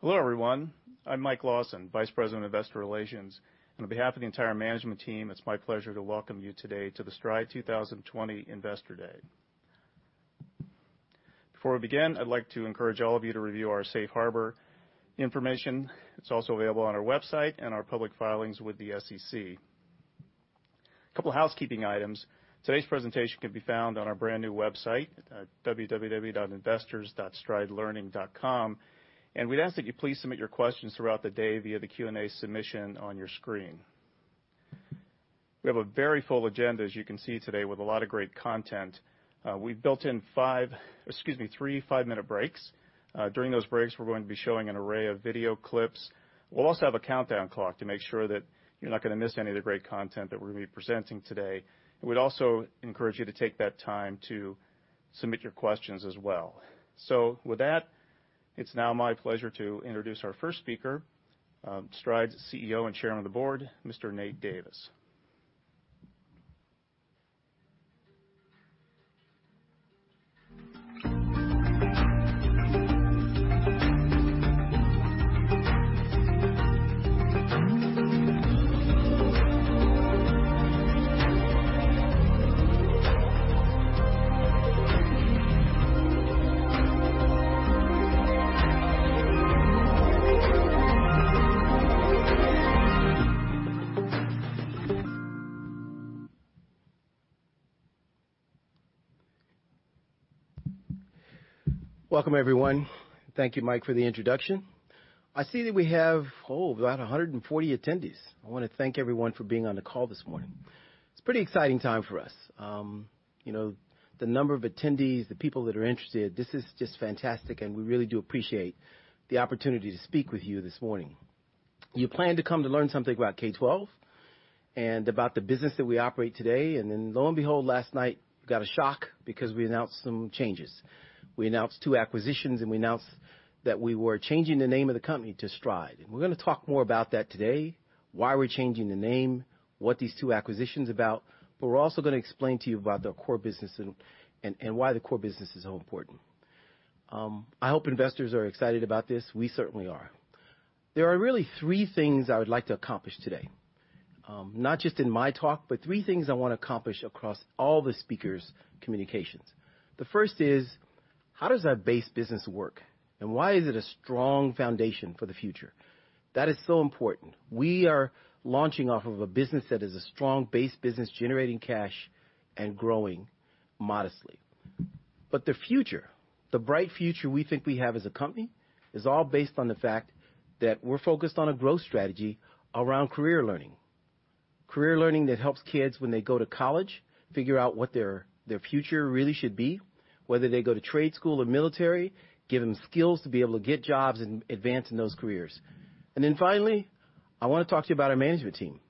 Hello everyone, I'm Mike Lawson, Vice President of Investor Relations, and on behalf of the entire management team, it's my pleasure to welcome you today to the Stride 2020 Investor Day. Before we begin, I'd like to encourage all of you to review our Safe Harbor information. It's also available on our website and our public filings with the SEC. A couple of housekeeping items: today's presentation can be found on our brand new website, www.investors.stridelearning.com, and we'd ask that you please submit your questions throughout the day via the Q&A submission on your screen. We have a very full agenda, as you can see today, with a lot of great content. We've built in five, excuse me, three five-minute breaks. During those breaks, we're going to be showing an array of video clips. We'll also have a countdown clock to make sure that you're not going to miss any of the great content that we're going to be presenting today. We'd also encourage you to take that time to submit your questions as well. So, with that, it's now my pleasure to introduce our first speaker, Stride's CEO and Chairman of the Board, Nate Davis. Welcome, everyone. Thank you, Mike, for the introduction. I see that we have about 140 attendees. I want to thank everyone for being on the call this morning. It's a pretty exciting time for us. You know, the number of attendees, the people that are interested, this is just fantastic, and we really do appreciate the opportunity to speak with you this morning. You planned to come to learn something about K-12 and about the business that we operate today, and then, lo and behold, last night we got a shock because we announced some changes. We announced two acquisitions, and we announced that we were changing the name of the company to Stride. We're going to talk more about that today: why we're changing the name, what these two acquisitions are about, but we're also going to explain to you about the core business and why the core business is so important. I hope investors are excited about this. We certainly are. There are really three things I would like to accomplish today, not just in my talk, but three things I want to accomplish across all the speakers' communications. The first is: how does our base business work, and why is it a strong foundation for the future? That is so important. We are launching off of a business that is a strong base business, generating cash and growing modestly. But the future, the bright future we think we have as a company, is all based on the fact that we're focused on a growth strategy around Career Learning. Career learning that helps kids, when they go to college, figure out what their future really should be, whether they go to trade school or military, give them skills to be able to get jobs and advance in those careers, and then finally, I want to talk to you about our management team.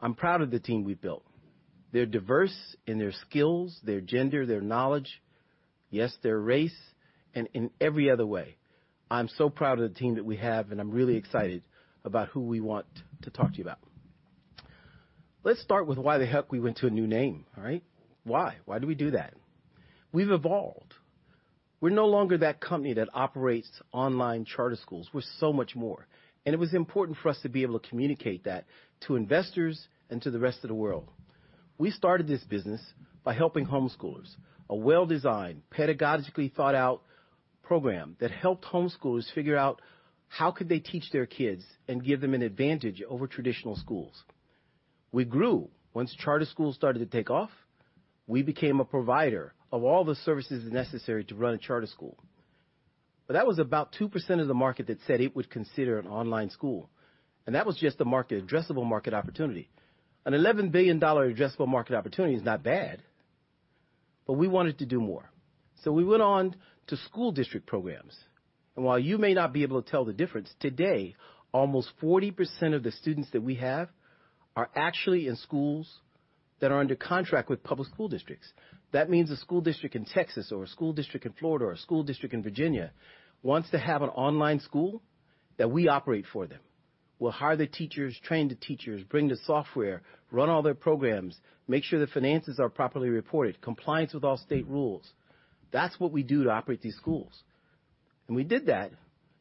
I'm proud of the team we've built. They're diverse in their skills, their gender, their knowledge, yes, their race, and in every other way. I'm so proud of the team that we have, and I'm really excited about who we want to talk to you about. Let's start with why the heck we went to a new name, all right? Why? Why did we do that? We've evolved. We're no longer that company that operates online charter schools. We're so much more. It was important for us to be able to communicate that to investors and to the rest of the world. We started this business by helping homeschoolers, a well-designed, pedagogically thought-out program that helped homeschoolers figure out how could they teach their kids and give them an advantage over traditional schools. We grew. Once charter schools started to take off, we became a provider of all the services necessary to run a charter school. But that was about 2% of the market that said it would consider an online school, and that was just a market, addressable market opportunity. An $11 billion addressable market opportunity is not bad, but we wanted to do more. So we went on to school district programs. While you may not be able to tell the difference, today, almost 40% of the students that we have are actually in schools that are under contract with public school districts. That means a school district in Texas or a school district in Florida or a school district in Virginia wants to have an online school that we operate for them. We'll hire the teachers, train the teachers, bring the software, run all their programs, make sure the finances are properly reported, compliance with all state rules. That's what we do to operate these schools. We did that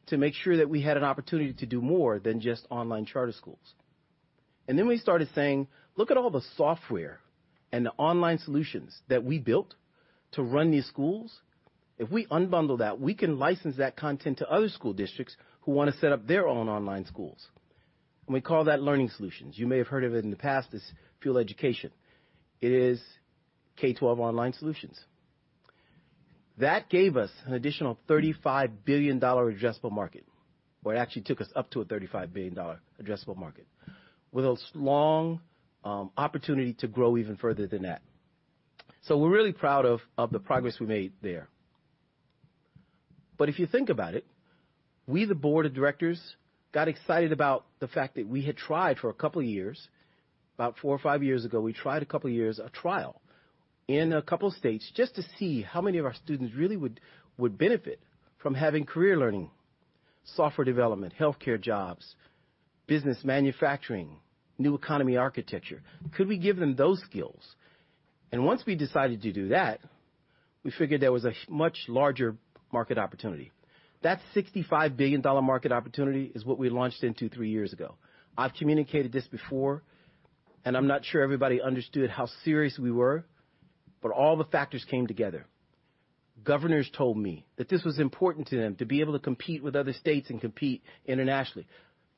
to make sure that we had an opportunity to do more than just online charter schools. Then we started saying, "Look at all the software and the online solutions that we built to run these schools. If we unbundle that, we can license that content to other school districts who want to set up their own online schools." And we call that Learning Solutions. You may have heard of it in the past as Fuel Education. It is K-12 Online Solutions. That gave us an additional $35 billion addressable market, or it actually took us up to a $35 billion addressable market, with a long opportunity to grow even further than that. So we're really proud of the progress we made there. But if you think about it, we, the board of directors, got excited about the fact that we had tried for a couple of years, about four or five years ago, a trial in a couple of states just to see how many of our students really would benefit from having Career Learning, software development, healthcare jobs, business manufacturing, new economy architecture. Could we give them those skills, and once we decided to do that, we figured there was a much larger market opportunity. That $65 billion market opportunity is what we launched into three years ago. I've communicated this before, and I'm not sure everybody understood how serious we were, but all the factors came together. Governors told me that this was important to them to be able to compete with other states and compete internationally,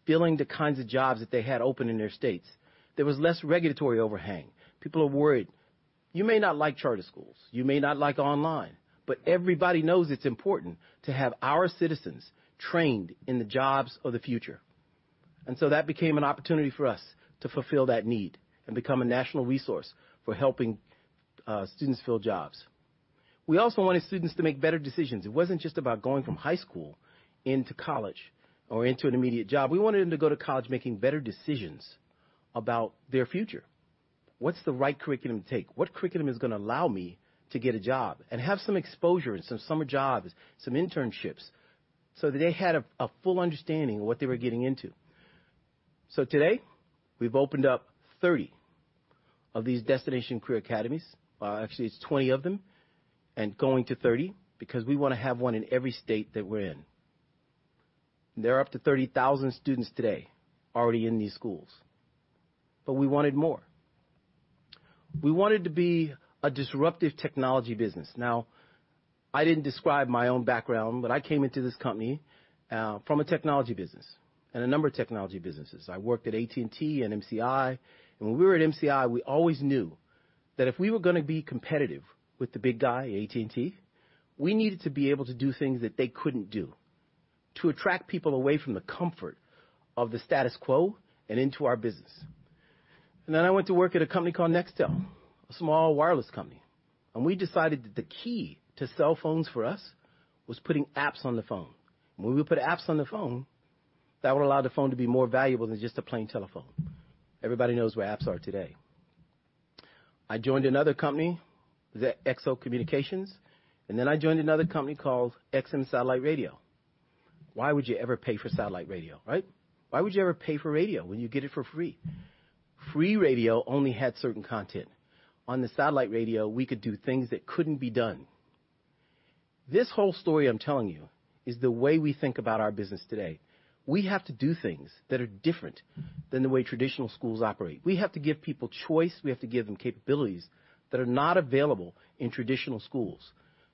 filling the kinds of jobs that they had open in their states. There was less regulatory overhang. People are worried. You may not like charter schools. You may not like online. But everybody knows it's important to have our citizens trained in the jobs of the future. And so that became an opportunity for us to fulfill that need and become a national resource for helping students fill jobs. We also wanted students to make better decisions. It wasn't just about going from high school into college or into an immediate job. We wanted them to go to college making better decisions about their future. What's the right curriculum to take? What curriculum is going to allow me to get a job and have some exposure and some summer jobs, some internships, so that they had a full understanding of what they were getting into? So today, we've opened up 30 of these Destinations Career Academies. Well, actually, it's 20 of them and going to 30 because we want to have one in every state that we're in. There are up to 30,000 students today already in these schools. But we wanted more. We wanted to be a disruptive technology business. Now, I didn't describe my own background, but I came into this company from a technology business and a number of technology businesses. I worked at AT&T and MCI. And when we were at MCI, we always knew that if we were going to be competitive with the big guy, AT&T, we needed to be able to do things that they couldn't do to attract people away from the comfort of the status quo and into our business. And then I went to work at a company called Nextel, a small wireless company. And we decided that the key to cell phones for us was putting apps on the phone. When we put apps on the phone, that would allow the phone to be more valuable than just a plain telephone. Everybody knows where apps are today. I joined another company. It was XO Communications. And then I joined another company called XM Satellite Radio. Why would you ever pay for satellite radio, right? Why would you ever pay for radio when you get it for free? Free radio only had certain content. On the satellite radio, we could do things that couldn't be done. This whole story I'm telling you is the way we think about our business today. We have to do things that are different than the way traditional schools operate. We have to give people choice. We have to give them capabilities that are not available in traditional schools.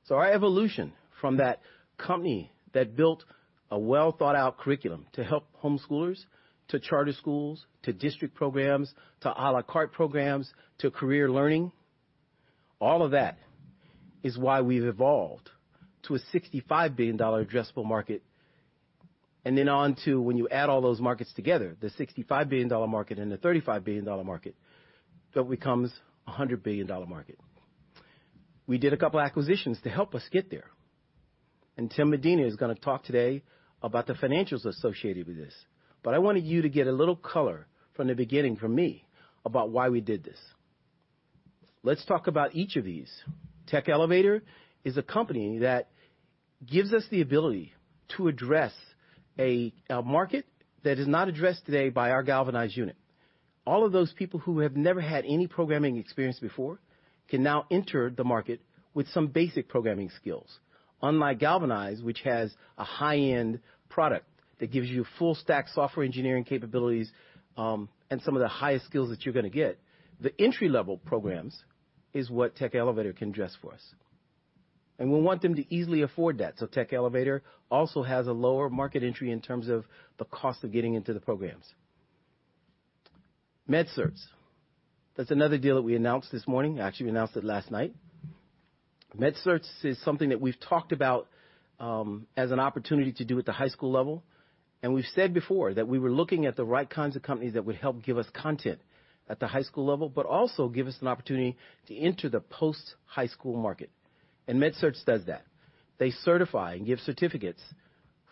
So our evolution from that company that built a well-thought-out curriculum to help homeschoolers, to charter schools, to district programs, to a la carte programs, to Career Learning, all of that is why we've evolved to a $65 billion addressable market. And then on to, when you add all those markets together, the $65 billion market and the $35 billion market, that becomes a $100 billion market. We did a couple of acquisitions to help us get there. Tim Medina is going to talk today about the financials associated with this. I wanted you to get a little color from the beginning from me about why we did this. Let's talk about each of these. Tech Elevator is a company that gives us the ability to address a market that is not addressed today by our Galvanize unit. All of those people who have never had any programming experience before can now enter the market with some basic programming skills. Unlike Galvanize, which has a high-end product that gives you full-stack software engineering capabilities and some of the highest skills that you're going to get, the entry-level programs is what Tech Elevator can address for us. We want them to easily afford that. Tech Elevator also has a lower market entry in terms of the cost of getting into the programs. MedCerts. That's another deal that we announced this morning. Actually, we announced it last night. MedCerts is something that we've talked about as an opportunity to do at the high school level. And we've said before that we were looking at the right kinds of companies that would help give us content at the high school level, but also give us an opportunity to enter the post-high school market. And MedCerts does that. They certify and give certificates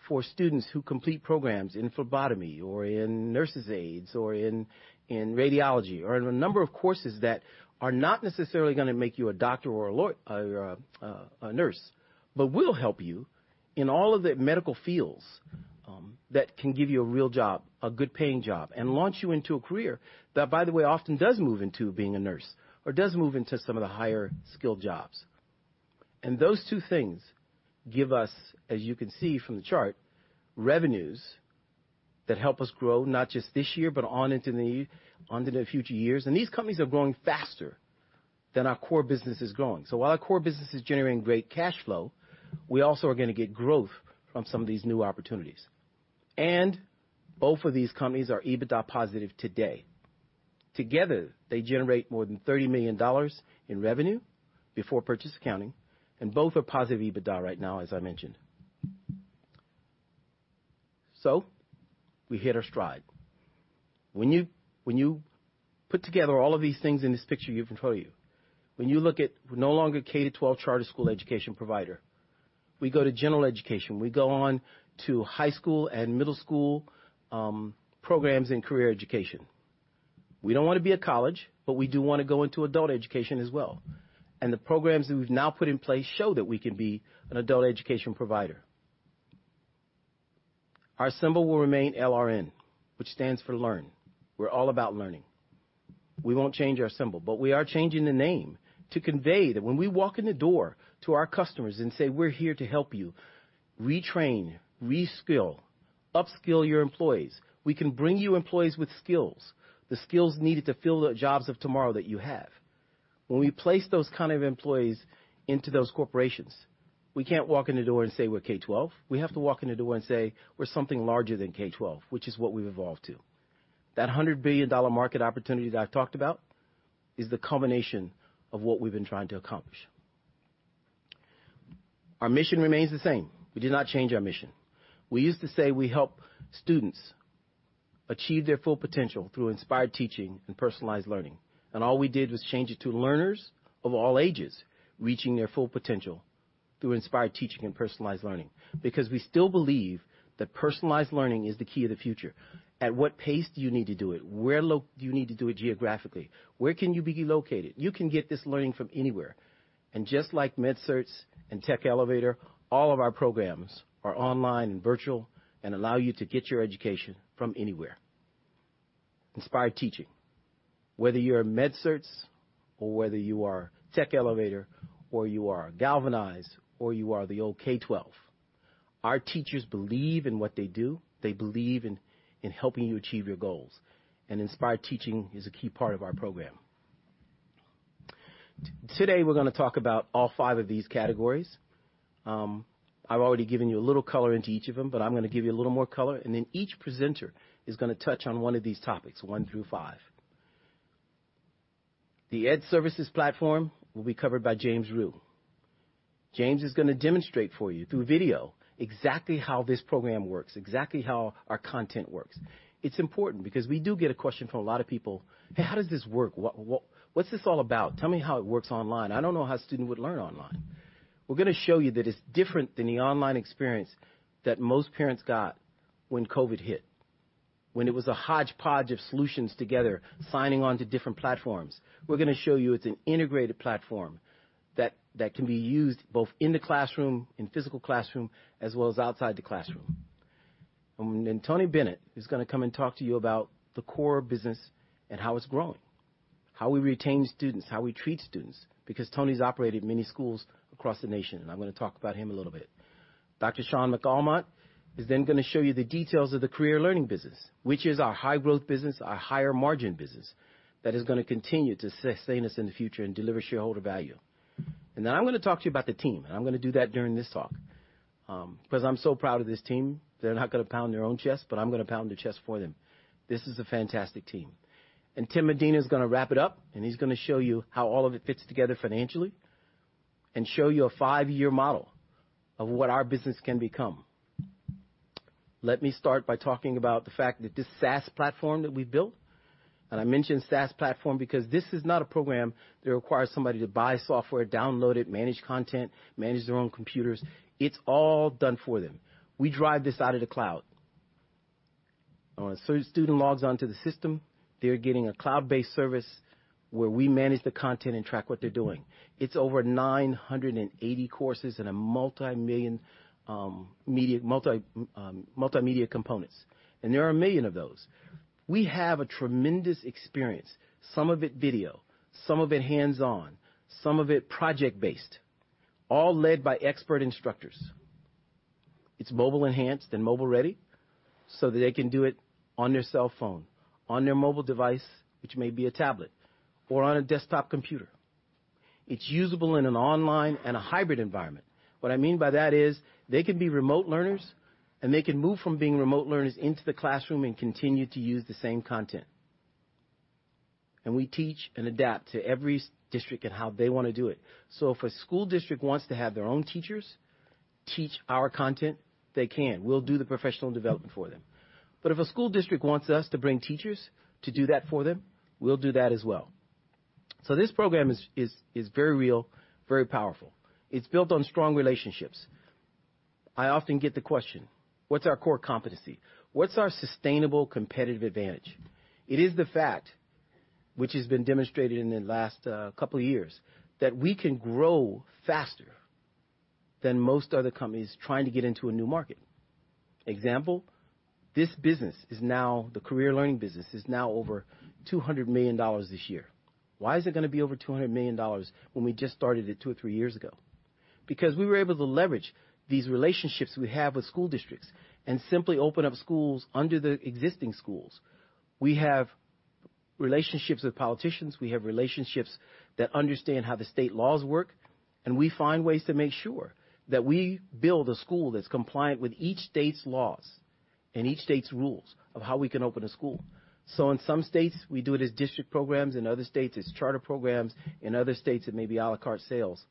for students who complete programs in phlebotomy or in nurses' aides or in radiology or in a number of courses that are not necessarily going to make you a doctor or a nurse, but will help you in all of the medical fields that can give you a real job, a good-paying job, and launch you into a career that, by the way, often does move into being a nurse or does move into some of the higher skilled jobs. And those two things give us, as you can see from the chart, revenues that help us grow not just this year, but on into the future years. And these companies are growing faster than our core business is growing. So while our core business is generating great cash flow, we also are going to get growth from some of these new opportunities. Both of these companies are EBITDA positive today. Together, they generate more than $30 million in revenue before purchase accounting, and both are positive EBITDA right now, as I mentioned. We hit our Stride. When you put together all of these things in this picture you've been told you, when you look at no longer K-12 charter school education provider, we go to general education. We go on to high school and middle school programs and career education. We don't want to be a college, but we do want to go into adult education as well. The programs that we've now put in place show that we can be an adult education provider. Our symbol will remain LRN, which stands for Learn. We're all about learning. We won't change our symbol, but we are changing the name to convey that when we walk in the door to our customers and say, "We're here to help you retrain, reskill, upskill your employees," we can bring you employees with skills, the skills needed to fill the jobs of tomorrow that you have. When we place those kind of employees into those corporations, we can't walk in the door and say, "We're K-12." We have to walk in the door and say, "We're something larger than K-12," which is what we've evolved to. That $100 billion market opportunity that I've talked about is the combination of what we've been trying to accomplish. Our mission remains the same. We did not change our mission. We used to say we help students achieve their full potential through inspired teaching and personalized learning. All we did was change it to learners of all ages reaching their full potential through inspired teaching and personalized learning because we still believe that personalized learning is the key to the future. At what pace do you need to do it? Where do you need to do it geographically? Where can you be located? You can get this learning from anywhere. And just like MedCerts and Tech Elevator, all of our programs are online and virtual and allow you to get your education from anywhere. Inspired teaching, whether you're MedCerts or whether you are Tech Elevator or you are Galvanize or you are the old K-12, our teachers believe in what they do. They believe in helping you achieve your goals. And inspired teaching is a key part of our program. Today, we're going to talk about all five of these categories. I've already given you a little color into each of them, but I'm going to give you a little more color. And then each presenter is going to touch on one of these topics, one through five. The Ed Services Platform will be covered by James Rhyu. James is going to demonstrate for you through video exactly how this program works, exactly how our content works. It's important because we do get a question from a lot of people, "Hey, how does this work? What's this all about? Tell me how it works online. I don't know how a student would learn online." We're going to show you that it's different than the online experience that most parents got when COVID hit, when it was a hodgepodge of solutions together, signing on to different platforms. We're going to show you it's an integrated platform that can be used both in the classroom, in physical classroom, as well as outside the classroom, and Tony Bennett is going to come and talk to you about the core business and how it's growing, how we retain students, how we treat students because Tony's operated many schools across the nation, and I'm going to talk about him a little bit. Shaun McAlmont is then going to show you the details of the Career Learning business, which is our high-growth business, our higher-margin business that is going to continue to sustain us in the future and deliver shareholder value, and then I'm going to talk to you about the team, and I'm going to do that during this talk because I'm so proud of this team. They're not going to pound their own chest, but I'm going to pound their chest for them. This is a fantastic team, and Tim Medina is going to wrap it up, and he's going to show you how all of it fits together financially and show you a five-year model of what our business can become. Let me start by talking about the fact that this SaaS platform that we've built, and I mentioned SaaS platform because this is not a program that requires somebody to buy software, download it, manage content, manage their own computers. It's all done for them. We drive this out of the cloud. So student logs onto the system. They're getting a cloud-based service where we manage the content and track what they're doing. It's over 980 courses and multimedia components, and there are a million of those. We have a tremendous experience, some of it video, some of it hands-on, some of it project-based, all led by expert instructors. It's mobile-enhanced and mobile-ready so that they can do it on their cell phone, on their mobile device, which may be a tablet, or on a desktop computer. It's usable in an online and a hybrid environment. What I mean by that is they can be remote learners, and they can move from being remote learners into the classroom and continue to use the same content. And we teach and adapt to every district and how they want to do it. So if a school district wants to have their own teachers teach our content, they can. We'll do the professional development for them. But if a school district wants us to bring teachers to do that for them, we'll do that as well. So this program is very real, very powerful. It's built on strong relationships. I often get the question, "What's our core competency? What's our sustainable competitive advantage?" It is the fact, which has been demonstrated in the last couple of years, that we can grow faster than most other companies trying to get into a new market. Example, this business, the Career Learning business, is now over $200 million this year. Why is it going to be over $200 million when we just started it two or three years ago? Because we were able to leverage these relationships we have with school districts and simply open up schools under the existing schools. We have relationships with politicians. We have relationships that understand how the state laws work. And we find ways to make sure that we build a school that's compliant with each state's laws and each state's rules of how we can open a school. So in some states, we do it as district programs. In other states, it's charter programs. In other states, it may be a la carte sales.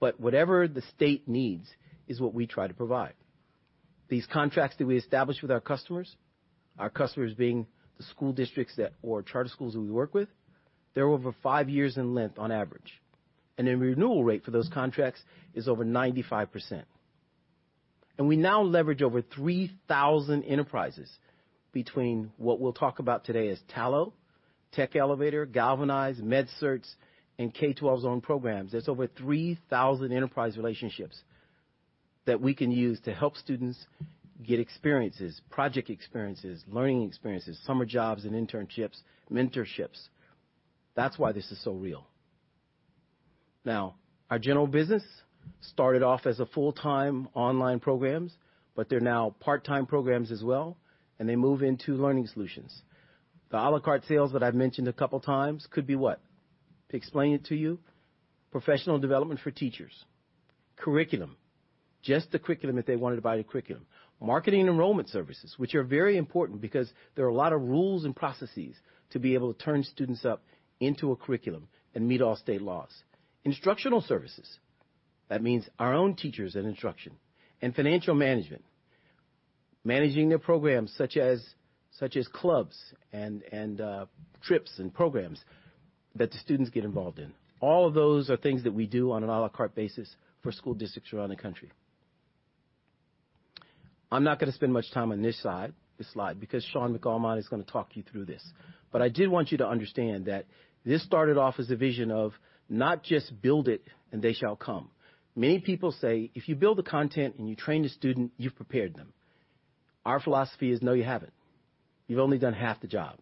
But whatever the state needs is what we try to provide. These contracts that we establish with our customers, our customers being the school districts or charter schools that we work with, they're over five years in length on average. And the renewal rate for those contracts is over 95%. And we now leverage over 3,000 enterprises between what we'll talk about today as Tallo, Tech Elevator, Galvanize, MedCerts, and K-12's own programs. That's over 3,000 enterprise relationships that we can use to help students get experiences, project experiences, learning experiences, summer jobs and internships, mentorships. That's why this is so real. Now, our general business started off as full-time online programs, but they're now part-time programs as well, and they move into learning solutions. The a la carte sales that I've mentioned a couple of times could be what? To explain it to you, professional development for teachers, curriculum, just the curriculum if they wanted to buy the curriculum, marketing enrollment services, which are very important because there are a lot of rules and processes to be able to turn students up into a curriculum and meet all state laws, instructional services. That means our own teachers and instruction and financial management, managing their programs such as clubs and trips and programs that the students get involved in. All of those are things that we do on an a la carte basis for school districts around the country. I'm not going to spend much time on this slide because Shaun McAlmont is going to talk you through this. But I did want you to understand that this started off as a vision of not just build it and they shall come. Many people say, "If you build the content and you train the student, you've prepared them." Our philosophy is, "No, you haven't. You've only done half the job."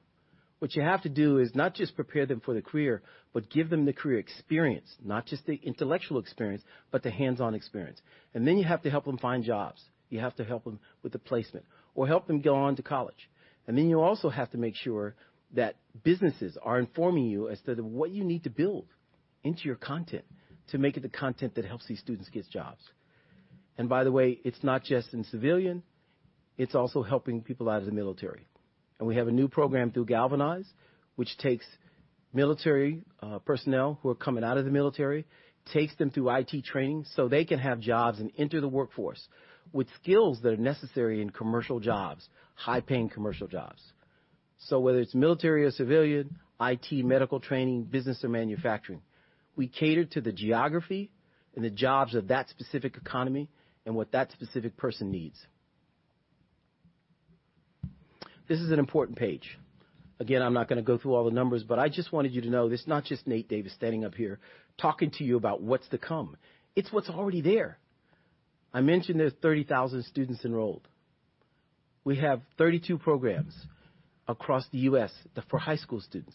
What you have to do is not just prepare them for the career, but give them the career experience, not just the intellectual experience, but the hands-on experience, and then you have to help them find jobs. You have to help them with the placement or help them go on to college. And then you also have to make sure that businesses are informing you as to what you need to build into your content to make it the content that helps these students get jobs. And by the way, it's not just in civilian. It's also helping people out of the military. And we have a new program through Galvanize, which takes military personnel who are coming out of the military, takes them through IT training so they can have jobs and enter the workforce with skills that are necessary in commercial jobs, high-paying commercial jobs. So whether it's military or civilian, IT, medical training, business, or manufacturing, we cater to the geography and the jobs of that specific economy and what that specific person needs. This is an important page. Again, I'm not going to go through all the numbers, but I just wanted you to know this is not just Nate Davis standing up here talking to you about what's to come. It's what's already there. I mentioned there's 30,000 students enrolled. We have 32 programs across the U.S. for high school students.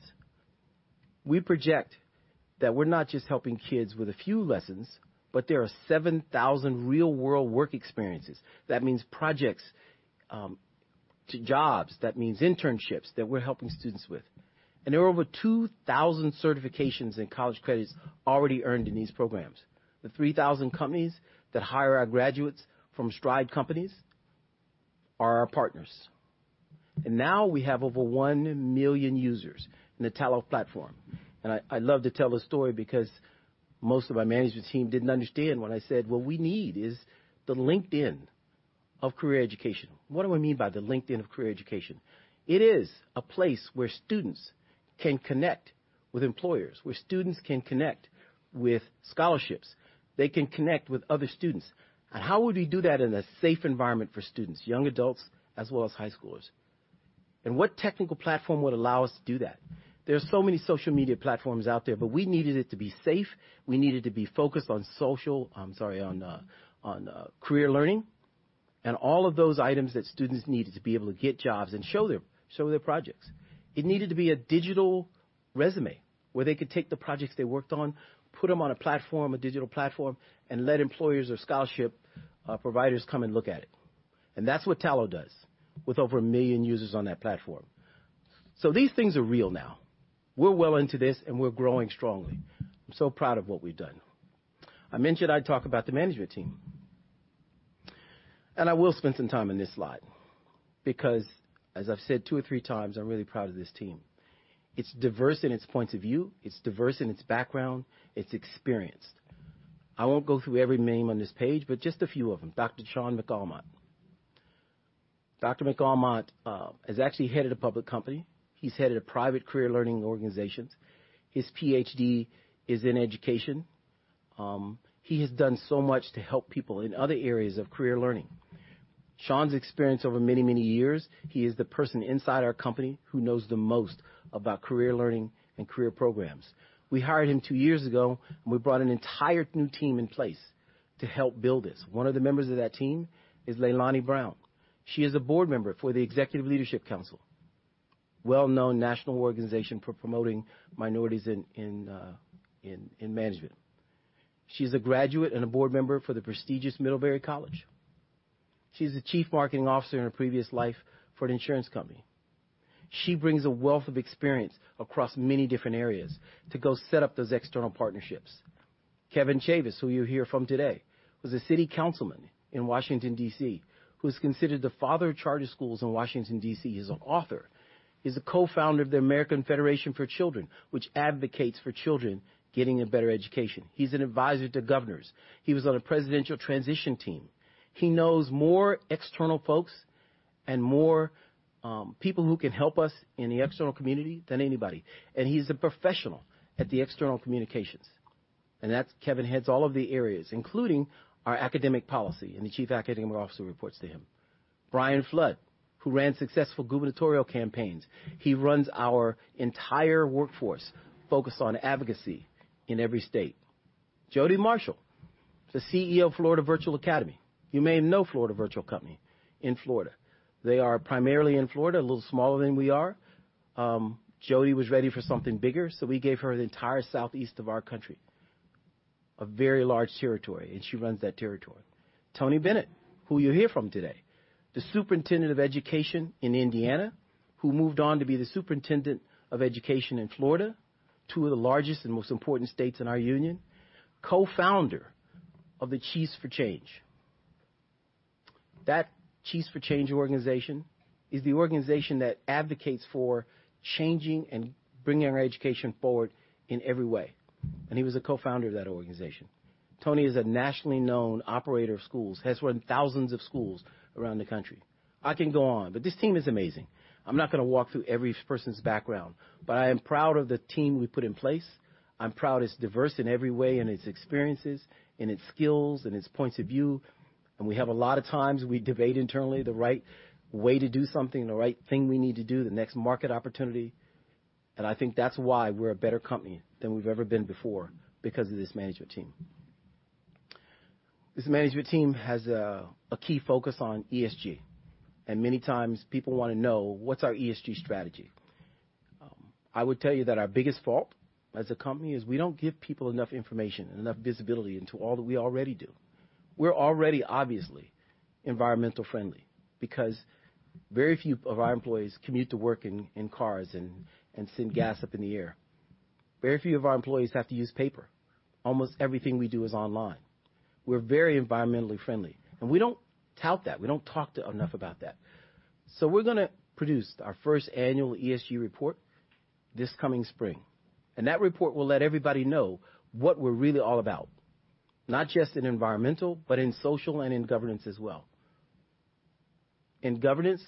We project that we're not just helping kids with a few lessons, but there are 7,000 real-world work experiences. That means projects, jobs. That means internships that we're helping students with. And there are over 2,000 certifications and college credits already earned in these programs. The 3,000 companies that hire our graduates from Stride companies are our partners. And now we have over 1 million users in the Tallo platform. I love to tell the story because most of my management team didn't understand when I said, "What we need is the LinkedIn of career education." What do I mean by the LinkedIn of career education? It is a place where students can connect with employers, where students can connect with scholarships. They can connect with other students. How would we do that in a safe environment for students, young adults, as well as high schoolers? What technical platform would allow us to do that? There are so many social media platforms out there, but we needed it to be safe. We needed to be focused on social, I'm sorry, on Career Learning and all of those items that students needed to be able to get jobs and show their projects. It needed to be a digital resume where they could take the projects they worked on, put them on a platform, a digital platform, and let employers or scholarship providers come and look at it. And that's what Tallo does with over a million users on that platform. So these things are real now. We're well into this, and we're growing strongly. I'm so proud of what we've done. I mentioned I'd talk about the management team. And I will spend some time on this slide because, as I've said two or three times, I'm really proud of this team. It's diverse in its points of view. It's diverse in its background. It's experienced. I won't go through every name on this page, but just a few of them. Dr. Shaun McAlmont. Dr. McAlmont has actually headed a public company. He's headed a private Career Learning organization. His Ph.D. is in education. He has done so much to help people in other areas of Career Learning. Shaun's experience over many, many years. He is the person inside our company who knows the most about Career Learning and career programs. We hired him two years ago, and we brought an entire new team in place to help build this. One of the members of that team is Leilani Brown. She is a board member for the Executive Leadership Council, well-known national organization for promoting minorities in management. She's a graduate and a board member for the prestigious Middlebury College. She's the chief marketing officer in a previous life for an insurance company. She brings a wealth of experience across many different areas to go set up those external partnerships. Kevin Chavous, who you hear from today, was a city councilman in Washington, D.C., who is considered the father of charter schools in Washington, D.C. He's an author. He's a co-founder of the American Federation for Children, which advocates for children getting a better education. He's an advisor to governors. He was on a presidential transition team. He knows more external folks and more people who can help us in the external community than anybody. And he's a professional at the external communications. And Kevin heads all of the areas, including our academic policy, and the chief academic officer reports to him. Brian Flood, who ran successful gubernatorial campaigns. He runs our entire workforce focused on advocacy in every state. Jodi Marshall, the CEO of Florida Virtual Academy. You may know Florida Virtual Academy in Florida. They are primarily in Florida, a little smaller than we are. Jodi was ready for something bigger, so we gave her the entire Southeast of our country, a very large territory, and she runs that territory. Tony Bennett, who you hear from today, the superintendent of education in Indiana, who moved on to be the superintendent of education in Florida, two of the largest and most important states in our union, co-founder of the Chiefs for Change. That Chiefs for Change organization is the organization that advocates for changing and bringing our education forward in every way. And he was a co-founder of that organization. Tony is a nationally known operator of schools, has run thousands of schools around the country. I can go on, but this team is amazing. I'm not going to walk through every person's background, but I am proud of the team we put in place. I'm proud it's diverse in every way in its experiences, in its skills, in its points of view, and we have a lot of times we debate internally the right way to do something, the right thing we need to do, the next market opportunity, and I think that's why we're a better company than we've ever been before because of this management team. This management team has a key focus on ESG, and many times, people want to know, "What's our ESG strategy?" I would tell you that our biggest fault as a company is we don't give people enough information and enough visibility into all that we already do. We're already, obviously, environmentally friendly because very few of our employees commute to work in cars and send gas up in the air. Very few of our employees have to use paper. Almost everything we do is online. We're very environmentally friendly, and we don't tout that. We don't talk enough about that, so we're going to produce our first annual ESG report this coming spring, and that report will let everybody know what we're really all about, not just in environmental, but in social and in governance as well. In governance,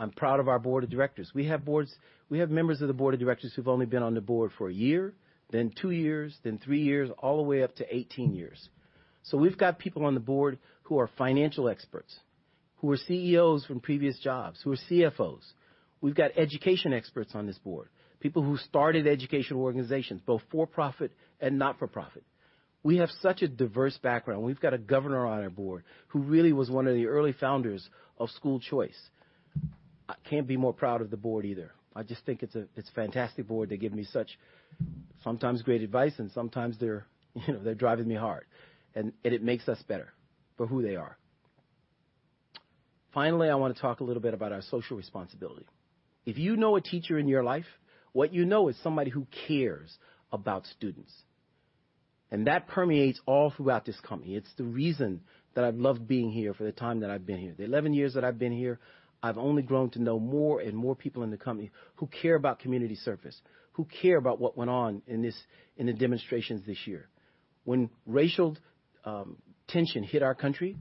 I'm proud of our board of directors. We have members of the board of directors who've only been on the board for one year, then two years, then three years, all the way up to 18 years. So we've got people on the board who are financial experts, who are CEOs from previous jobs, who are CFOs. We've got education experts on this board, people who started educational organizations, both for-profit and not-for-profit. We have such a diverse background. We've got a governor on our board who really was one of the early founders of school choice. I can't be more proud of the board either. I just think it's a fantastic board. They give me such sometimes great advice, and sometimes they're driving me hard, and it makes us better for who they are. Finally, I want to talk a little bit about our social responsibility. If you know a teacher in your life, what you know is somebody who cares about students, and that permeates all throughout this company. It's the reason that I've loved being here for the time that I've been here. The 11 years that I've been here, I've only grown to know more and more people in the company who care about community service, who care about what went on in the demonstrations this year. When racial tension hit our country,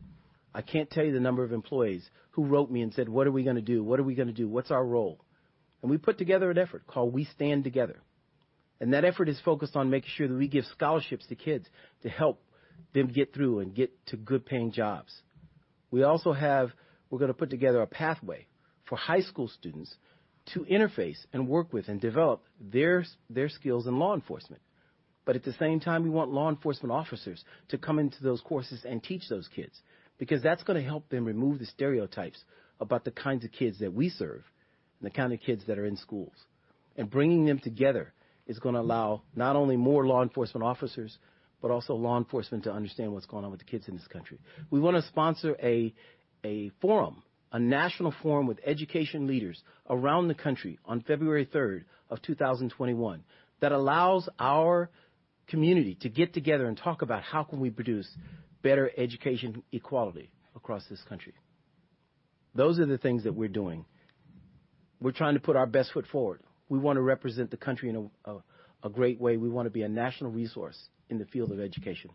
I can't tell you the number of employees who wrote me and said, "What are we going to do? What are we going to do? What's our role?" We put together an effort called We Stand Together. That effort is focused on making sure that we give scholarships to kids to help them get through and get to good-paying jobs. We also have we're going to put together a pathway for high school students to interface and work with and develop their skills in law enforcement. At the same time, we want law enforcement officers to come into those courses and teach those kids because that's going to help them remove the stereotypes about the kinds of kids that we serve and the kind of kids that are in schools. And bringing them together is going to allow not only more law enforcement officers, but also law enforcement to understand what's going on with the kids in this country. We want to sponsor a forum, a national forum with education leaders around the country on February 3rd of 2021 that allows our community to get together and talk about how can we produce better education equality across this country. Those are the things that we're doing. We're trying to put our best foot forward. We want to represent the country in a great way. We want to be a national resource in the field of education.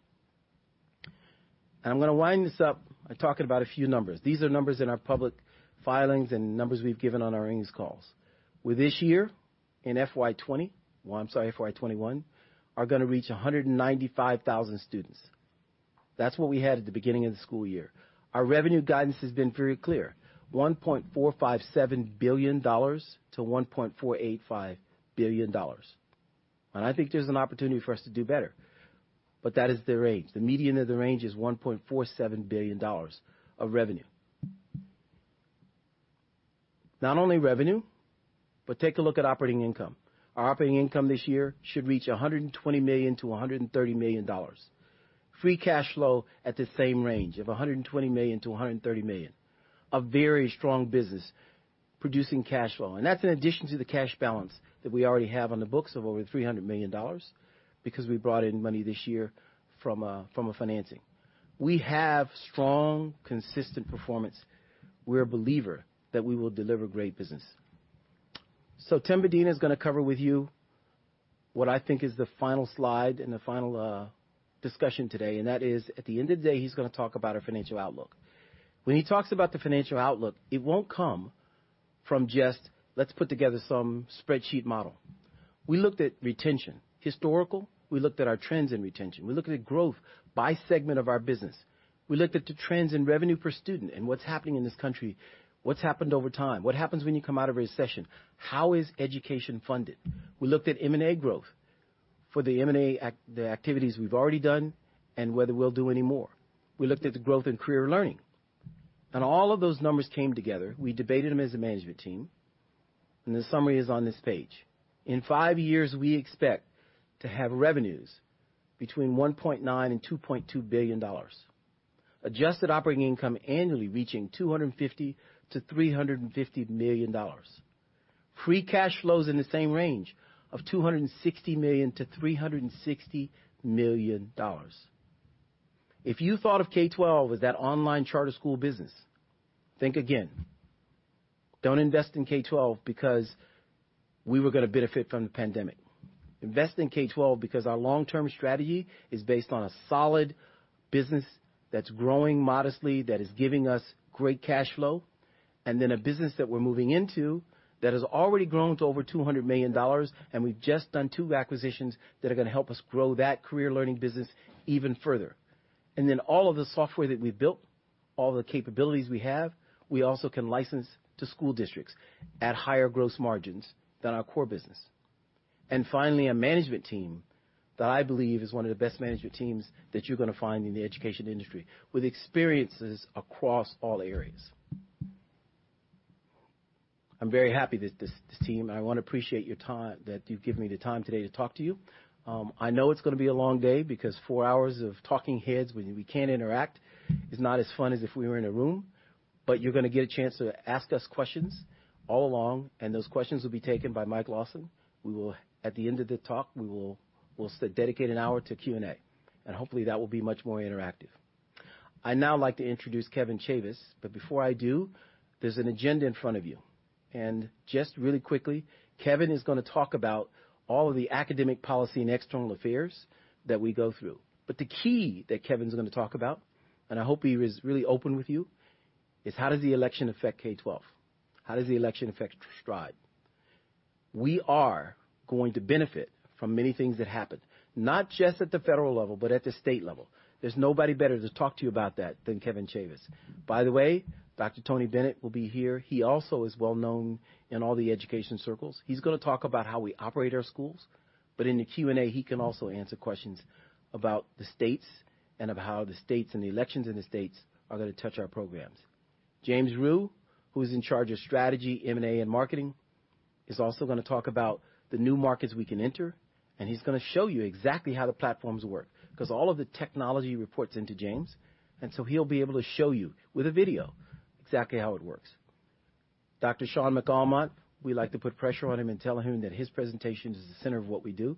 And I'm going to wind this up by talking about a few numbers. These are numbers in our public filings and numbers we've given on our earnings calls. With this year in FY20, well, I'm sorry, FY21, are going to reach 195,000 students. That's what we had at the beginning of the school year. Our revenue guidance has been very clear: $1.457 billion-$1.485 billion. And I think there's an opportunity for us to do better, but that is the range. The median of the range is $1.47 billion of revenue. Not only revenue, but take a look at operating income. Our operating income this year should reach $120 million-$130 million. Free cash flow at the same range of $120 million-$130 million. A very strong business producing cash flow. And that's in addition to the cash balance that we already have on the books of over $300 million because we brought in money this year from financing. We have strong, consistent performance. We're a believer that we will deliver great business. Tim Medina is going to cover with you what I think is the final slide and the final discussion today. That is, at the end of the day, he's going to talk about our financial outlook. When he talks about the financial outlook, it won't come from just, "Let's put together some spreadsheet model." We looked at retention, historical. We looked at our trends in retention. We looked at growth by segment of our business. We looked at the trends in revenue per student and what's happening in this country, what's happened over time, what happens when you come out of a recession, how is education funded. We looked at M&A growth for the M&A activities we've already done and whether we'll do any more. We looked at the growth in Career Learning. All of those numbers came together. We debated them as a management team. The summary is on this page. In five years, we expect to have revenues between $1.9 and $2.2 billion, Adjusted Operating Income annually reaching $250-$350 million. Free cash flows in the same range of $260-$360 million. If you thought of K-12 as that online charter school business, think again. Don't invest in K-12 because we were going to benefit from the pandemic. Invest in K-12 because our long-term strategy is based on a solid business that's growing modestly, that is giving us great cash flow, and then a business that we're moving into that has already grown to over $200 million. We've just done two acquisitions that are going to help us grow that Career Learning business even further. And then all of the software that we've built, all the capabilities we have, we also can license to school districts at higher gross margins than our core business. And finally, a management team that I believe is one of the best management teams that you're going to find in the education industry with experiences across all areas. I'm very happy that this team and I want to appreciate that you've given me the time today to talk to you. I know it's going to be a long day because four hours of talking heads when we can't interact is not as fun as if we were in a room. But you're going to get a chance to ask us questions all along. And those questions will be taken by Mike Lawson. At the end of the talk, we will dedicate an hour to Q&A. Hopefully, that will be much more interactive. I'd now like to introduce Kevin Chavous. Before I do, there's an agenda in front of you. Just really quickly, Kevin is going to talk about all of the academic policy and external affairs that we go through. The key that Kevin's going to talk about, and I hope he is really open with you, is how does the election affect K-12? How does the election affect Stride? We are going to benefit from many things that happen, not just at the federal level, but at the state level. There's nobody better to talk to you about that than Kevin Chavous. By the way, Dr. Tony Bennett will be here. He also is well-known in all the education circles. He's going to talk about how we operate our schools. But in the Q&A, he can also answer questions about the states and about how the states and the elections in the states are going to touch our programs. James Rhyu, who is in charge of strategy, M&A, and marketing, is also going to talk about the new markets we can enter. And he's going to show you exactly how the platforms work because all of the technology reports into James. And so he'll be able to show you with a video exactly how it works. Dr. Shaun McAlmont, we like to put pressure on him in telling him that his presentation is the center of what we do.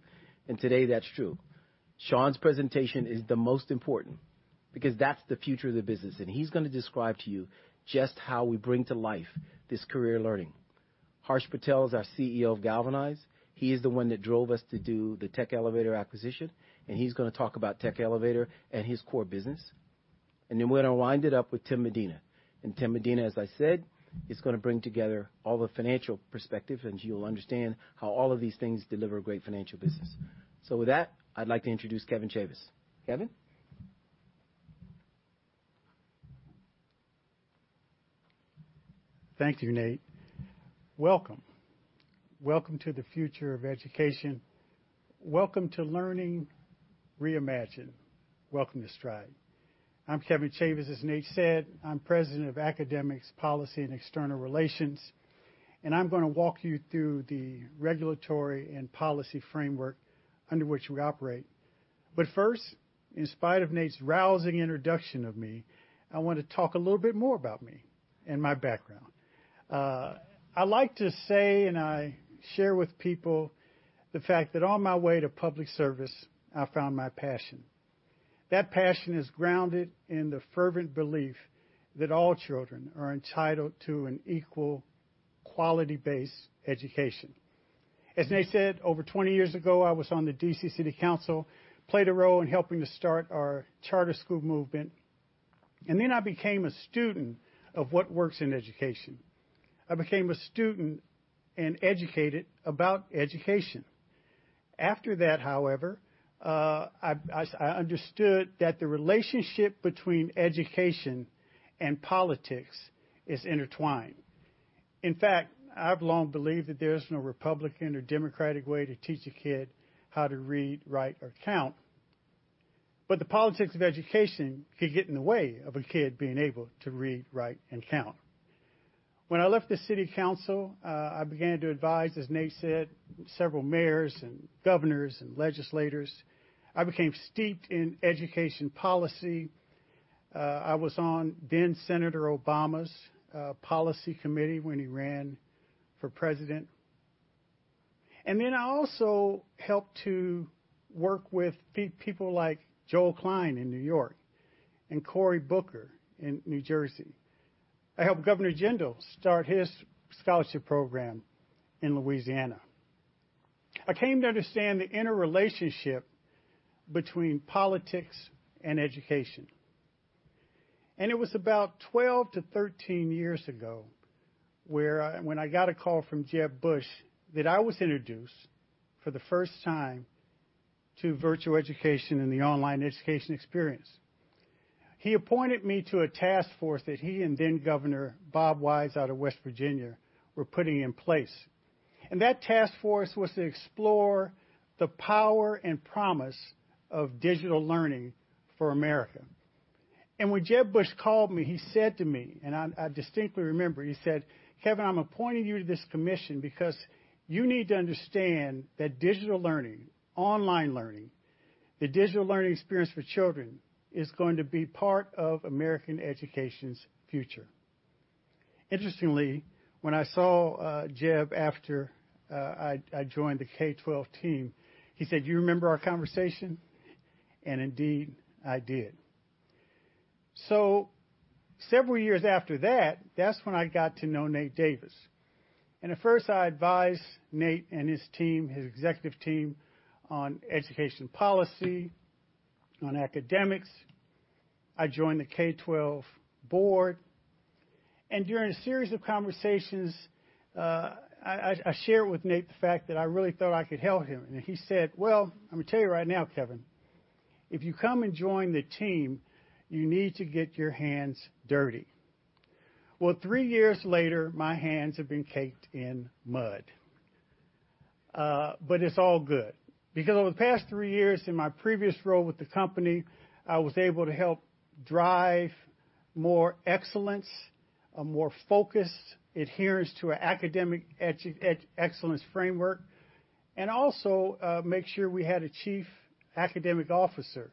And today, that's true. Shaun's presentation is the most important because that's the future of the business. And he's going to describe to you just how we bring to life this Career Learning. Harsh Patel is our CEO of Galvanize. He is the one that drove us to do the Tech Elevator acquisition. And he's going to talk about Tech Elevator and his core business. And then we're going to wind it up with Tim Medina. And Tim Medina, as I said, is going to bring together all the financial perspective. And you'll understand how all of these things deliver great financial business. So with that, I'd like to introduce Kevin Chavous. Kevin. Thank you, Nate. Welcome. Welcome to the future of education. Welcome to Learning Reimagined. Welcome to Stride. I'm Kevin Chavous, as Nate said. I'm President of Academics, Policy, and External Relations. And I'm going to walk you through the regulatory and policy framework under which we operate. But first, in spite of Nate's rousing introduction of me, I want to talk a little bit more about me and my background. I like to say and I share with people the fact that on my way to public service, I found my passion. That passion is grounded in the fervent belief that all children are entitled to an equal, quality-based education. As Nate said, over 20 years ago, I was on the DC City Council. I played a role in helping to start our charter school movement. Then I became a student of what works in education. I became a student and educated about education. After that, however, I understood that the relationship between education and politics is intertwined. In fact, I've long believed that there is no Republican or Democratic way to teach a kid how to read, write, or count. But the politics of education could get in the way of a kid being able to read, write, and count. When I left the City Council, I began to advise, as Nate said, several mayors and governors and legislators. I became steeped in education policy. I was on then-Senator Obama's policy committee when he ran for president. And then I also helped to work with people like Joel Klein in New York and Cory Booker in New Jersey. I helped Governor Jindal start his scholarship program in Louisiana. I came to understand the interrelationship between politics and education. And it was about 12-13 years ago when I got a call from Jeb Bush that I was introduced for the first time to virtual education and the online education experience. He appointed me to a task force that he and then-Governor Bob Wise out of West Virginia were putting in place. And that task force was to explore the power and promise of digital learning for America. When Jeb Bush called me, he said to me, and I distinctly remember, he said, "Kevin, I'm appointing you to this commission because you need to understand that digital learning, online learning, the digital learning experience for children is going to be part of American education's future." Interestingly, when I saw Jeb after I joined the K-12 team, he said, "Do you remember our conversation?" And indeed, I did. Several years after that, that's when I got to know Nate Davis. At first, I advised Nate and his team, his executive team, on education policy, on academics. I joined the K-12 board. During a series of conversations, I shared with Nate the fact that I really thought I could help him. He said, "Well, I'm going to tell you right now, Kevin, if you come and join the team, you need to get your hands dirty." Three years later, my hands have been caked in mud. It's all good because over the past three years in my previous role with the company, I was able to help drive more excellence, a more focused adherence to our academic excellence framework, and also make sure we had a chief academic officer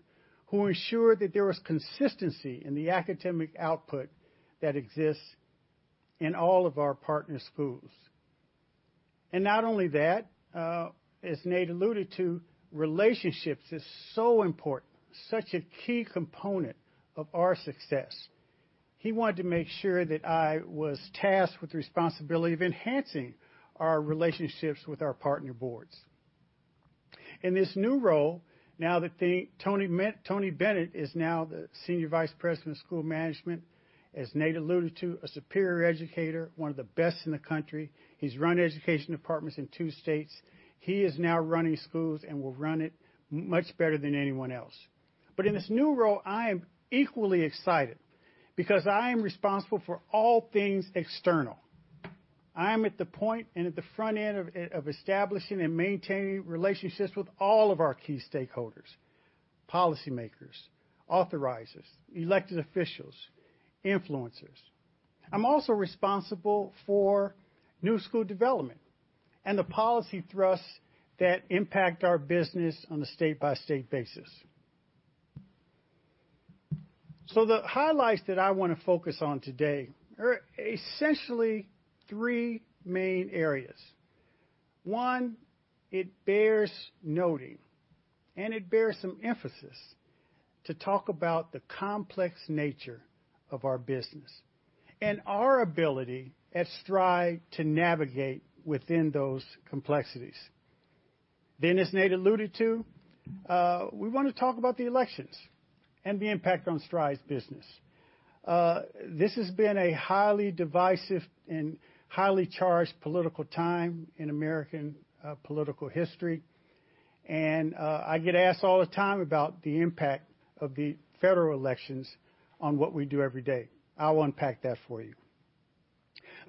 who ensured that there was consistency in the academic output that exists in all of our partner schools. Not only that, as Nate alluded to, relationships are so important, such a key component of our success. He wanted to make sure that I was tasked with the responsibility of enhancing our relationships with our partner boards. In this new role, now that Tony Bennett is now the Senior Vice President of School Management, as Nate alluded to, a superior educator, one of the best in the country. He's run education departments in two states. He is now running schools and will run it much better than anyone else. But in this new role, I am equally excited because I am responsible for all things external. I am at the point and at the front end of establishing and maintaining relationships with all of our key stakeholders: policymakers, authorizers, elected officials, influencers. I'm also responsible for new school development and the policy thrusts that impact our business on a state-by-state basis. So the highlights that I want to focus on today are essentially three main areas. One, it bears noting and it bears some emphasis to talk about the complex nature of our business and our ability at Stride to navigate within those complexities. Then, as Nate alluded to, we want to talk about the elections and the impact on Stride's business. This has been a highly divisive and highly charged political time in American political history, and I get asked all the time about the impact of the federal elections on what we do every day. I'll unpack that for you.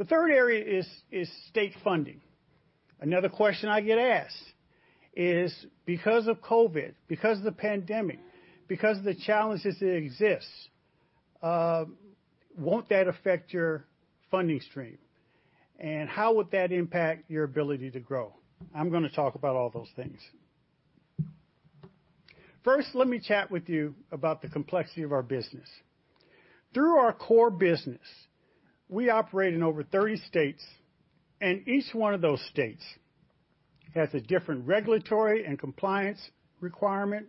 The third area is state funding. Another question I get asked is, because of COVID, because of the pandemic, because of the challenges that exist, won't that affect your funding stream? And how would that impact your ability to grow? I'm going to talk about all those things. First, let me chat with you about the complexity of our business. Through our core business, we operate in over 30 states, and each one of those states has a different regulatory and compliance requirement.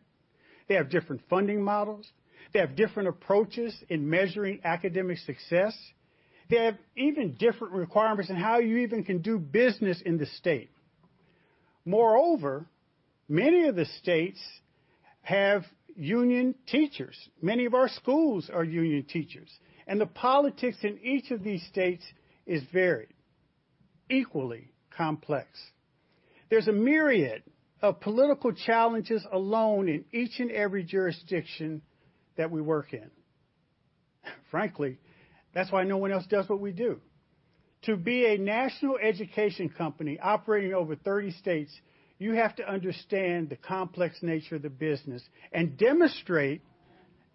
They have different funding models. They have different approaches in measuring academic success. They have even different requirements on how you even can do business in the state. Moreover, many of the states have union teachers. Many of our schools are union teachers, and the politics in each of these states is varied, equally complex. There's a myriad of political challenges alone in each and every jurisdiction that we work in. Frankly, that's why no one else does what we do. To be a national education company operating in over 30 states, you have to understand the complex nature of the business and demonstrate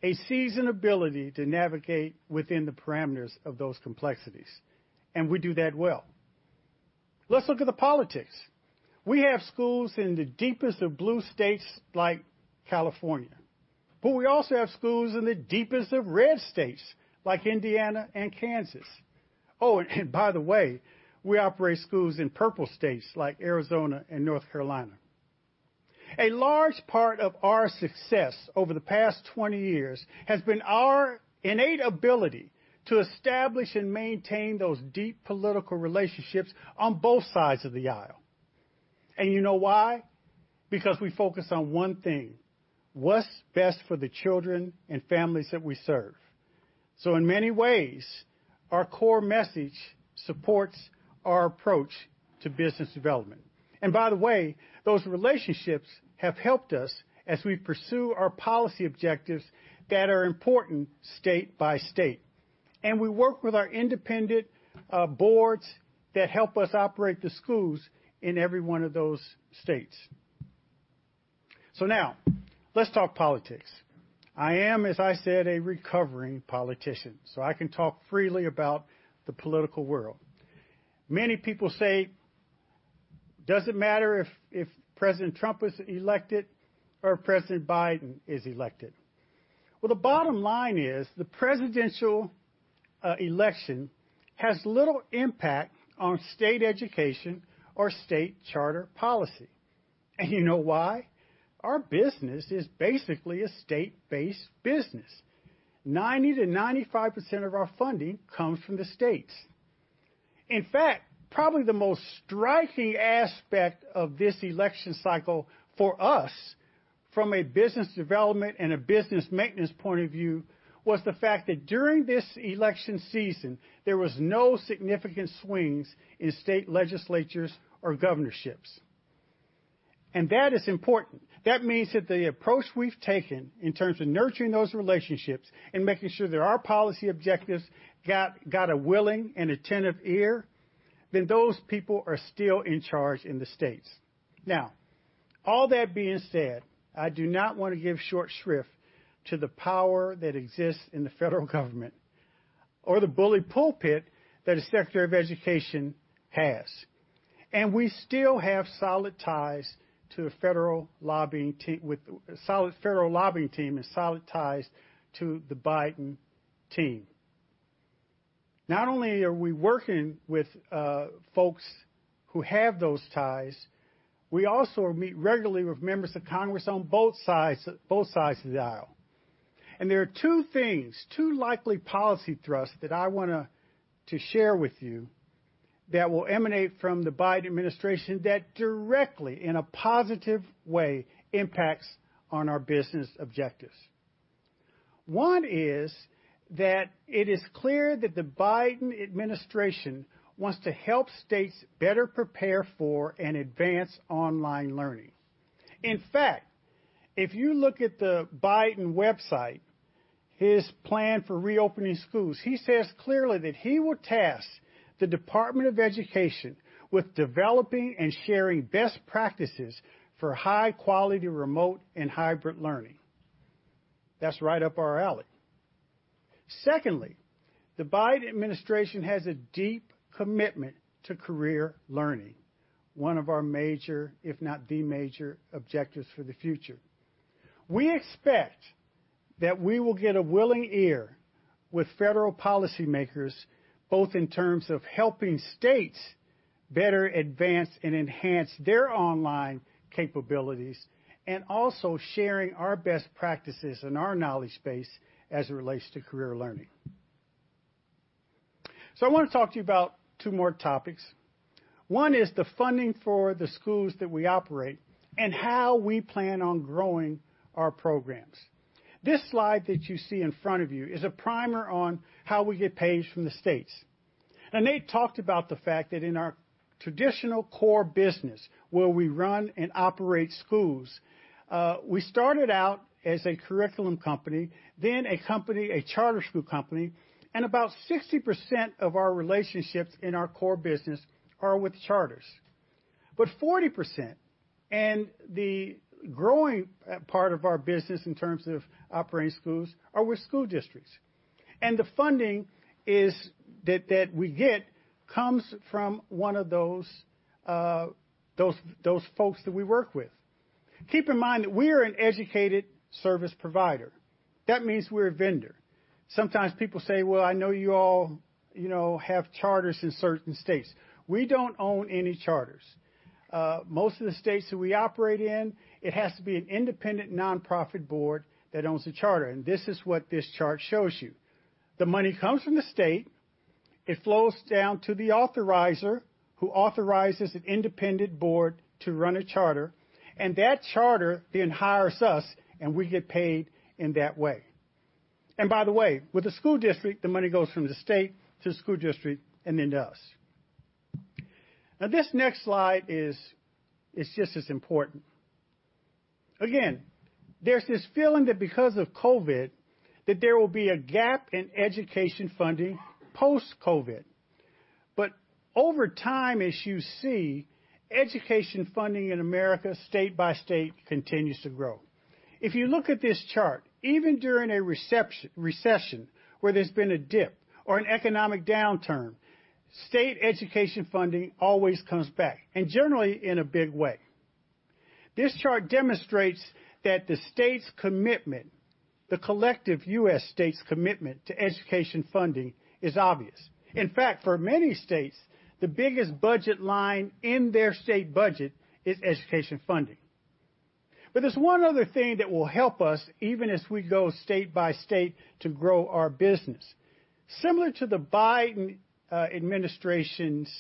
a seasoned ability to navigate within the parameters of those complexities, and we do that well. Let's look at the politics. We have schools in the deepest of blue states like California. But we also have schools in the deepest of red states like Indiana and Kansas. Oh, and by the way, we operate schools in purple states like Arizona and North Carolina. A large part of our success over the past 20 years has been our innate ability to establish and maintain those deep political relationships on both sides of the aisle. And you know why? Because we focus on one thing: what's best for the children and families that we serve. So in many ways, our core message supports our approach to business development. And by the way, those relationships have helped us as we pursue our policy objectives that are important state by state. And we work with our independent boards that help us operate the schools in every one of those states. So now, let's talk politics. I am, as I said, a recovering politician. So I can talk freely about the political world. Many people say, "Does it matter if President Trump is elected or if President Biden is elected?" The bottom line is the presidential election has little impact on state education or state charter policy. And you know why? Our business is basically a state-based business. 90%-95% of our funding comes from the states. In fact, probably the most striking aspect of this election cycle for us from a business development and a business maintenance point of view was the fact that during this election season, there were no significant swings in state legislatures or governorships, and that is important. That means that the approach we've taken in terms of nurturing those relationships and making sure that our policy objectives got a willing and attentive ear. Then those people are still in charge in the states. Now, all that being said, I do not want to give short shrift to the power that exists in the federal government or the bully pulpit that the Secretary of Education has, and we still have solid ties to the federal lobbying team and solid ties to the Biden team. Not only are we working with folks who have those ties, we also meet regularly with members of Congress on both sides of the aisle, and there are two things, two likely policy thrusts that I want to share with you that will emanate from the Biden administration that directly, in a positive way, impact our business objectives. One is that it is clear that the Biden administration wants to help states better prepare for and advance online learning. In fact, if you look at the Biden website, his plan for reopening schools, he says clearly that he will task the Department of Education with developing and sharing best practices for high-quality remote and hybrid learning. That's right up our alley. Secondly, the Biden administration has a deep commitment to Career Learning, one of our major, if not the major, objectives for the future. We expect that we will get a willing ear with federal policymakers, both in terms of helping states better advance and enhance their online capabilities and also sharing our best practices and our knowledge base as it relates to Career Learning. So I want to talk to you about two more topics. One is the funding for the schools that we operate and how we plan on growing our programs. This slide that you see in front of you is a primer on how we get paid from the states. Now, Nate talked about the fact that in our traditional core business, where we run and operate schools, we started out as a curriculum company, then a charter school company, and about 60% of our relationships in our core business are with charters. But 40%, and the growing part of our business in terms of operating schools, are with school districts. And the funding that we get comes from one of those folks that we work with. Keep in mind that we are an education service provider. That means we're a vendor. Sometimes people say, "Well, I know you all have charters in certain states." We don't own any charters. Most of the states that we operate in, it has to be an independent nonprofit board that owns a charter, and this is what this chart shows you. The money comes from the state. It flows down to the authorizer who authorizes an independent board to run a charter, and that charter then hires us, and we get paid in that way. By the way, with the school district, the money goes from the state to the school district and then to us. Now, this next slide is just as important. Again, there's this feeling that because of COVID, that there will be a gap in education funding post-COVID, but over time, as you see, education funding in America, state by state, continues to grow. If you look at this chart, even during a recession where there's been a dip or an economic downturn, state education funding always comes back, and generally in a big way. This chart demonstrates that the state's commitment, the collective U.S. state's commitment to education funding, is obvious. In fact, for many states, the biggest budget line in their state budget is education funding. But there's one other thing that will help us, even as we go state by state, to grow our business. Similar to the Biden administration's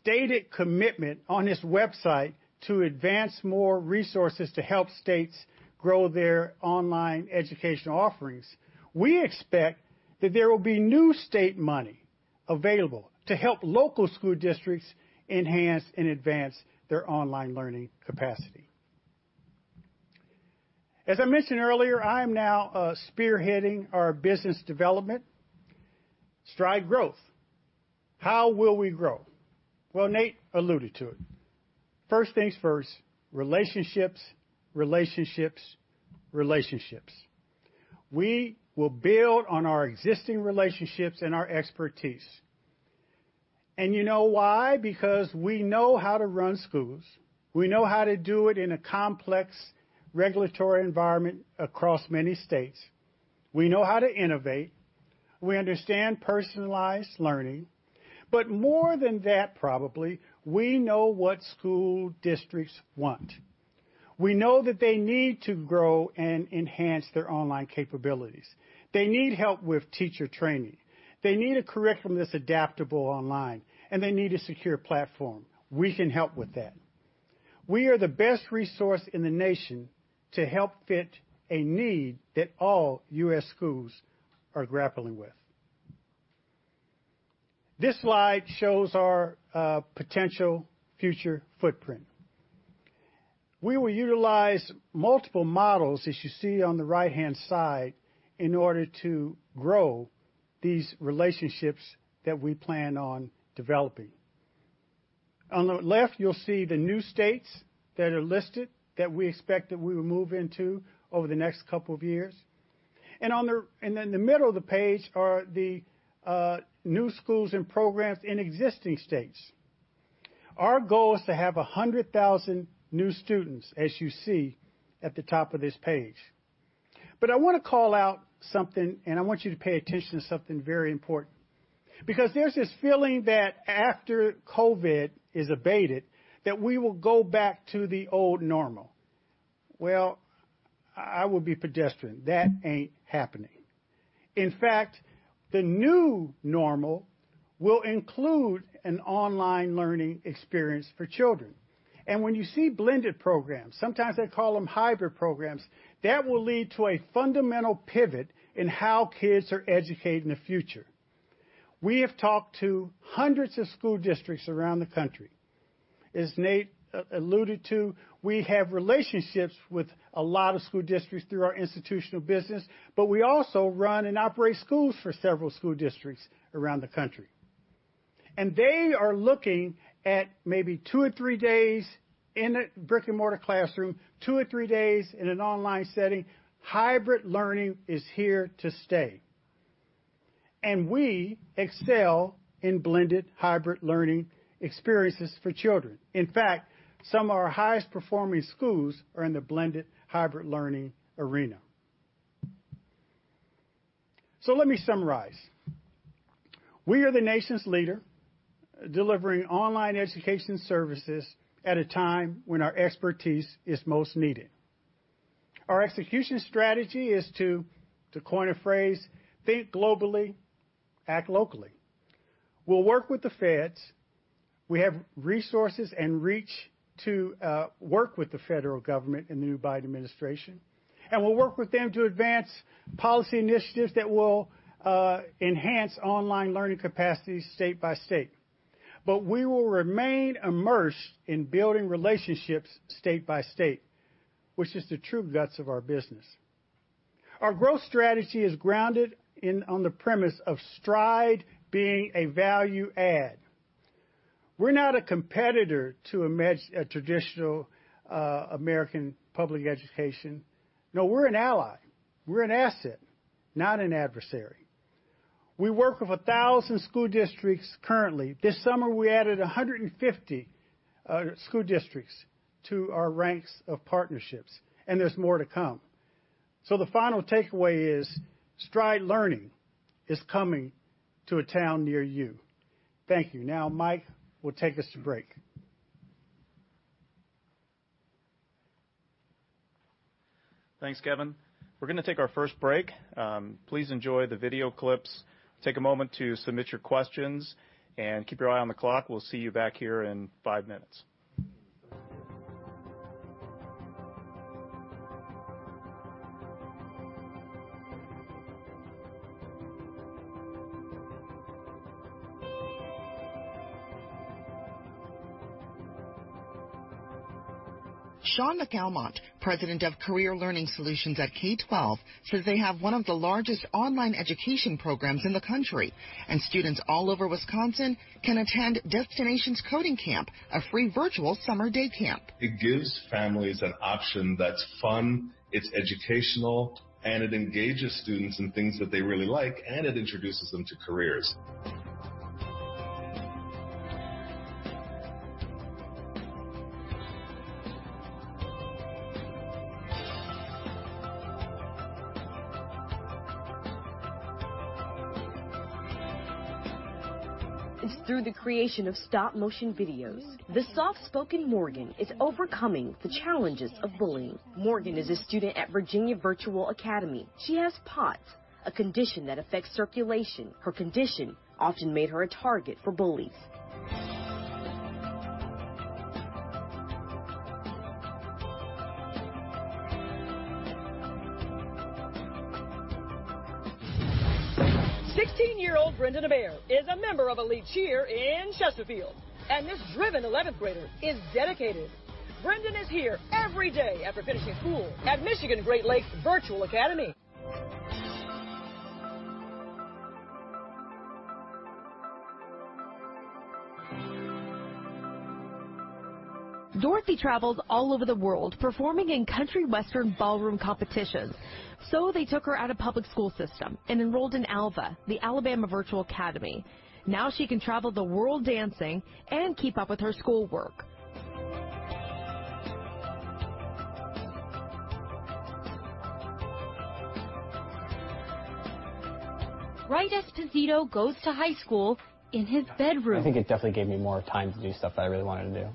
stated commitment on its website to advance more resources to help states grow their online educational offerings, we expect that there will be new state money available to help local school districts enhance and advance their online learning capacity. As I mentioned earlier, I am now spearheading our business development, strategic growth. How will we grow? Well, Nate alluded to it. First things first: relationships, relationships, relationships. We will build on our existing relationships and our expertise, and you know why? Because we know how to run schools. We know how to do it in a complex regulatory environment across many states. We know how to innovate. We understand personalized learning, but more than that, probably, we know what school districts want. We know that they need to grow and enhance their online capabilities. They need help with teacher training. They need a curriculum that's adaptable online, and they need a secure platform. We can help with that. We are the best resource in the nation to help fit a need that all U.S. schools are grappling with. This slide shows our potential future footprint. We will utilize multiple models, as you see on the right-hand side, in order to grow these relationships that we plan on developing. On the left, you'll see the new states that are listed that we expect that we will move into over the next couple of years. In the middle of the page are the new schools and programs in existing states. Our goal is to have 100,000 new students, as you see at the top of this page. I want to call out something, and I want you to pay attention to something very important. Because there's this feeling that after COVID is abated, that we will go back to the old normal. I would be pedestrian. That ain't happening. In fact, the new normal will include an online learning experience for children. When you see blended programs, sometimes they call them hybrid programs, that will lead to a fundamental pivot in how kids are educated in the future. We have talked to hundreds of school districts around the country. As Nate alluded to, we have relationships with a lot of school districts through our institutional business. But we also run and operate schools for several school districts around the country. And they are looking at maybe two or three days in a brick-and-mortar classroom, two or three days in an online setting. Hybrid learning is here to stay. And we excel in blended hybrid learning experiences for children. In fact, some of our highest-performing schools are in the blended hybrid learning arena. So let me summarize. We are the nation's leader delivering online education services at a time when our expertise is most needed. Our execution strategy is to coin a phrase, think globally, act locally. We'll work with the feds. We have resources and reach to work with the federal government and the new Biden administration. We'll work with them to advance policy initiatives that will enhance online learning capacity state by state. We will remain immersed in building relationships state by state, which is the true guts of our business. Our growth strategy is grounded on the premise of Stride being a value add. We're not a competitor to a traditional American public education. No, we're an ally. We're an asset, not an adversary. We work with 1,000 school districts currently. This summer, we added 150 school districts to our ranks of partnerships. There's more to come. The final takeaway is Stride Learning is coming to a town near you. Thank you. Now, Mike will take us to break. Thanks, Kevin. We're going to take our first break. Please enjoy the video clips. Take a moment to submit your questions and keep your eye on the clock. We'll see you back here in five minutes. Shaun McAlmont, President of Career Learning Solutions at Stride, says they have one of the largest online education programs in the country, and students all over Wisconsin can attend Destinations Coding Camp, a free virtual summer day camp. It gives families an option that's fun. It's educational. And it engages students in things that they really like. And it introduces them to careers. It's through the creation of stop-motion videos. The soft-spoken Morgan is overcoming the challenges of bullying. Morgan is a student at Virginia Virtual Academy. She has POTS, a condition that affects circulation. Her condition often made her a target for bullies. 16-year-old Brendan Hebert is a member of Elite Cheer in Chesterfield. This driven 11th grader is dedicated. Brendan is here every day after finishing school at Michigan Great Lakes Virtual Academy. Dorothy travels all over the world performing in country-western ballroom competitions. So they took her out of public school system and enrolled in ALVA, the Alabama Virtual Academy. Now she can travel the world dancing and keep up with her schoolwork. Wright Esposito goes to high school, in his bedroom. I think it definitely gave me more time to do stuff that I really wanted to do.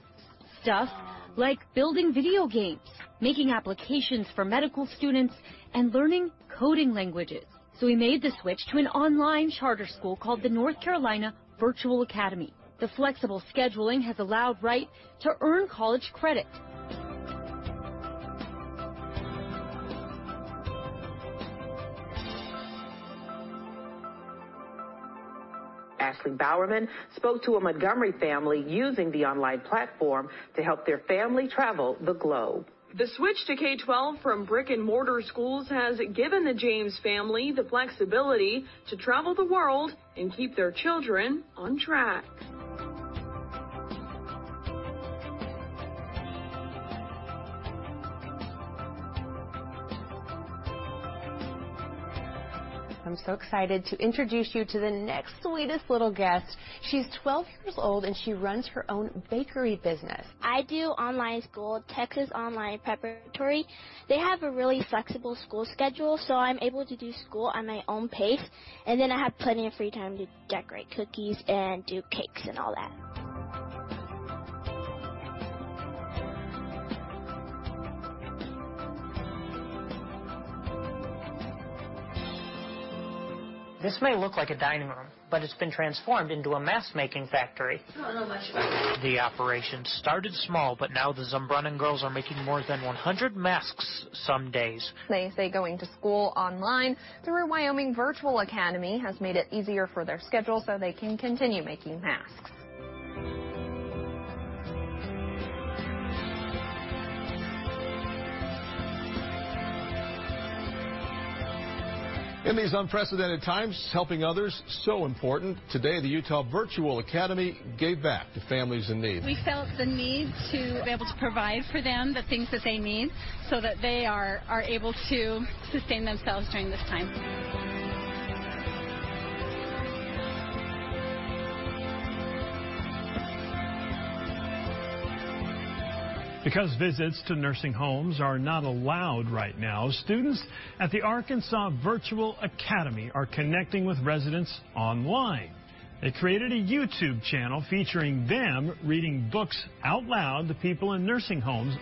Stuff like building video games, making applications for medical students, and learning coding languages. So he made the switch to an online charter school called the North Carolina Virtual Academy. The flexible scheduling has allowed Wright to earn college credit. Ashley Bowerman spoke to a Montgomery family using the online platform to help their family travel the globe. The switch to K-12 from brick-and-mortar schools has given the James family the flexibility to travel the world and keep their children on track. I'm so excited to introduce you to the next sweetest little guest. She's 12 years old, and she runs her own bakery business. I do online school, Texas Online Preparatory. They have a really flexible school schedule, so I'm able to do school at my own pace, and then I have plenty of free time to decorate cookies and do cakes and all that. This may look like a dining room, but it's been transformed into a mask-making factory. I don't know much about. The operation started small, but now the Zambrano girls are making more than 100 masks some days. They say going to school online through Wyoming Virtual Academy has made it easier for their schedule so they can continue making masks. In these unprecedented times, helping others is so important. Today, the Utah Virtual Academy gave back to families in need. We felt the need to be able to provide for them the things that they need so that they are able to sustain themselves during this time. Because visits to nursing homes are not allowed right now, students at the Arkansas Virtual Academy are connecting with residents online. They created a YouTube channel featuring them reading books out loud to people in nursing homes.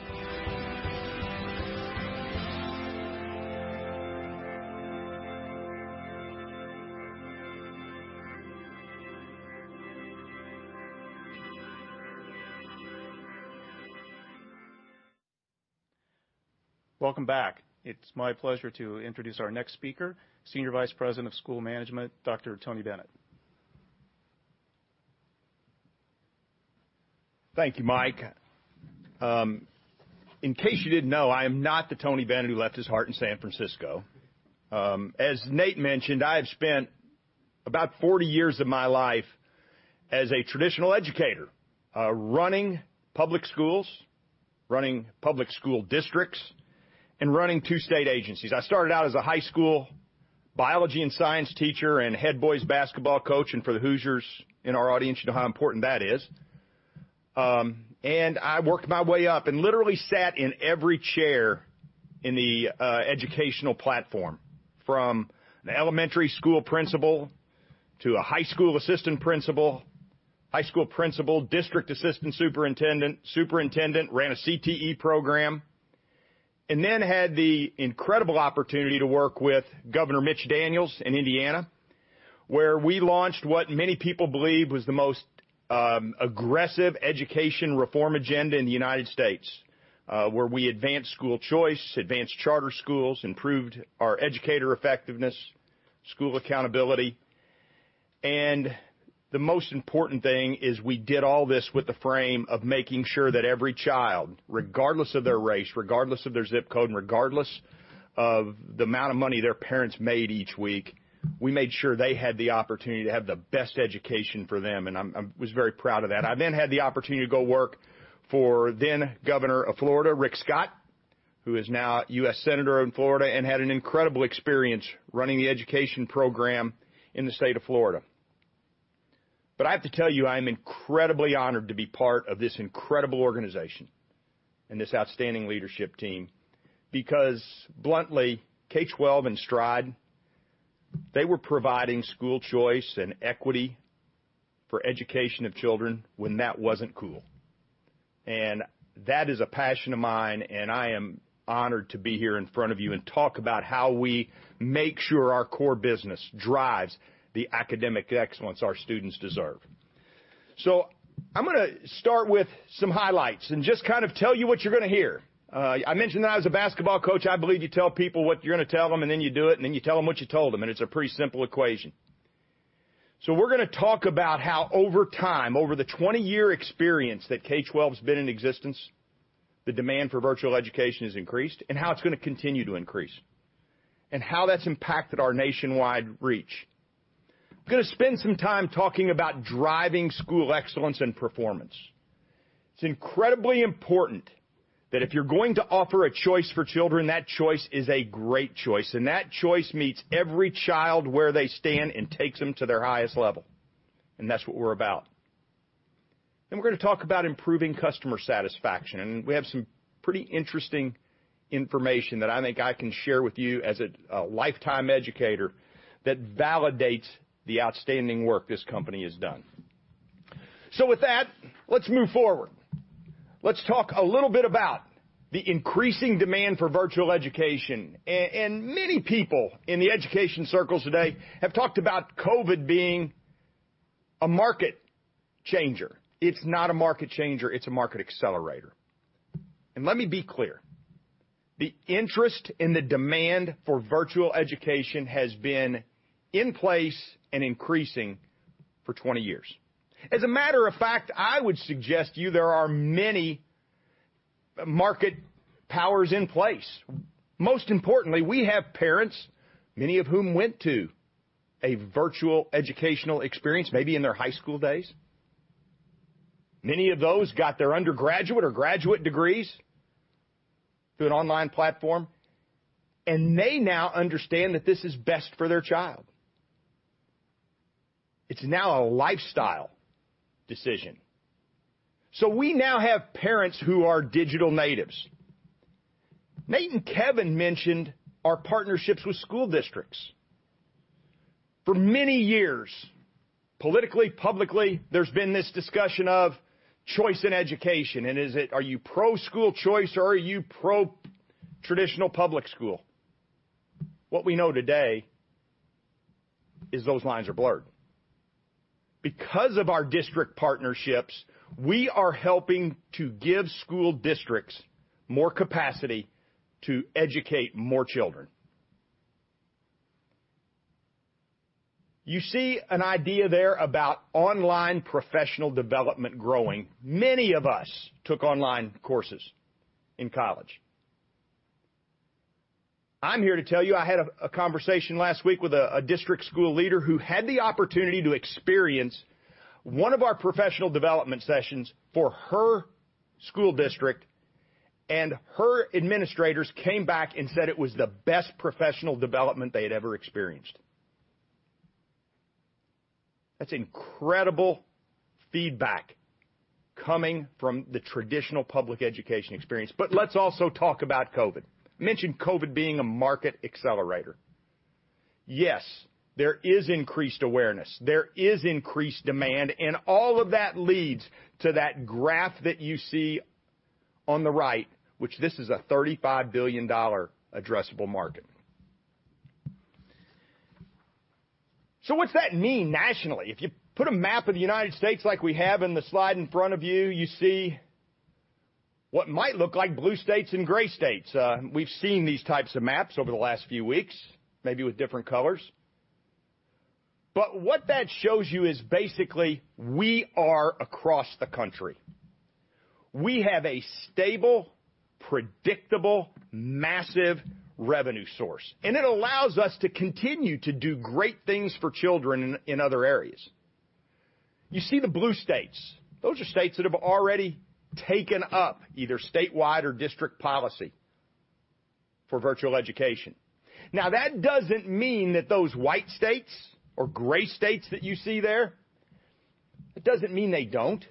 Welcome back. It's my pleasure to introduce our next speaker, Senior Vice President of School Management, Dr. Tony Bennett. Thank you, Mike. In case you didn't know, I am not the Tony Bennett who left his heart in San Francisco. As Nate mentioned, I have spent about 40 years of my life as a traditional educator, running public schools, running public school districts, and running two state agencies. I started out as a high school biology and science teacher and head boys' basketball coach, and for the Hoosiers in our audience, you know how important that is. And I worked my way up and literally sat in every chair in the educational platform, from an elementary school principal to a high school assistant principal, high school principal, district assistant superintendent, superintendent, ran a CTE program, and then had the incredible opportunity to work with Governor Mitch Daniels in Indiana, where we launched what many people believe was the most aggressive education reform agenda in the United States, where we advanced school choice, advanced charter schools, improved our educator effectiveness, school accountability. And the most important thing is we did all this with the frame of making sure that every child, regardless of their race, regardless of their zip code, regardless of the amount of money their parents made each week, we made sure they had the opportunity to have the best education for them. And I was very proud of that. I then had the opportunity to go work for then-Governor of Florida, Rick Scott, who is now U.S. Senator in Florida, and had an incredible experience running the education program in the state of Florida. But I have to tell you, I am incredibly honored to be part of this incredible organization and this outstanding leadership team. Because bluntly, K-12 and Stride, they were providing school choice and equity for education of children when that wasn't cool. And that is a passion of mine. And I am honored to be here in front of you and talk about how we make sure our core business drives the academic excellence our students deserve. So I'm going to start with some highlights and just kind of tell you what you're going to hear. I mentioned that I was a basketball coach. I believe you tell people what you're going to tell them, and then you do it, and then you tell them what you told them, and it's a pretty simple equation. So we're going to talk about how over time, over the 20-year experience that K-12 has been in existence, the demand for virtual education has increased and how it's going to continue to increase and how that's impacted our nationwide reach. I'm going to spend some time talking about driving school excellence and performance. It's incredibly important that if you're going to offer a choice for children, that choice is a great choice, and that choice meets every child where they stand and takes them to their highest level, and that's what we're about, then we're going to talk about improving customer satisfaction. We have some pretty interesting information that I think I can share with you as a lifetime educator that validates the outstanding work this company has done. So with that, let's move forward. Let's talk a little bit about the increasing demand for virtual education. Many people in the education circles today have talked about COVID being a market changer. It's not a market changer. It's a market accelerator. Let me be clear. The interest and the demand for virtual education has been in place and increasing for 20 years. As a matter of fact, I would suggest to you there are many market powers in place. Most importantly, we have parents, many of whom went to a virtual educational experience, maybe in their high school days. Many of those got their undergraduate or graduate degrees through an online platform. They now understand that this is best for their child. It's now a lifestyle decision. So we now have parents who are digital natives. Nate and Kevin mentioned our partnerships with school districts. For many years, politically, publicly, there's been this discussion of choice in education. And is it, are you pro-school choice or are you pro-traditional public school? What we know today is those lines are blurred. Because of our district partnerships, we are helping to give school districts more capacity to educate more children. You see an idea there about online professional development growing. Many of us took online courses in college. I'm here to tell you I had a conversation last week with a district school leader who had the opportunity to experience one of our professional development sessions for her school district. Her administrators came back and said it was the best professional development they had ever experienced. That's incredible feedback coming from the traditional public education experience. But let's also talk about COVID. I mentioned COVID being a market accelerator. Yes, there is increased awareness. There is increased demand. And all of that leads to that graph that you see on the right, which, this is a $35 billion addressable market. So what's that mean nationally? If you put a map of the United States like we have in the slide in front of you, you see what might look like blue states and gray states. We've seen these types of maps over the last few weeks, maybe with different colors. But what that shows you is basically we are across the country. We have a stable, predictable, massive revenue source. It allows us to continue to do great things for children in other areas. You see the blue states. Those are states that have already taken up either statewide or district policy for virtual education. Now, that doesn't mean that those white states or gray states that you see there, it doesn't mean they don't.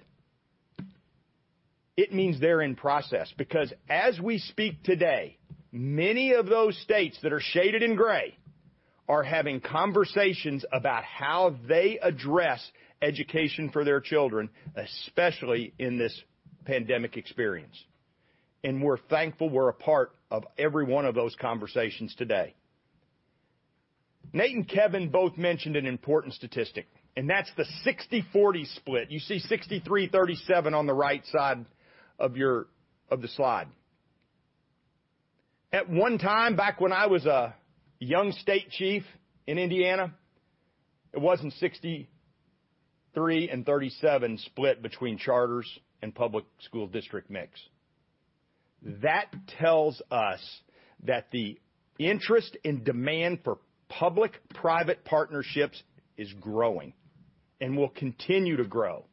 It means they're in process. Because as we speak today, many of those states that are shaded in gray are having conversations about how they address education for their children, especially in this pandemic experience. We're thankful we're a part of every one of those conversations today. Nate and Kevin both mentioned an important statistic. That's the 60/40 split. You see 63/37 on the right side of the slide. At one time, back when I was a young state chief in Indiana, it was 63 and 37 split between charters and public school district mix. That tells us that the interest and demand for public-private partnerships is growing and will continue to grow.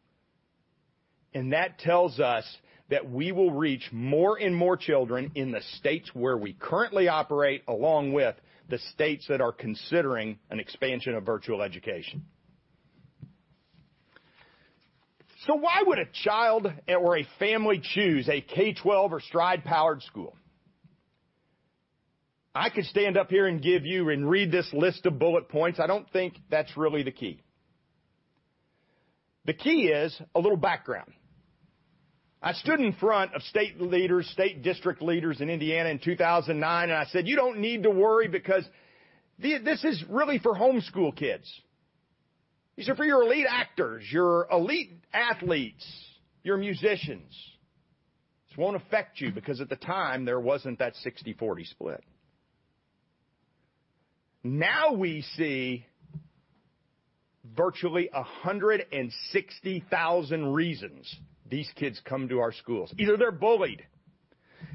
And that tells us that we will reach more and more children in the states where we currently operate along with the states that are considering an expansion of virtual education. So why would a child or a family choose a K-12 or Stride-powered school? I could stand up here and give you and read this list of bullet points. I don't think that's really the key. The key is a little background. I stood in front of state leaders, state district leaders in Indiana in 2009. And I said, "You don't need to worry because this is really for homeschool kids. These are for your elite actors, your elite athletes, your musicians. This won't affect you because at the time, there wasn't that 60/40 split. Now we see virtually 160,000 reasons these kids come to our schools. Either they're bullied,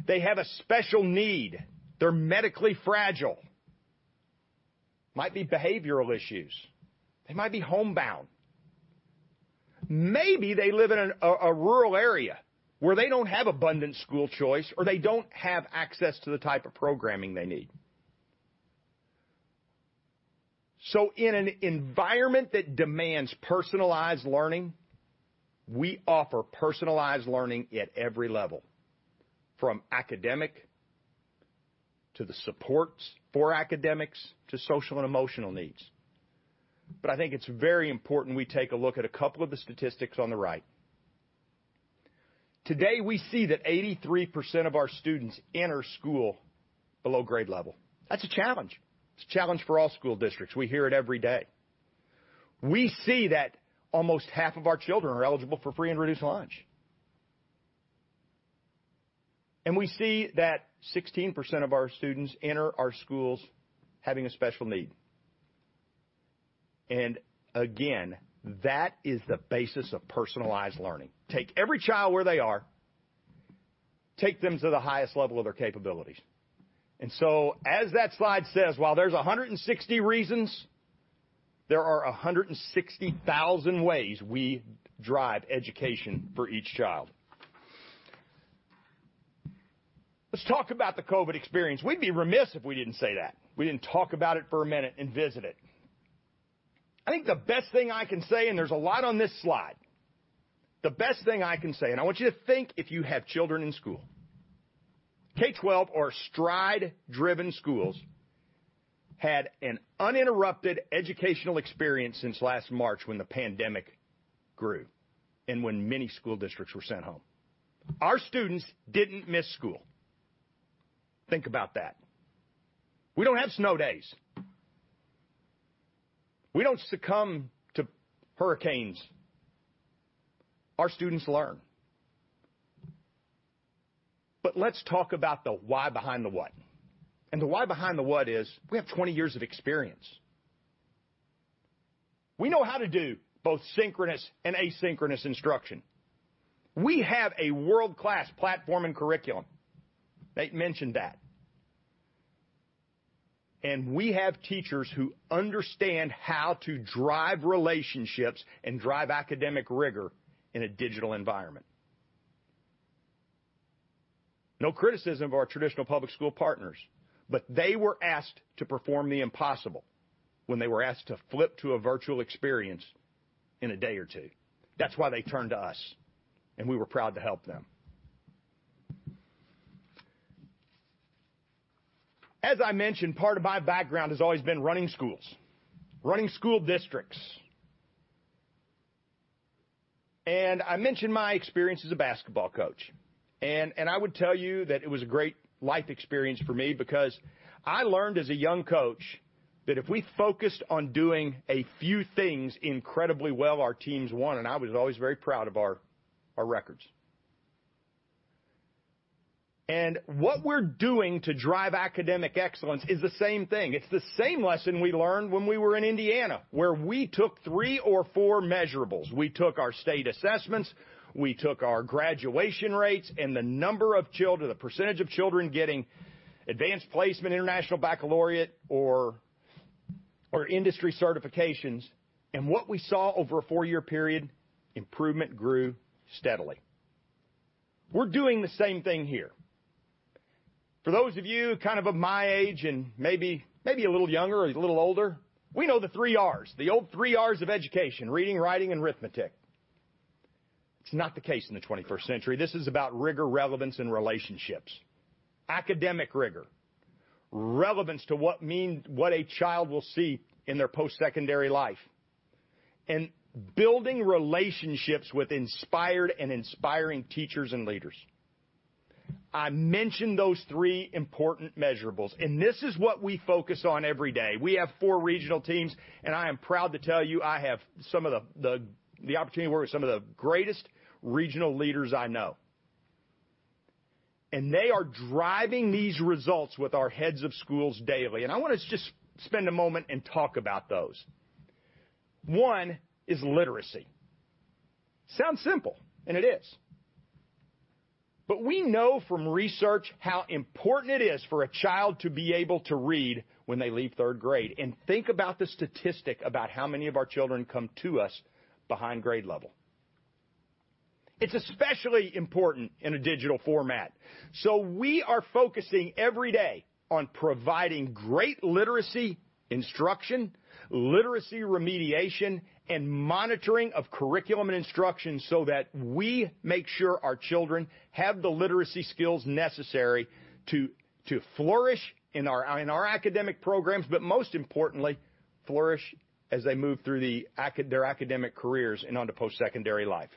they have a special need, they're medically fragile, might be behavioral issues, they might be homebound. Maybe they live in a rural area where they don't have abundant school choice or they don't have access to the type of programming they need. So in an environment that demands personalized learning, we offer personalized learning at every level, from academic to the supports for academics to social and emotional needs. But I think it's very important we take a look at a couple of the statistics on the right. Today, we see that 83% of our students enter school below grade level. That's a challenge. It's a challenge for all school districts. We hear it every day. We see that almost half of our children are eligible for Free and Reduced Lunch, and we see that 16% of our students enter our schools having a special need, and again, that is the basis of personalized learning. Take every child where they are, take them to the highest level of their capabilities, and so as that slide says, while there's 160 reasons, there are 160,000 ways we drive education for each child. Let's talk about the COVID experience. We'd be remiss if we didn't say that. We didn't talk about it for a minute and visit it. I think the best thing I can say, and there's a lot on this slide, the best thing I can say, and I want you to think if you have children in school. K-12 or Stride-driven schools had an uninterrupted educational experience since last March when the pandemic grew and when many school districts were sent home. Our students didn't miss school. Think about that. We don't have snow days. We don't succumb to hurricanes. Our students learn. But let's talk about the why behind the what. And the why behind the what is we have 20 years of experience. We know how to do both synchronous and asynchronous instruction. We have a world-class platform and curriculum. Nate mentioned that. And we have teachers who understand how to drive relationships and drive academic rigor in a digital environment. No criticism of our traditional public school partners. They were asked to perform the impossible when they were asked to flip to a virtual experience in a day or two. That's why they turned to us. And we were proud to help them. As I mentioned, part of my background has always been running schools, running school districts. And I mentioned my experience as a basketball coach. And I would tell you that it was a great life experience for me because I learned as a young coach that if we focused on doing a few things incredibly well, our teams won. And I was always very proud of our records. And what we're doing to drive academic excellence is the same thing. It's the same lesson we learned when we were in Indiana, where we took three or four measurables. We took our state assessments. We took our graduation rates and the number of children, the percentage of children getting Advanced Placement, International Baccalaureate, or industry certifications, and what we saw over a four-year period, improvement grew steadily. We're doing the same thing here. For those of you kind of of my age and maybe a little younger or a little older, we know the three Rs, the old three Rs of education: reading, writing, and arithmetic. It's not the case in the 21st century. This is about rigor, relevance, and relationships, academic rigor, relevance to what a child will see in their post-secondary life, and building relationships with inspired and inspiring teachers and leaders. I mentioned those three important measurables, and this is what we focus on every day. We have four regional teams. I am proud to tell you I have the opportunity to work with some of the greatest regional leaders I know. They are driving these results with our heads of schools daily. I want to just spend a moment and talk about those. One is literacy. Sounds simple. It is. We know from research how important it is for a child to be able to read when they leave third grade. Think about the statistic about how many of our children come to us behind grade level. It's especially important in a digital format. We are focusing every day on providing great literacy instruction, literacy remediation, and monitoring of curriculum and instruction so that we make sure our children have the literacy skills necessary to flourish in our academic programs, but most importantly, flourish as they move through their academic careers and on to post-secondary life.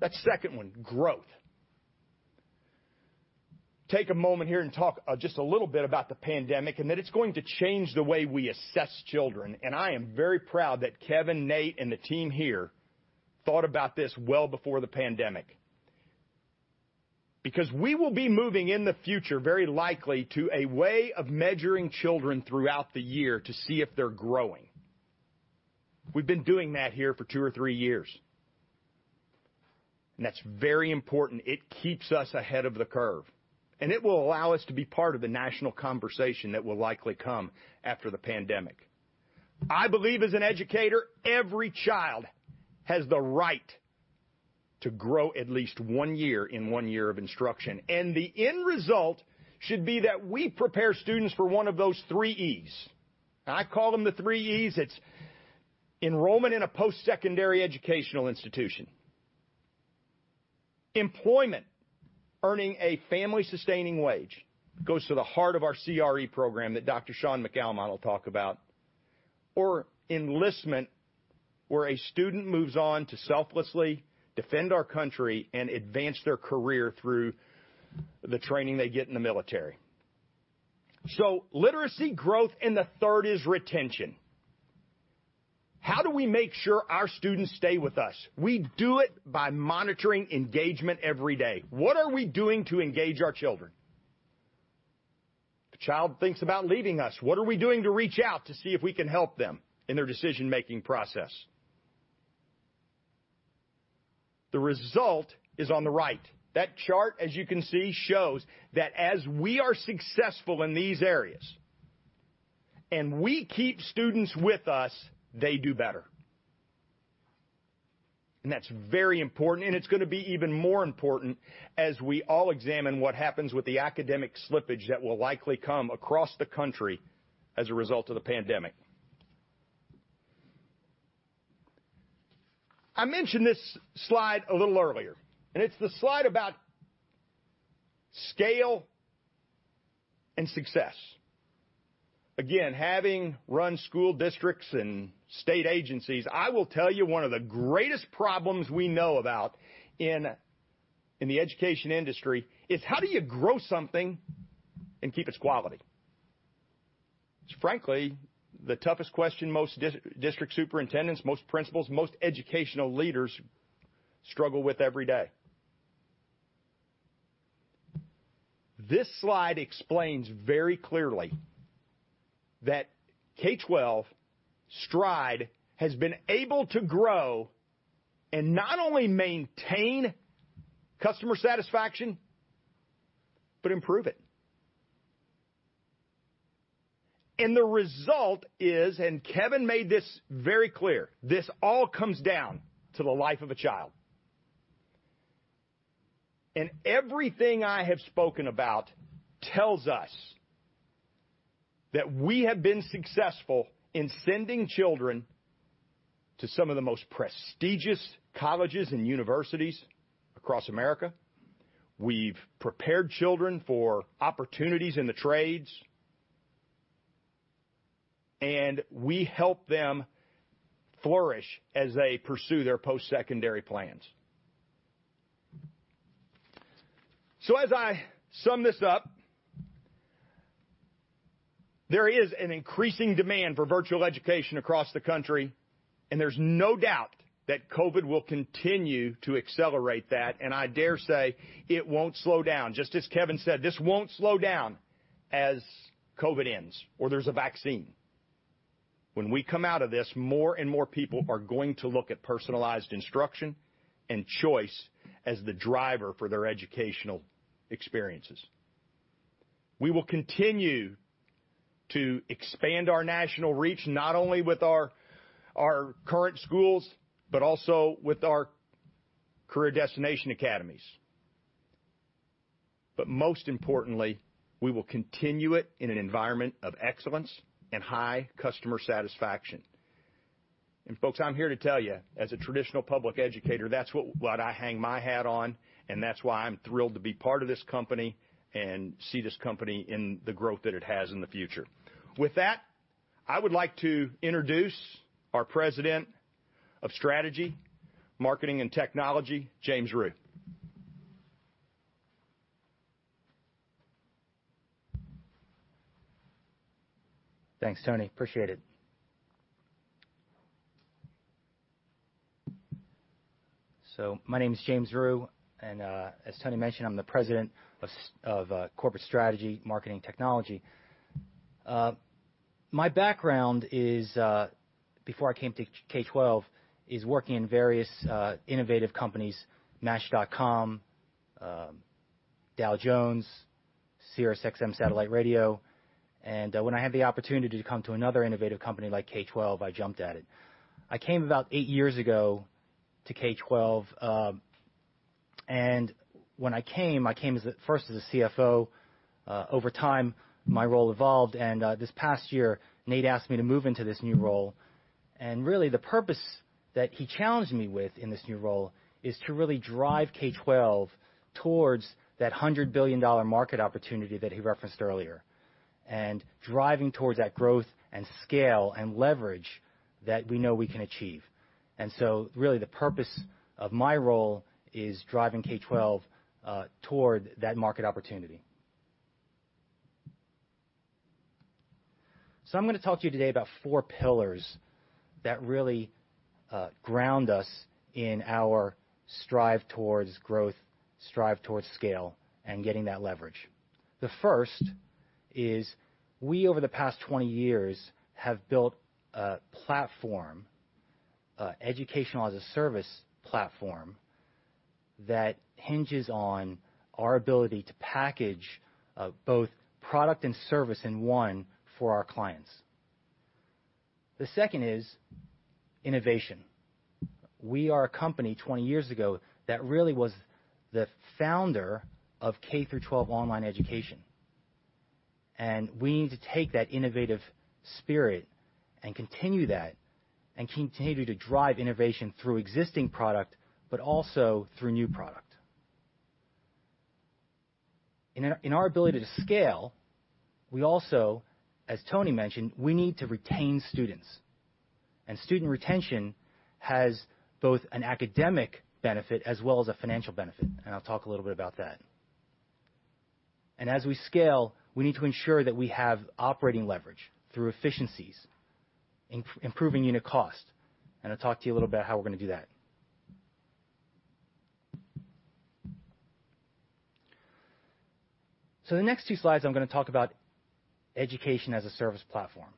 That's second one, growth. Take a moment here and talk just a little bit about the pandemic and that it's going to change the way we assess children. I am very proud that Kevin, Nate, and the team here thought about this well before the pandemic. Because we will be moving in the future very likely to a way of measuring children throughout the year to see if they're growing. We've been doing that here for two or three years. That's very important. It keeps us ahead of the curve. And it will allow us to be part of the national conversation that will likely come after the pandemic. I believe as an educator, every child has the right to grow at least one year in one year of instruction. And the end result should be that we prepare students for one of those three Es. I call them the three Es. It's enrollment in a post-secondary educational institution, employment, earning a family-sustaining wage, goes to the heart of our CRE program that Shaun McAlmont will talk about, or enlistment, where a student moves on to selflessly defend our country and advance their career through the training they get in the military. So literacy, growth, and the third is retention. How do we make sure our students stay with us? We do it by monitoring engagement every day. What are we doing to engage our children? The child thinks about leaving us. What are we doing to reach out to see if we can help them in their decision-making process? The result is on the right. That chart, as you can see, shows that as we are successful in these areas and we keep students with us, they do better, and that's very important, and it's going to be even more important as we all examine what happens with the academic slippage that will likely come across the country as a result of the pandemic. I mentioned this slide a little earlier, and it's the slide about scale and success. Again, having run school districts and state agencies, I will tell you one of the greatest problems we know about in the education industry is how do you grow something and keep its quality? It's frankly the toughest question most district superintendents, most principals, most educational leaders struggle with every day. This slide explains very clearly that K-12 Stride has been able to grow and not only maintain customer satisfaction, but improve it, and the result is, and Kevin made this very clear, this all comes down to the life of a child, and everything I have spoken about tells us that we have been successful in sending children to some of the most prestigious colleges and universities across America. We've prepared children for opportunities in the trades, and we help them flourish as they pursue their post-secondary plans, so as I sum this up, there is an increasing demand for virtual education across the country, and there's no doubt that COVID will continue to accelerate that, and I dare say it won't slow down. Just as Kevin said, this won't slow down as COVID ends or there's a vaccine. When we come out of this, more and more people are going to look at personalized instruction and choice as the driver for their educational experiences. We will continue to expand our national reach not only with our current schools, but also with our Destinations Career Academies. But most importantly, we will continue it in an environment of excellence and high customer satisfaction. And folks, I'm here to tell you, as a traditional public educator, that's what I hang my hat on. And that's why I'm thrilled to be part of this company and see this company in the growth that it has in the future. With that, I would like to introduce our President of Strategy, Marketing, and Technology, James Rhyu. Thanks, Tony. Appreciate it. My name is James Rhyu. And as Tony mentioned, I'm the president of corporate strategy, marketing, and technology. My background is, before I came to K-12, is working in various innovative companies, Match.com, Dow Jones, SiriusXM satellite radio. And when I had the opportunity to come to another innovative company like K-12, I jumped at it. I came about eight years ago to K-12. And when I came, I came first as a CFO. Over time, my role evolved. And this past year, Nate asked me to move into this new role. And really, the purpose that he challenged me with in this new role is to really drive K-12 towards that $100 billion market opportunity that he referenced earlier and driving towards that growth and scale and leverage that we know we can achieve. And so really, the purpose of my role is driving K-12 toward that market opportunity. So I'm going to talk to you today about four pillars that really ground us in our Stride towards growth, Stride towards scale, and getting that leverage. The first is we, over the past 20 years, have built a platform, education-as-a-service platform, that hinges on our ability to package both product and service in one for our clients. The second is innovation. We are a company 20 years ago that really was the founder of K-12 online education. And we need to take that innovative spirit and continue that and continue to drive innovation through existing product, but also through new product. In our ability to scale, we also, as Tony mentioned, we need to retain students. And student retention has both an academic benefit as well as a financial benefit. I'll talk a little bit about that. As we scale, we need to ensure that we have operating leverage through efficiencies, improving unit cost. I'll talk to you a little bit about how we're going to do that. The next two slides, I'm going to talk about education as a service platform.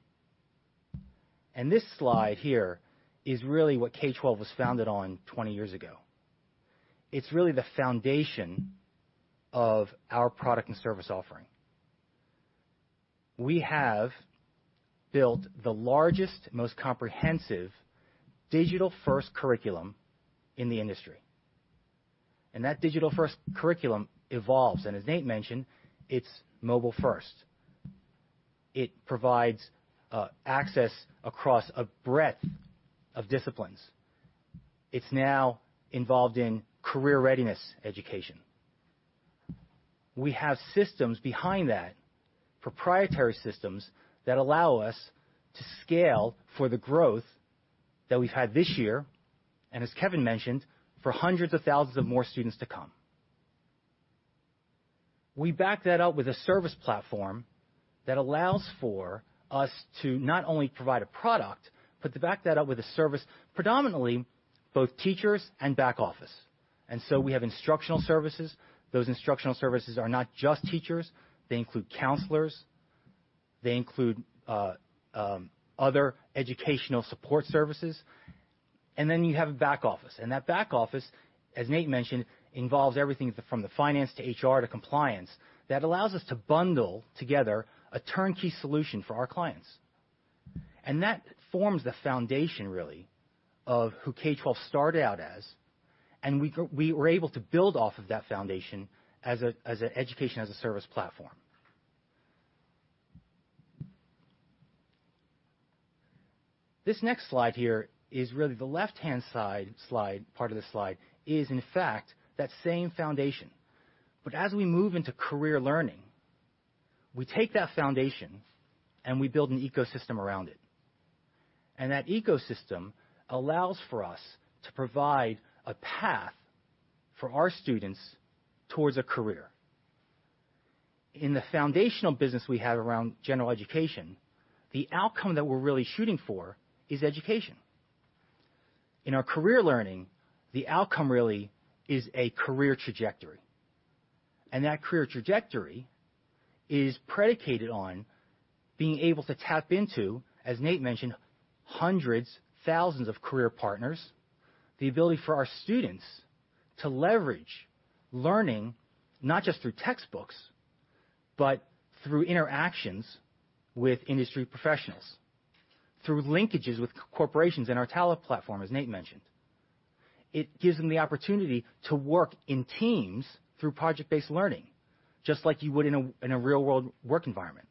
This slide here is really what K-12 was founded on 20 years ago. It's really the foundation of our product and service offering. We have built the largest, most comprehensive digital-first curriculum in the industry. That digital-first curriculum evolves. As Nate mentioned, it's mobile-first. It provides access across a breadth of disciplines. It's now involved in career readiness education. We have systems behind that, proprietary systems that allow us to scale for the growth that we've had this year, and as Kevin mentioned, for hundreds of thousands of more students to come. We back that up with a service platform that allows for us to not only provide a product, but to back that up with a service predominantly both teachers and back office. And that back office, as Nate mentioned, involves everything from the finance to HR to compliance that allows us to bundle together a turnkey solution for our clients, and that forms the foundation, really, of who K-12 started out as. We were able to build off of that foundation as an education as a service platform. This next slide here is really the left-hand side part of the slide, in fact, that same foundation. As we move into Career Learning, we take that foundation and we build an ecosystem around it. That ecosystem allows for us to provide a path for our students towards a career. In the foundational business we have around general education, the outcome that we're really shooting for is education. In our Career Learning, the outcome really is a career trajectory. That career trajectory is predicated on being able to tap into, as Nate mentioned, hundreds, thousands of career partners, the ability for our students to leverage learning not just through textbooks, but through interactions with industry professionals, through linkages with corporations and our talent platform, as Nate mentioned. It gives them the opportunity to work in teams through project-based learning, just like you would in a real-world work environment.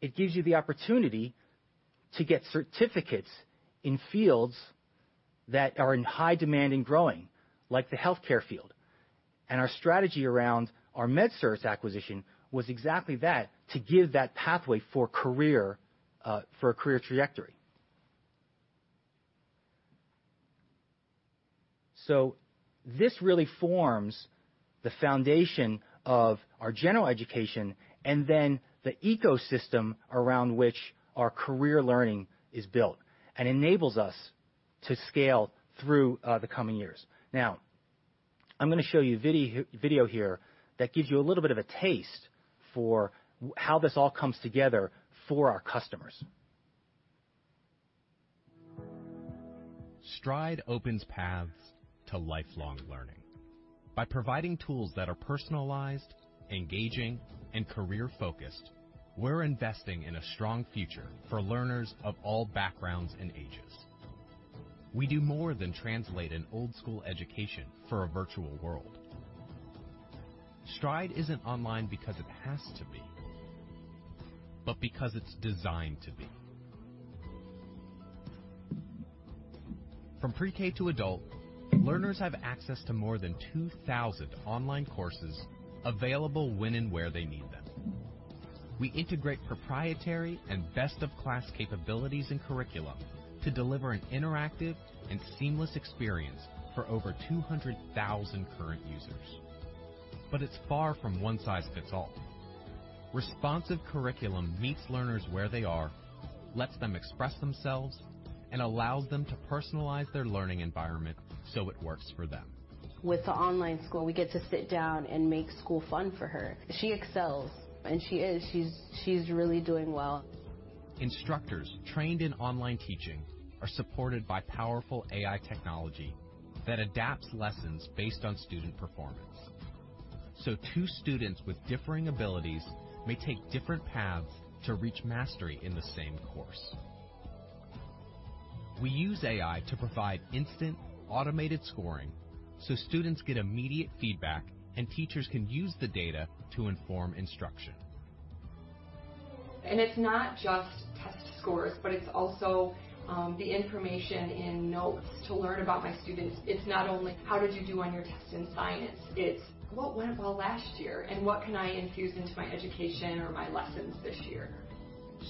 It gives you the opportunity to get certificates in fields that are in high demand and growing, like the healthcare field, and our strategy around our MedCerts acquisition was exactly that, to give that pathway for a career trajectory, so this really forms the foundation of our general education and then the ecosystem around which our Career Learning is built and enables us to scale through the coming years. Now, I'm going to show you a video here that gives you a little bit of a taste for how this all comes together for our customers. Stride opens paths to lifelong learning. By providing tools that are personalized, engaging, and career-focused, we're investing in a strong future for learners of all backgrounds and ages. We do more than translate an old-school education for a virtual world. Stride isn't online because it has to be, but because it's designed to be. From pre-K to adult, learners have access to more than 2,000 online courses available when and where they need them. We integrate proprietary and best-of-class capabilities and curriculum to deliver an interactive and seamless experience for over 200,000 current users. But it's far from one-size-fits-all. Responsive curriculum meets learners where they are, lets them express themselves, and allows them to personalize their learning environment so it works for them. With the online school, we get to sit down and make school fun for her. She excels, and she is. She's really doing well. Instructors trained in online teaching are supported by powerful AI technology that adapts lessons based on student performance. So two students with differing abilities may take different paths to reach mastery in the same course. We use AI to provide instant automated scoring so students get immediate feedback and teachers can use the data to inform instruction. It's not just test scores, but it's also the information in notes to learn about my students. It's not only, "How did you do on your test in science?" It's, "What went well last year?" and, "What can I infuse into my education or my lessons this year?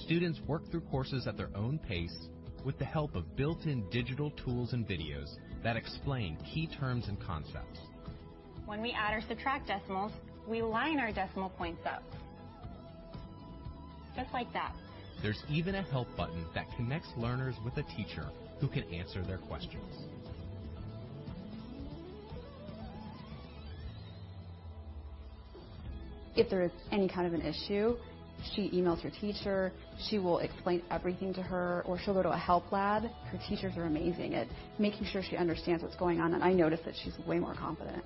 Students work through courses at their own pace with the help of built-in digital tools and videos that explain key terms and concepts. When we add or subtract decimals, we line our decimal points up. Just like that. There's even a help button that connects learners with a teacher who can answer their questions. If there is any kind of an issue, she emails her teacher. She will explain everything to her, or she'll go to a help lab. Her teachers are amazing at making sure she understands what's going on, and I notice that she's way more confident.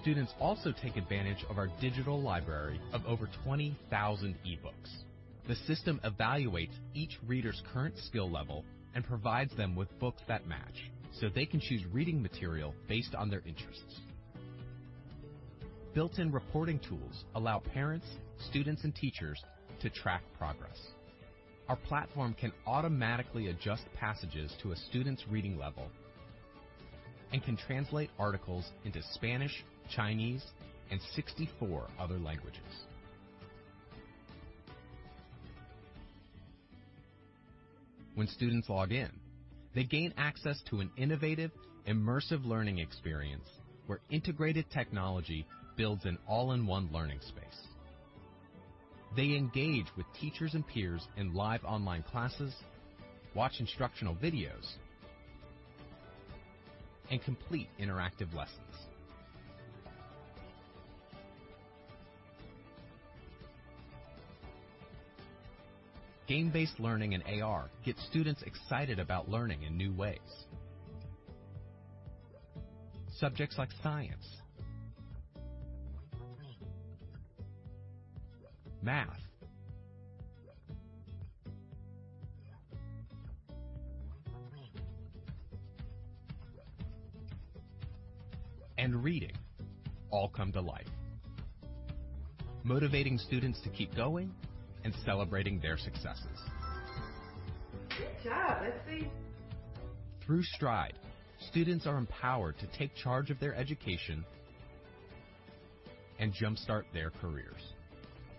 Students also take advantage of our digital library of over 20,000 e-books. The system evaluates each reader's current skill level and provides them with books that match so they can choose reading material based on their interests. Built-in reporting tools allow parents, students, and teachers to track progress. Our platform can automatically adjust passages to a student's reading level and can translate articles into Spanish, Chinese, and 64 other languages. When students log in, they gain access to an innovative, immersive learning experience where integrated technology builds an all-in-one learning space. They engage with teachers and peers in live online classes, watch instructional videos, and complete interactive lessons. Game-based learning and AR get students excited about learning in new ways. Subjects like science, math, and reading all come to life, motivating students to keep going and celebrating their successes. Good job. Let's see. Through Stride, students are empowered to take charge of their education and jump-start their careers.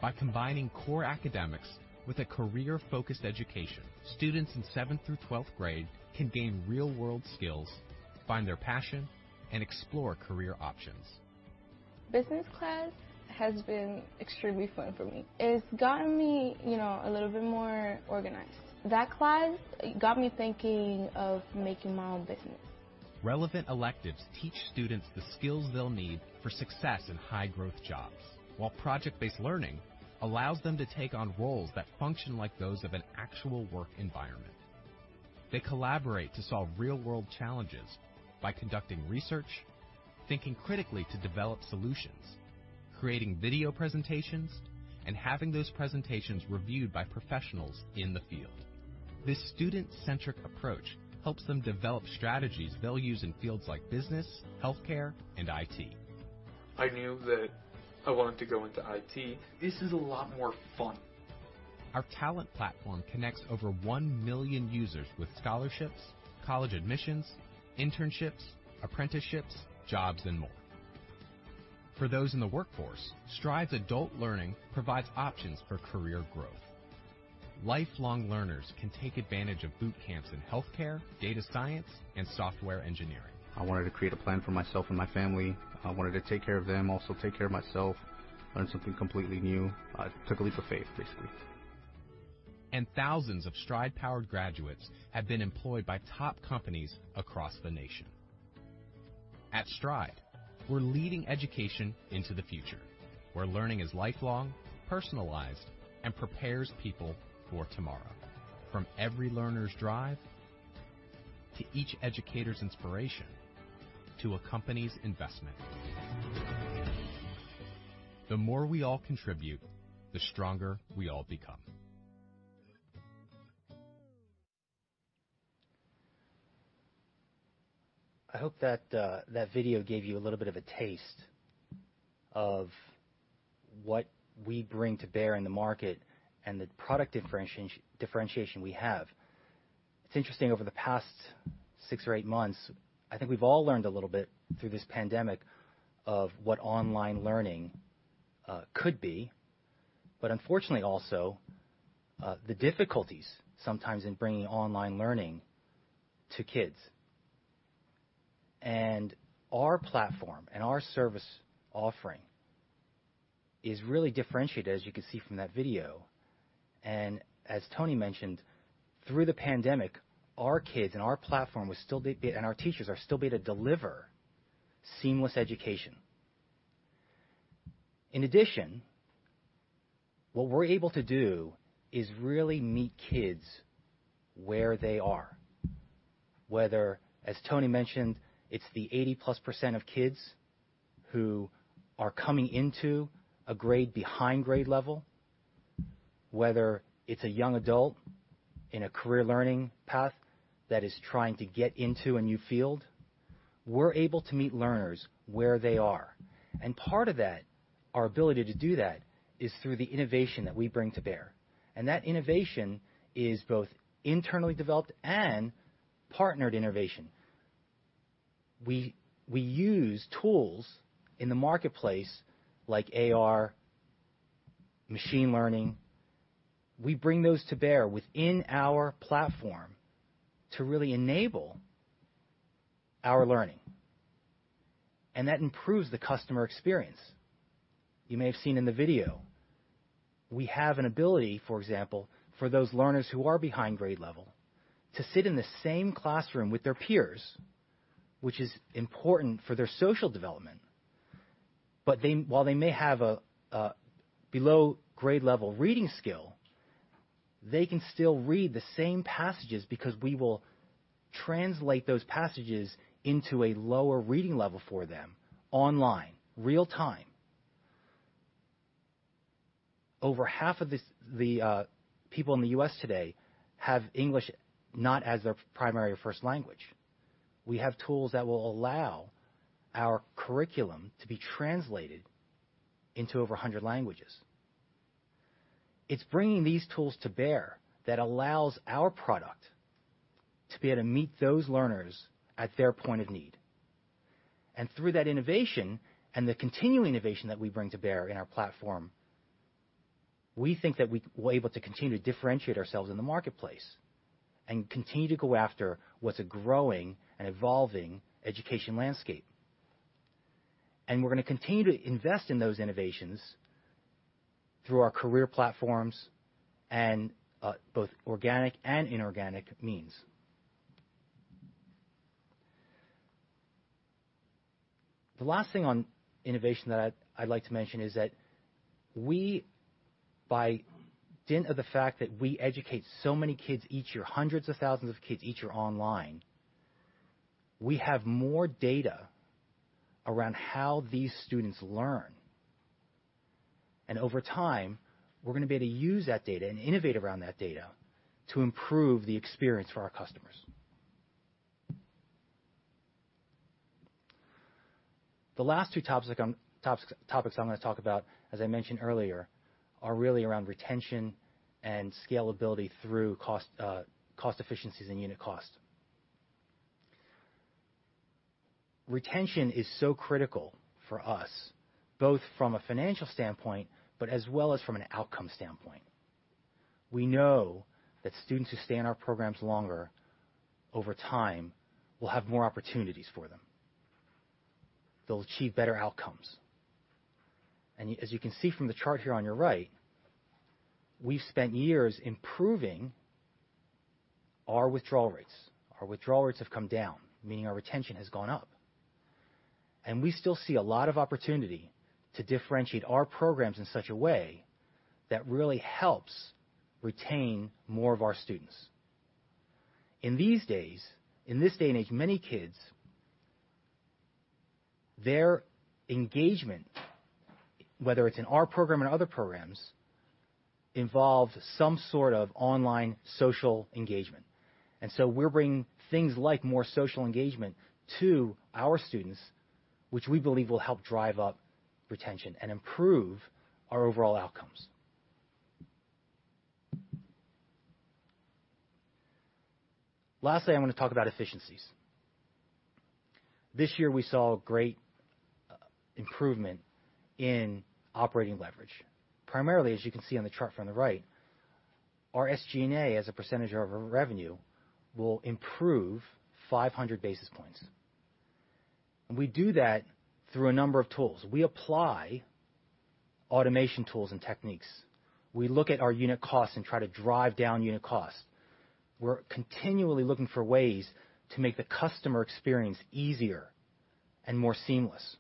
By combining core academics with a career-focused education, students in seventh through 12th grade can gain real-world skills, find their passion, and explore career options. Business class has been extremely fun for me. It's gotten me a little bit more organized. That class got me thinking of making my own business. Relevant electives teach students the skills they'll need for success in high-growth jobs, while project-based learning allows them to take on roles that function like those of an actual work environment. They collaborate to solve real-world challenges by conducting research, thinking critically to develop solutions, creating video presentations, and having those presentations reviewed by professionals in the field. This student-centric approach helps them develop strategies they'll use in fields like business, healthcare, and IT. I knew that I wanted to go into IT. This is a lot more fun. Our talent platform connects over 1 million users with scholarships, college admissions, internships, apprenticeships, jobs, and more. For those in the workforce, Stride's adult learning provides options for career growth. Lifelong learners can take advantage of boot camps in healthcare, data science, and software engineering. I wanted to create a plan for myself and my family. I wanted to take care of them, also take care of myself, learn something completely new. I took a leap of faith, basically. Thousands of Stride-powered graduates have been employed by top companies across the nation. At Stride, we're leading education into the future where learning is lifelong, personalized, and prepares people for tomorrow. From every learner's drive to each educator's inspiration to a company's investment. The more we all contribute, the stronger we all become. I hope that video gave you a little bit of a taste of what we bring to bear in the market and the product differentiation we have. It's interesting, over the past six or eight months, I think we've all learned a little bit through this pandemic of what online learning could be, but unfortunately, also, the difficulties sometimes in bringing online learning to kids. And our platform and our service offering is really differentiated, as you can see from that video. And as Tony mentioned, through the pandemic, our kids and our platform were still being, and our teachers are still being able to deliver seamless education. In addition, what we're able to do is really meet kids where they are, whether, as Tony mentioned, it's the 80-plus% of kids who are coming into a grade behind grade level, whether it's a young adult in a Career Learning path that is trying to get into a new field. We're able to meet learners where they are, and part of that, our ability to do that, is through the innovation that we bring to bear. And that innovation is both internally developed and partnered innovation. We use tools in the marketplace like AR, machine learning. We bring those to bear within our platform to really enable our learning, and that improves the customer experience. You may have seen in the video, we have an ability, for example, for those learners who are behind-grade level to sit in the same classroom with their peers, which is important for their social development. But while they may have a below-grade-level reading skill, they can still read the same passages because we will translate those passages into a lower reading level for them online, real-time. Over half of the people in the U.S. today have English not as their primary or first language. We have tools that will allow our curriculum to be translated into over 100 languages. It's bringing these tools to bear that allows our product to be able to meet those learners at their point of need. And through that innovation and the continuing innovation that we bring to bear in our platform, we think that we're able to continue to differentiate ourselves in the marketplace and continue to go after what's a growing and evolving education landscape. And we're going to continue to invest in those innovations through our career platforms and both organic and inorganic means. The last thing on innovation that I'd like to mention is that we, by dint of the fact that we educate so many kids each year, hundreds of thousands of kids each year online, we have more data around how these students learn. And over time, we're going to be able to use that data and innovate around that data to improve the experience for our customers. The last two topics I'm going to talk about, as I mentioned earlier, are really around retention and scalability through cost efficiencies and unit cost. Retention is so critical for us, both from a financial standpoint but as well as from an outcome standpoint. We know that students who stay in our programs longer over time will have more opportunities for them. They'll achieve better outcomes. And as you can see from the chart here on your right, we've spent years improving our withdrawal rates. Our withdrawal rates have come down, meaning our retention has gone up. And we still see a lot of opportunity to differentiate our programs in such a way that really helps retain more of our students. In this day and age, many kids, their engagement, whether it's in our program or other programs, involves some sort of online social engagement. And so we're bringing things like more social engagement to our students, which we believe will help drive up retention and improve our overall outcomes. Lastly, I want to talk about efficiencies. This year, we saw great improvement in operating leverage. Primarily, as you can see on the chart from the right, our SG&A as a percentage of our revenue will improve 500 basis points. And we do that through a number of tools. We apply automation tools and techniques. We look at our unit costs and try to drive down unit cost. We're continually looking for ways to make the customer experience easier and more seamless.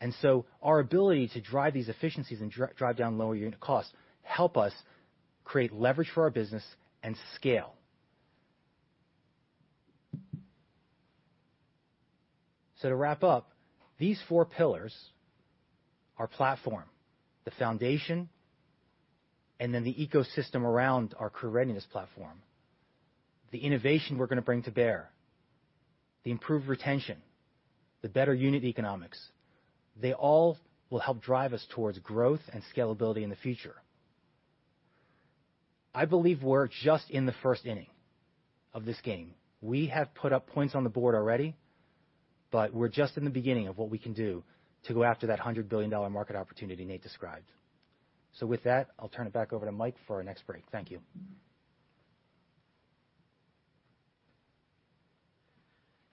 And so our ability to drive these efficiencies and drive down lower unit costs helps us create leverage for our business and scale. So to wrap up, these four pillars: our platform, the foundation, and then the ecosystem around our career readiness platform, the innovation we're going to bring to bear, the improved retention, the better unit economics, they all will help drive us towards growth and scalability in the future. I believe we're just in the first inning of this game. We have put up points on the board already, but we're just in the beginning of what we can do to go after that $100 billion market opportunity Nate described. So with that, I'll turn it back over to Mike for our next break. Thank you.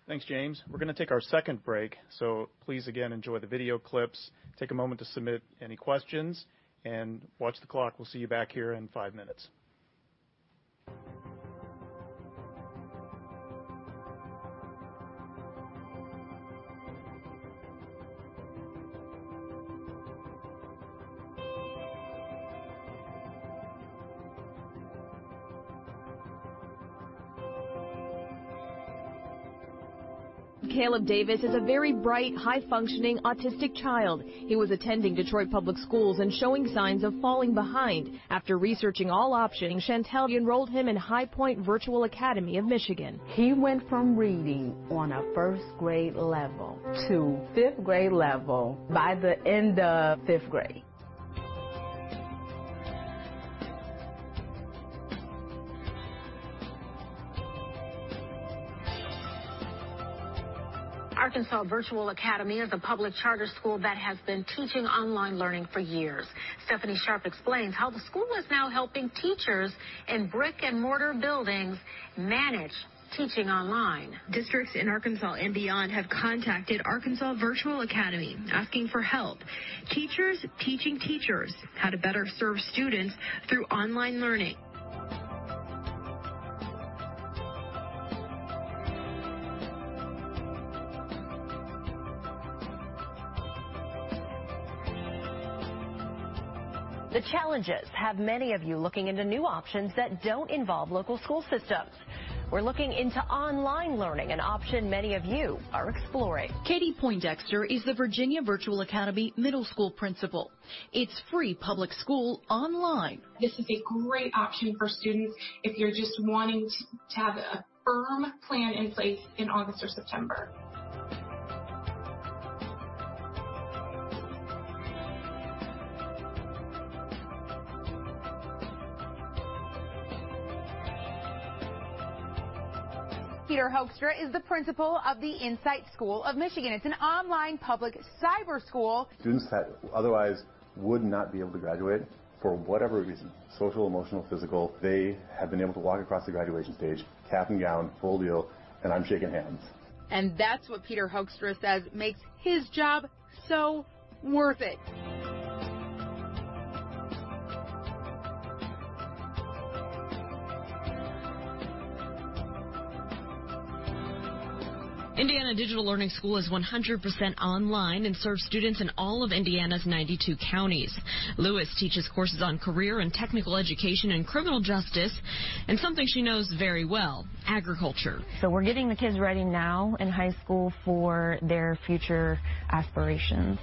Thanks, James. We're going to take our second break. So please, again, enjoy the video clips. Take a moment to submit any questions and watch the clock. We'll see you back here in five minutes. Caleb Davis is a very bright, high-functioning autistic child. He was attending Detroit Public Schools and showing signs of falling behind. After researching all options, Chantel enrolled him in Highpoint Virtual Academy of Michigan. He went from reading on a first-grade level to fifth-grade level by the end of fifth grade. Arkansas Virtual Academy is a public charter school that has been teaching online learning for years. Stephanie Sharp explains how the school is now helping teachers in brick-and-mortar buildings manage teaching online. Districts in Arkansas and beyond have contacted Arkansas Virtual Academy asking for help, teachers teaching teachers how to better serve students through online learning. The challenges have many of you looking into new options that don't involve local school systems. We're looking into online learning, an option many of you are exploring. Katie Poindexter is the Virginia Virtual Academy middle school principal. It's free public school online. This is a great option for students if you're just wanting to have a firm plan in place in August or September. Peter Hoekstra is the principal of the Insight School of Michigan. It's an online public cyber school. Students that otherwise would not be able to graduate for whatever reason, social, emotional, physical, they have been able to walk across the graduation stage, cap and gown, full deal, and I'm shaking hands. That's what Peter Hoekstra says makes his job so worth it. Indiana Digital Learning School is 100% online and serves students in all of Indiana's 92 counties. Lewis teaches courses on career and technical education in criminal justice and something she knows very well: agriculture. We're getting the kids ready now in high school for their future aspirations.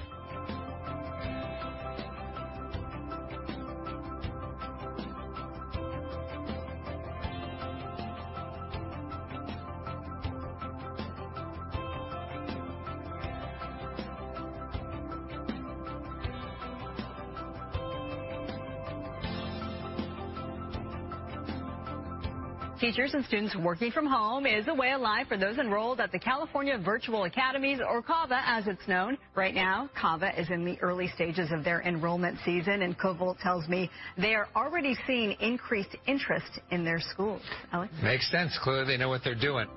Teachers and students working from home is a way of life for those enrolled at the California Virtual Academies, or CAVA as it's known. Right now, CAVA is in the early stages of their enrollment season, and Koval tells me they are already seeing increased interest in their schools. Alex? Makes sense. Clearly, they know what they're doing.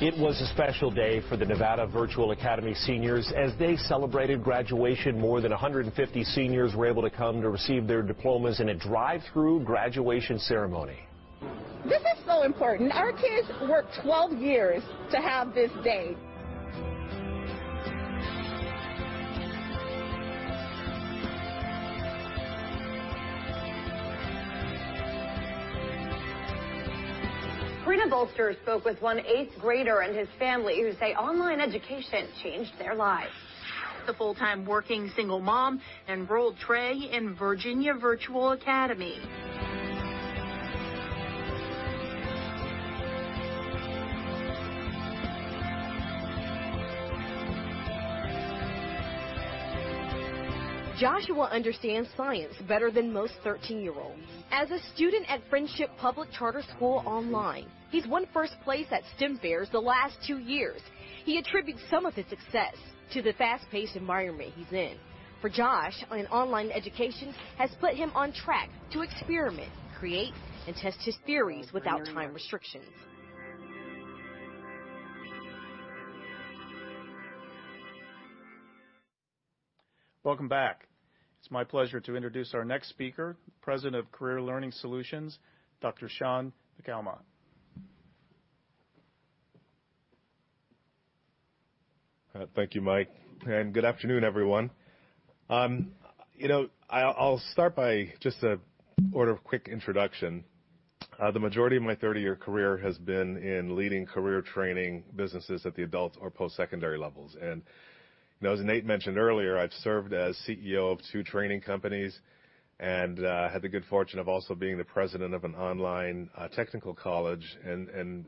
It was a special day for the Nevada Virtual Academy seniors. As they celebrated graduation, more than 150 seniors were able to come to receive their diplomas in a drive-through graduation ceremony. This is so important. Our kids worked 12 years to have this day. Karina Bolster spoke with one eighth grader and his family who say online education changed their lives. The full-time working single mom enrolled Trey in Virginia Virtual Academy. Joshua understands science better than most 13-year-olds. As a student at Friendship Public Charter School online, he's won first place at STEM fairs the last two years. He attributes some of his success to the fast-paced environment he's in. For Josh, an online education has put him on track to experiment, create, and test his theories without time restrictions. Welcome back. It's my pleasure to introduce our next speaker, the President of Career Learning Solutions, Dr. Shaun McAlmont. Thank you, Mike, and good afternoon, everyone. I'll start by just an order of quick introduction. The majority of my 30-year career has been in leading career training businesses at the adult or post-secondary levels. As Nate mentioned earlier, I've served as CEO of two training companies and had the good fortune of also being the president of an online technical college. I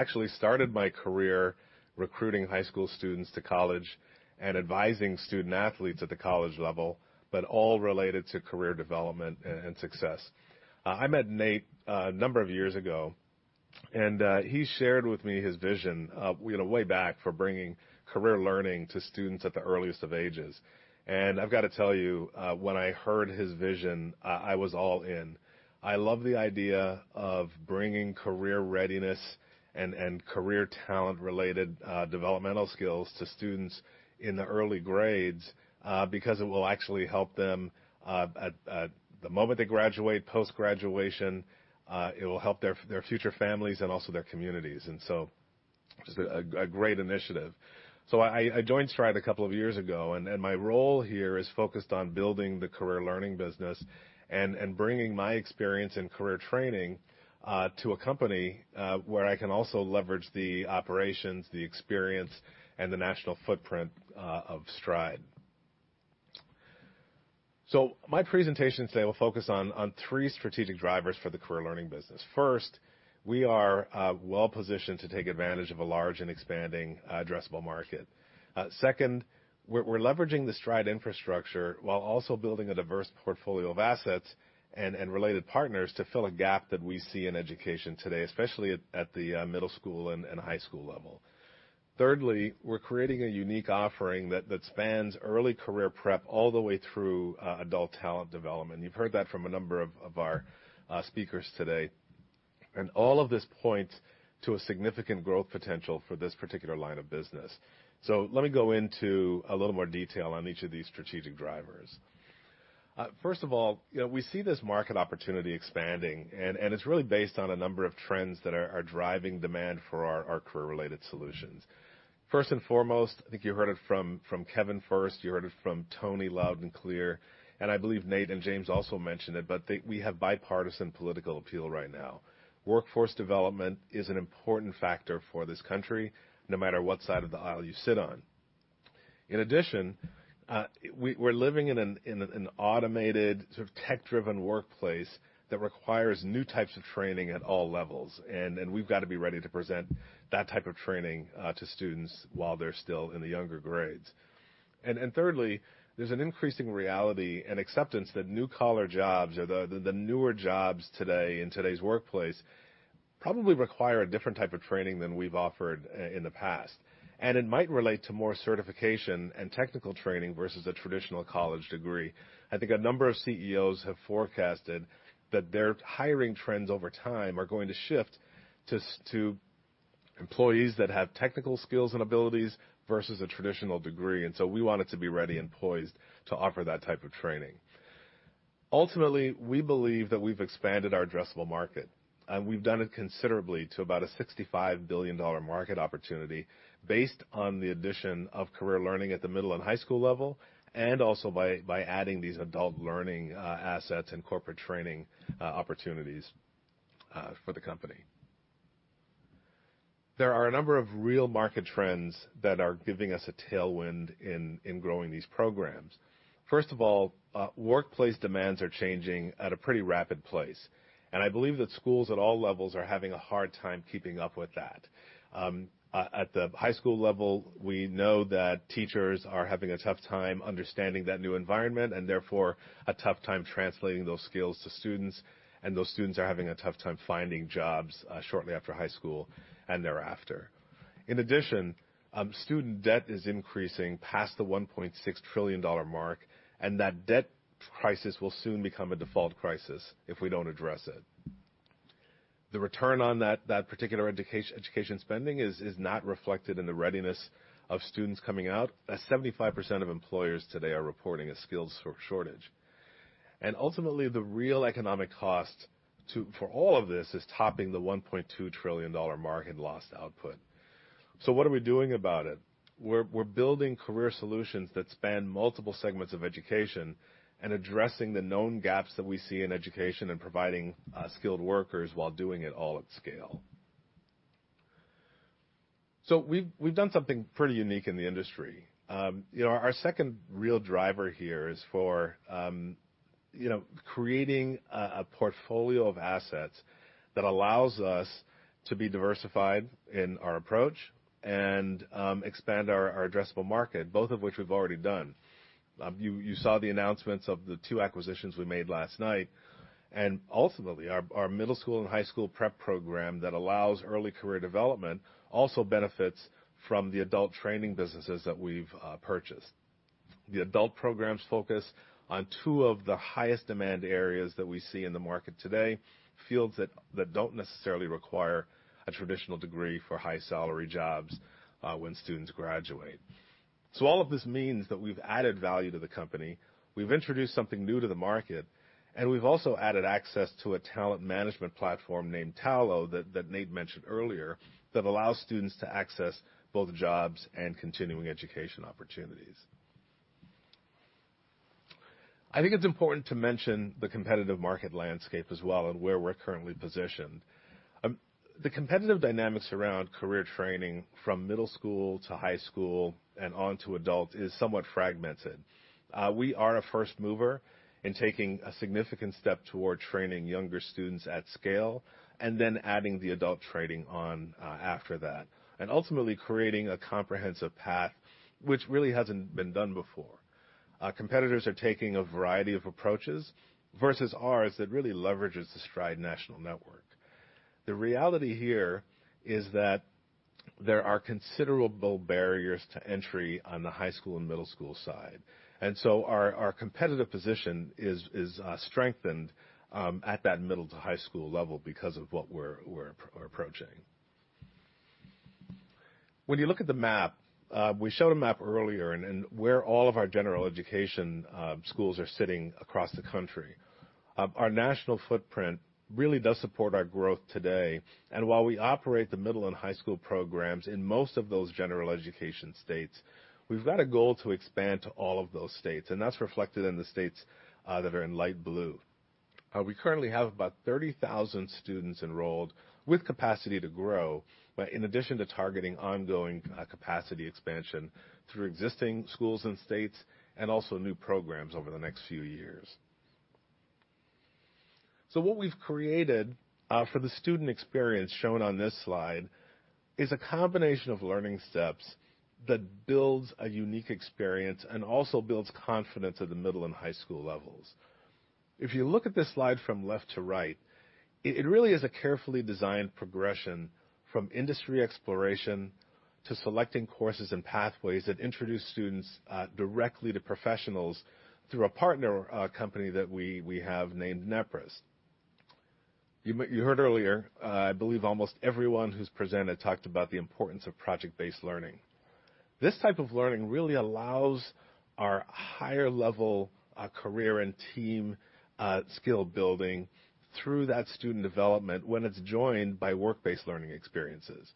actually started my career recruiting high school students to college and advising student athletes at the college level, but all related to career development and success. I met Nate a number of years ago, and he shared with me his vision way back for bringing career learning to students at the earliest of ages. I've got to tell you, when I heard his vision, I was all in. I love the idea of bringing career readiness and career talent-related developmental skills to students in the early grades because it will actually help them at the moment they graduate, post-graduation. It will help their future families and also their communities, and so it's a great initiative, so I joined Stride a couple of years ago, and my role here is focused on building the Career Learning business and bringing my experience in career training to a company where I can also leverage the operations, the experience, and the national footprint of Stride, so my presentation today will focus on three strategic drivers for the Career Learning business. First, we are well-positioned to take advantage of a large and expanding addressable market. Second, we're leveraging the Stride infrastructure while also building a diverse portfolio of assets and related partners to fill a gap that we see in education today, especially at the middle school and high school level. Thirdly, we're creating a unique offering that spans early career prep all the way through adult talent development. You've heard that from a number of our speakers today. And all of this points to a significant growth potential for this particular line of business. So let me go into a little more detail on each of these strategic drivers. First of all, we see this market opportunity expanding, and it's really based on a number of trends that are driving demand for our career-related solutions. First and foremost, I think you heard it from Kevin first. You heard it from Tony loud and clear. I believe Nate and James also mentioned it, but we have bipartisan political appeal right now. Workforce development is an important factor for this country, no matter what side of the aisle you sit on. In addition, we're living in an automated, sort of tech-driven workplace that requires new types of training at all levels. We've got to be ready to present that type of training to students while they're still in the younger grades. Thirdly, there's an increasing reality and acceptance that new-collar jobs or the newer jobs today in today's workplace probably require a different type of training than we've offered in the past. It might relate to more certification and technical training versus a traditional college degree. I think a number of CEOs have forecasted that their hiring trends over time are going to shift to employees that have technical skills and abilities versus a traditional degree, and so we want it to be ready and poised to offer that type of training. Ultimately, we believe that we've expanded our addressable market. We've done it considerably to about a $65 billion market opportunity based on the addition of Career Learning at the middle and high school level and also by adding these adult learning assets and corporate training opportunities for the company. There are a number of real market trends that are giving us a tailwind in growing these programs. First of all, workplace demands are changing at a pretty rapid pace. I believe that schools at all levels are having a hard time keeping up with that. At the high school level, we know that teachers are having a tough time understanding that new environment and therefore a tough time translating those skills to students. And those students are having a tough time finding jobs shortly after high school and thereafter. In addition, student debt is increasing past the $1.6 trillion mark, and that debt crisis will soon become a default crisis if we don't address it. The return on that particular education spending is not reflected in the readiness of students coming out, as 75% of employers today are reporting a skills shortage. And ultimately, the real economic cost for all of this is topping the $1.2 trillion market lost output. So what are we doing about it? We're building career solutions that span multiple segments of education and addressing the known gaps that we see in education and providing skilled workers while doing it all at scale, so we've done something pretty unique in the industry. Our second real driver here is for creating a portfolio of assets that allows us to be diversified in our approach and expand our addressable market, both of which we've already done. You saw the announcements of the two acquisitions we made last night, and ultimately, our middle school and high school prep program that allows early career development also benefits from the adult training businesses that we've purchased. The adult programs focus on two of the highest demand areas that we see in the market today, fields that don't necessarily require a traditional degree for high-salary jobs when students graduate. All of this means that we've added value to the company. We've introduced something new to the market, and we've also added access to a talent management platform named Tallo that Nate mentioned earlier that allows students to access both jobs and continuing education opportunities. I think it's important to mention the competitive market landscape as well and where we're currently positioned. The competitive dynamics around career training from middle school to high school and on to adult is somewhat fragmented. We are a first mover in taking a significant step toward training younger students at scale and then adding the adult training on after that, and ultimately creating a comprehensive path, which really hasn't been done before. Competitors are taking a variety of approaches versus ours that really leverages the Stride national network. The reality here is that there are considerable barriers to entry on the high school and middle school side, and so our competitive position is strengthened at that middle to high school level because of what we're approaching. When you look at the map we showed earlier and where all of our general education schools are sitting across the country, our national footprint really does support our growth today, and while we operate the middle and high school programs in most of those general education states, we've got a goal to expand to all of those states, and that's reflected in the states that are in light blue. We currently have about 30,000 students enrolled with capacity to grow in addition to targeting ongoing capacity expansion through existing schools and states and also new programs over the next few years. So what we've created for the student experience shown on this slide is a combination of learning steps that builds a unique experience and also builds confidence at the middle and high school levels. If you look at this slide from left to right, it really is a carefully designed progression from industry exploration to selecting courses and pathways that introduce students directly to professionals through a partner company that we have named Nepris. You heard earlier, I believe almost everyone who's presented talked about the importance of project-based learning. This type of learning really allows our higher-level career and team skill-building through that student development when it's joined by work-based learning experiences.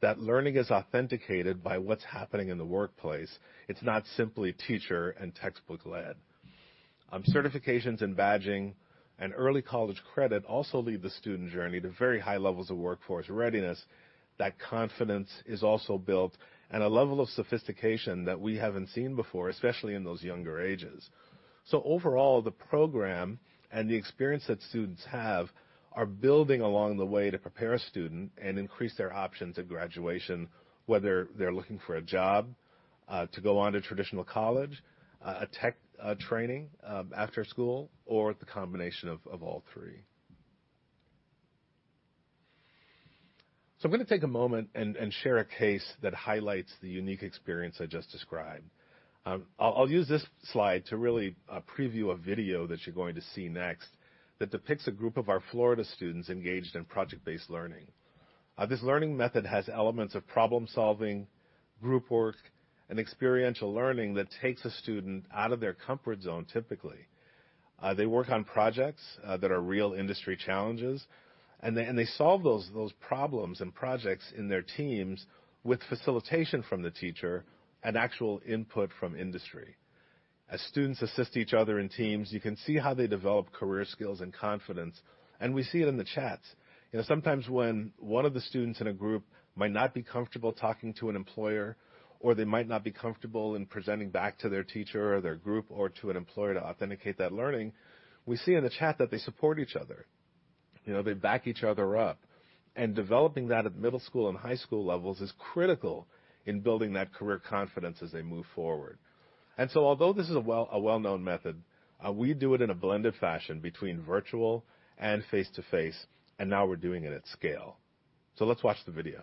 That learning is authenticated by what's happening in the workplace. It's not simply teacher and textbook-led. Certifications and badging and early college credit also lead the student journey to very high levels of workforce readiness. That confidence is also built and a level of sophistication that we haven't seen before, especially in those younger ages. So overall, the program and the experience that students have are building along the way to prepare a student and increase their options at graduation, whether they're looking for a job to go on to traditional college, a tech training after school, or the combination of all three. So I'm going to take a moment and share a case that highlights the unique experience I just described. I'll use this slide to really preview a video that you're going to see next that depicts a group of our Florida students engaged in project-based learning. This learning method has elements of problem-solving, group work, and experiential learning that takes a student out of their comfort zone typically. They work on projects that are real industry challenges, and they solve those problems and projects in their teams with facilitation from the teacher and actual input from industry. As students assist each other in teams, you can see how they develop career skills and confidence, and we see it in the chats. Sometimes when one of the students in a group might not be comfortable talking to an employer, or they might not be comfortable in presenting back to their teacher or their group or to an employer to authenticate that learning, we see in the chat that they support each other. They back each other up, and developing that at middle school and high school levels is critical in building that career confidence as they move forward. Although this is a well-known method, we do it in a blended fashion between virtual and face-to-face, and now we're doing it at scale. So let's watch the video.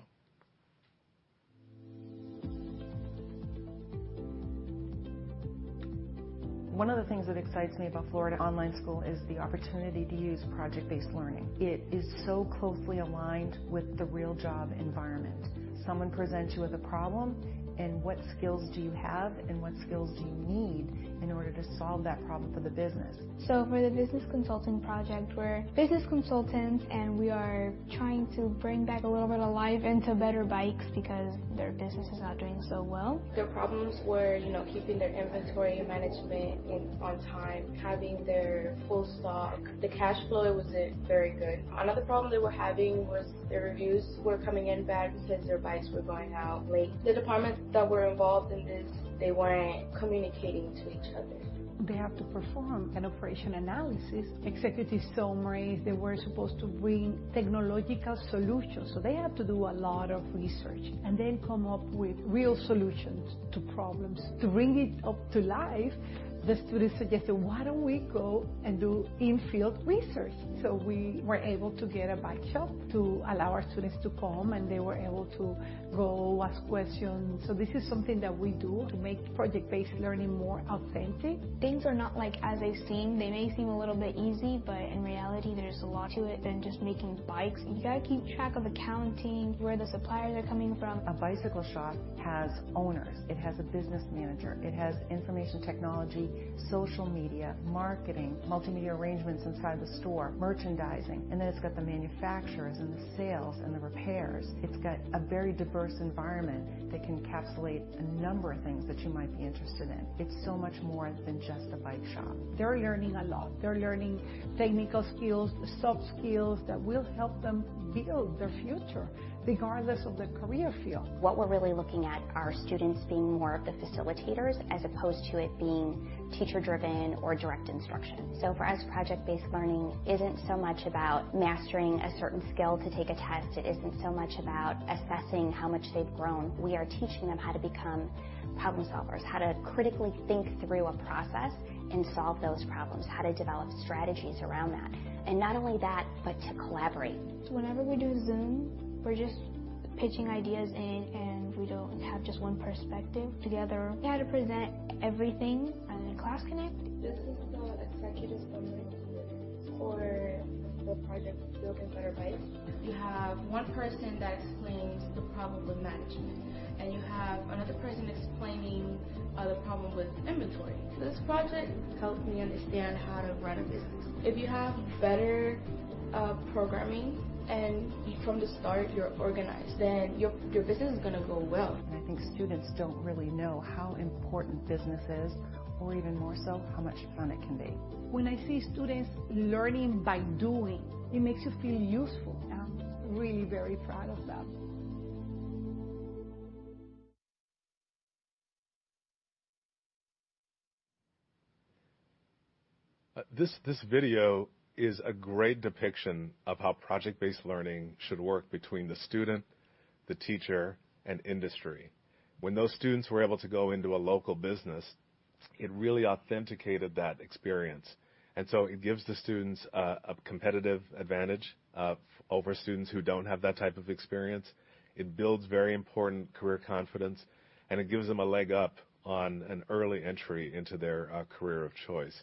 One of the things that excites me about Florida Virtual Academy is the opportunity to use project-based learning. It is so closely aligned with the real job environment. Someone presents you with a problem, and what skills do you have, and what skills do you need in order to solve that problem for the business? So for the business consulting project, we're business consultants, and we are trying to bring back a little bit of life into Better Bikes because their business is not doing so well. Their problems were keeping their inventory management on time, having their full stock. The cash flow wasn't very good. Another problem they were having was their reviews were coming in bad because their bikes were going out late. The departments that were involved in this, they weren't communicating to each other. They have to perform an operation analysis, executive summaries. They were supposed to bring technological solutions. So they had to do a lot of research and then come up with real solutions to problems. To bring it to life, the students suggested, "Why don't we go and do in-field research?" So we were able to get a bike shop to allow our students to come, and they were able to go ask questions. So this is something that we do to make project-based learning more authentic. Things are not as they seem. They may seem a little bit easy, but in reality, there's a lot to it than just making bikes. You got to keep track of accounting, where the suppliers are coming from. A bicycle shop has owners. It has a business manager. It has information technology, social media, marketing, multimedia arrangements inside the store, merchandising. And then it's got the manufacturers and the sales and the repairs. It's got a very diverse environment that can encapsulate a number of things that you might be interested in. It's so much more than just a bike shop. They're learning a lot. They're learning technical skills, soft skills that will help them build their future regardless of the career field. What we're really looking at are students being more of the facilitators as opposed to it being teacher-driven or direct instruction. So for us, project-based learning isn't so much about mastering a certain skill to take a test. It isn't so much about assessing how much they've grown. We are teaching them how to become problem solvers, how to critically think through a process and solve those problems, how to develop strategies around that. And not only that, but to collaborate. Whenever we do Zoom, we're just pitching ideas in, and we don't have just one perspective. Together, we had to present everything in Class Connect. This is the executive summary for the project Building Better Bikes. You have one person that explains the problem with management, and you have another person explaining the problem with inventory. This project helped me understand how to run a business. If you have better programming and from the start, you're organized, then your business is going to go well. And I think students don't really know how important business is, or even more so, how much fun it can be. When I see students learning by doing, it makes you feel useful. I'm really very proud of them. This video is a great depiction of how project-based learning should work between the student, the teacher, and industry. When those students were able to go into a local business, it really authenticated that experience. And so it gives the students a competitive advantage over students who don't have that type of experience. It builds very important career confidence, and it gives them a leg up on an early entry into their career of choice.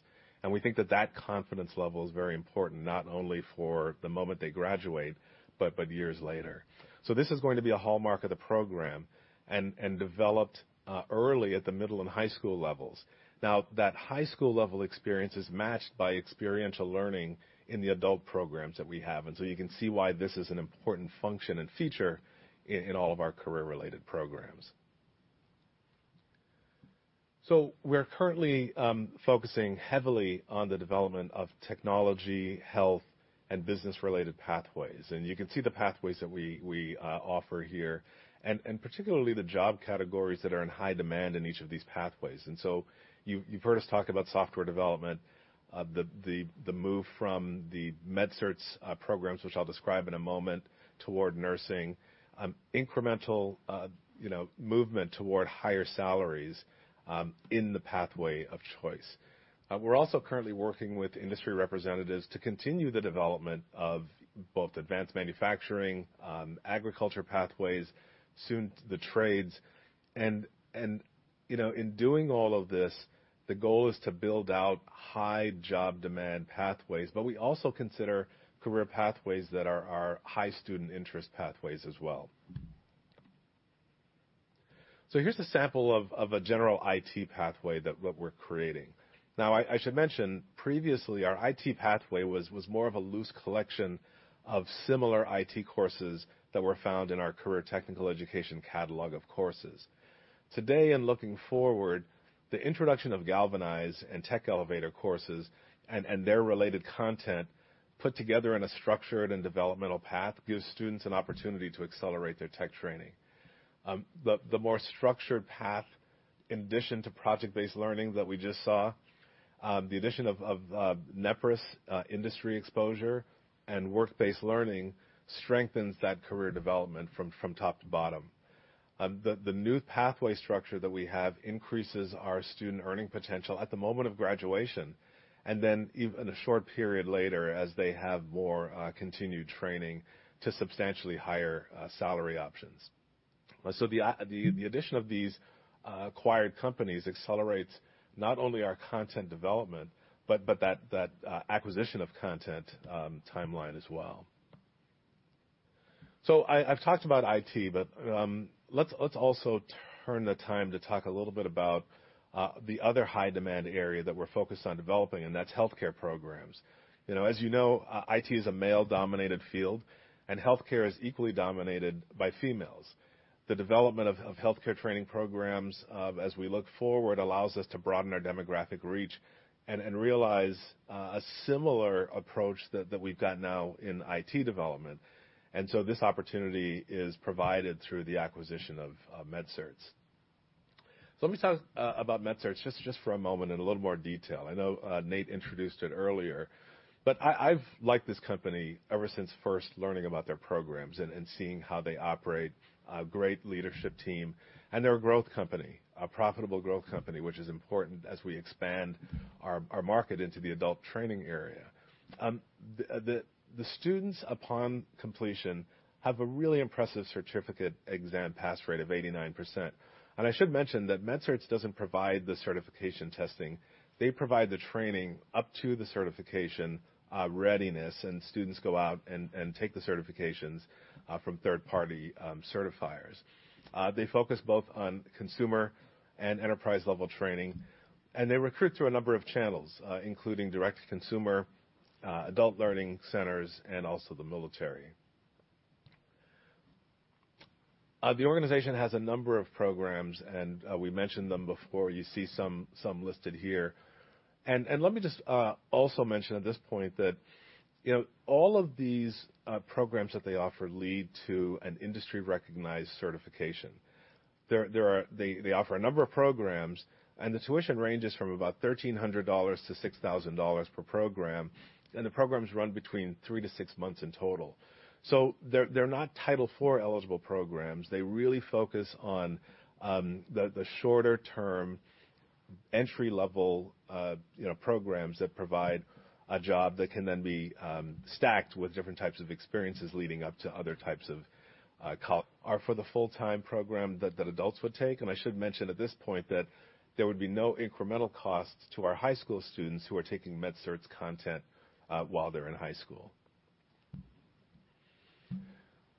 And we think that that confidence level is very important, not only for the moment they graduate, but years later. So this is going to be a hallmark of the program and developed early at the middle and high school levels. Now, that high school level experience is matched by experiential learning in the adult programs that we have. And so you can see why this is an important function and feature in all of our career-related programs. So we're currently focusing heavily on the development of technology, health, and business-related pathways. And you can see the pathways that we offer here, and particularly the job categories that are in high demand in each of these pathways. And so you've heard us talk about software development, the move from the MedCerts programs, which I'll describe in a moment, toward nursing, incremental movement toward higher salaries in the pathway of choice. We're also currently working with industry representatives to continue the development of both advanced manufacturing, agriculture pathways, soon the trades. And in doing all of this, the goal is to build out high job demand pathways, but we also consider career pathways that are high student interest pathways as well. So here's a sample of a general IT pathway that we're creating. Now, I should mention previously, our IT pathway was more of a loose collection of similar IT courses that were found in our career technical education catalog of courses. Today, and looking forward, the introduction of Galvanize and Tech Elevator courses and their related content put together in a structured and developmental path gives students an opportunity to accelerate their tech training. The more structured path, in addition to project-based learning that we just saw, the addition of Nepris industry exposure and work-based learning strengthens that career development from top to bottom. The new pathway structure that we have increases our student earning potential at the moment of graduation, and then even a short period later as they have more continued training to substantially higher salary options. So the addition of these acquired companies accelerates not only our content development, but that acquisition of content timeline as well. So I've talked about IT, but let's also turn the time to talk a little bit about the other high-demand area that we're focused on developing, and that's healthcare programs. As you know, IT is a male-dominated field, and healthcare is equally dominated by females. The development of healthcare training programs as we look forward allows us to broaden our demographic reach and realize a similar approach that we've got now in IT development. And so this opportunity is provided through the acquisition of MedCerts. So let me talk about MedCerts just for a moment in a little more detail. I know Nate introduced it earlier, but I've liked this company ever since first learning about their programs and seeing how they operate, a great leadership team, and they're a growth company, a profitable growth company, which is important as we expand our market into the adult training area. The students upon completion have a really impressive certificate exam pass rate of 89%. And I should mention that MedCerts doesn't provide the certification testing. They provide the training up to the certification readiness, and students go out and take the certifications from third-party certifiers. They focus both on consumer and enterprise-level training, and they recruit through a number of channels, including direct to consumer, adult learning centers, and also the military. The organization has a number of programs, and we mentioned them before. You see some listed here. Let me just also mention at this point that all of these programs that they offer lead to an industry-recognized certification. They offer a number of programs, and the tuition ranges from about $1,300-$6,000 per program, and the programs run between 3-6 months in total. They're not Title IV eligible programs. They really focus on the shorter-term entry-level programs that provide a job that can then be stacked with different types of experiences leading up to other types of. Are for the full-time program that adults would take. I should mention at this point that there would be no incremental costs to our high school students who are taking MedCerts content while they're in high school.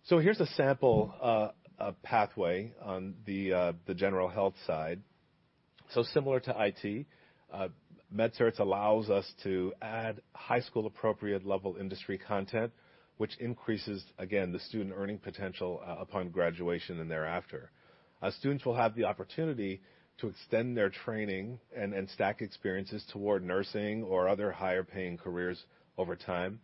Here's a sample pathway on the general health side. So similar to IT, MedCerts allows us to add high school-appropriate level industry content, which increases, again, the student earning potential upon graduation and thereafter. Students will have the opportunity to extend their training and stack experiences toward nursing or other higher-paying careers over time.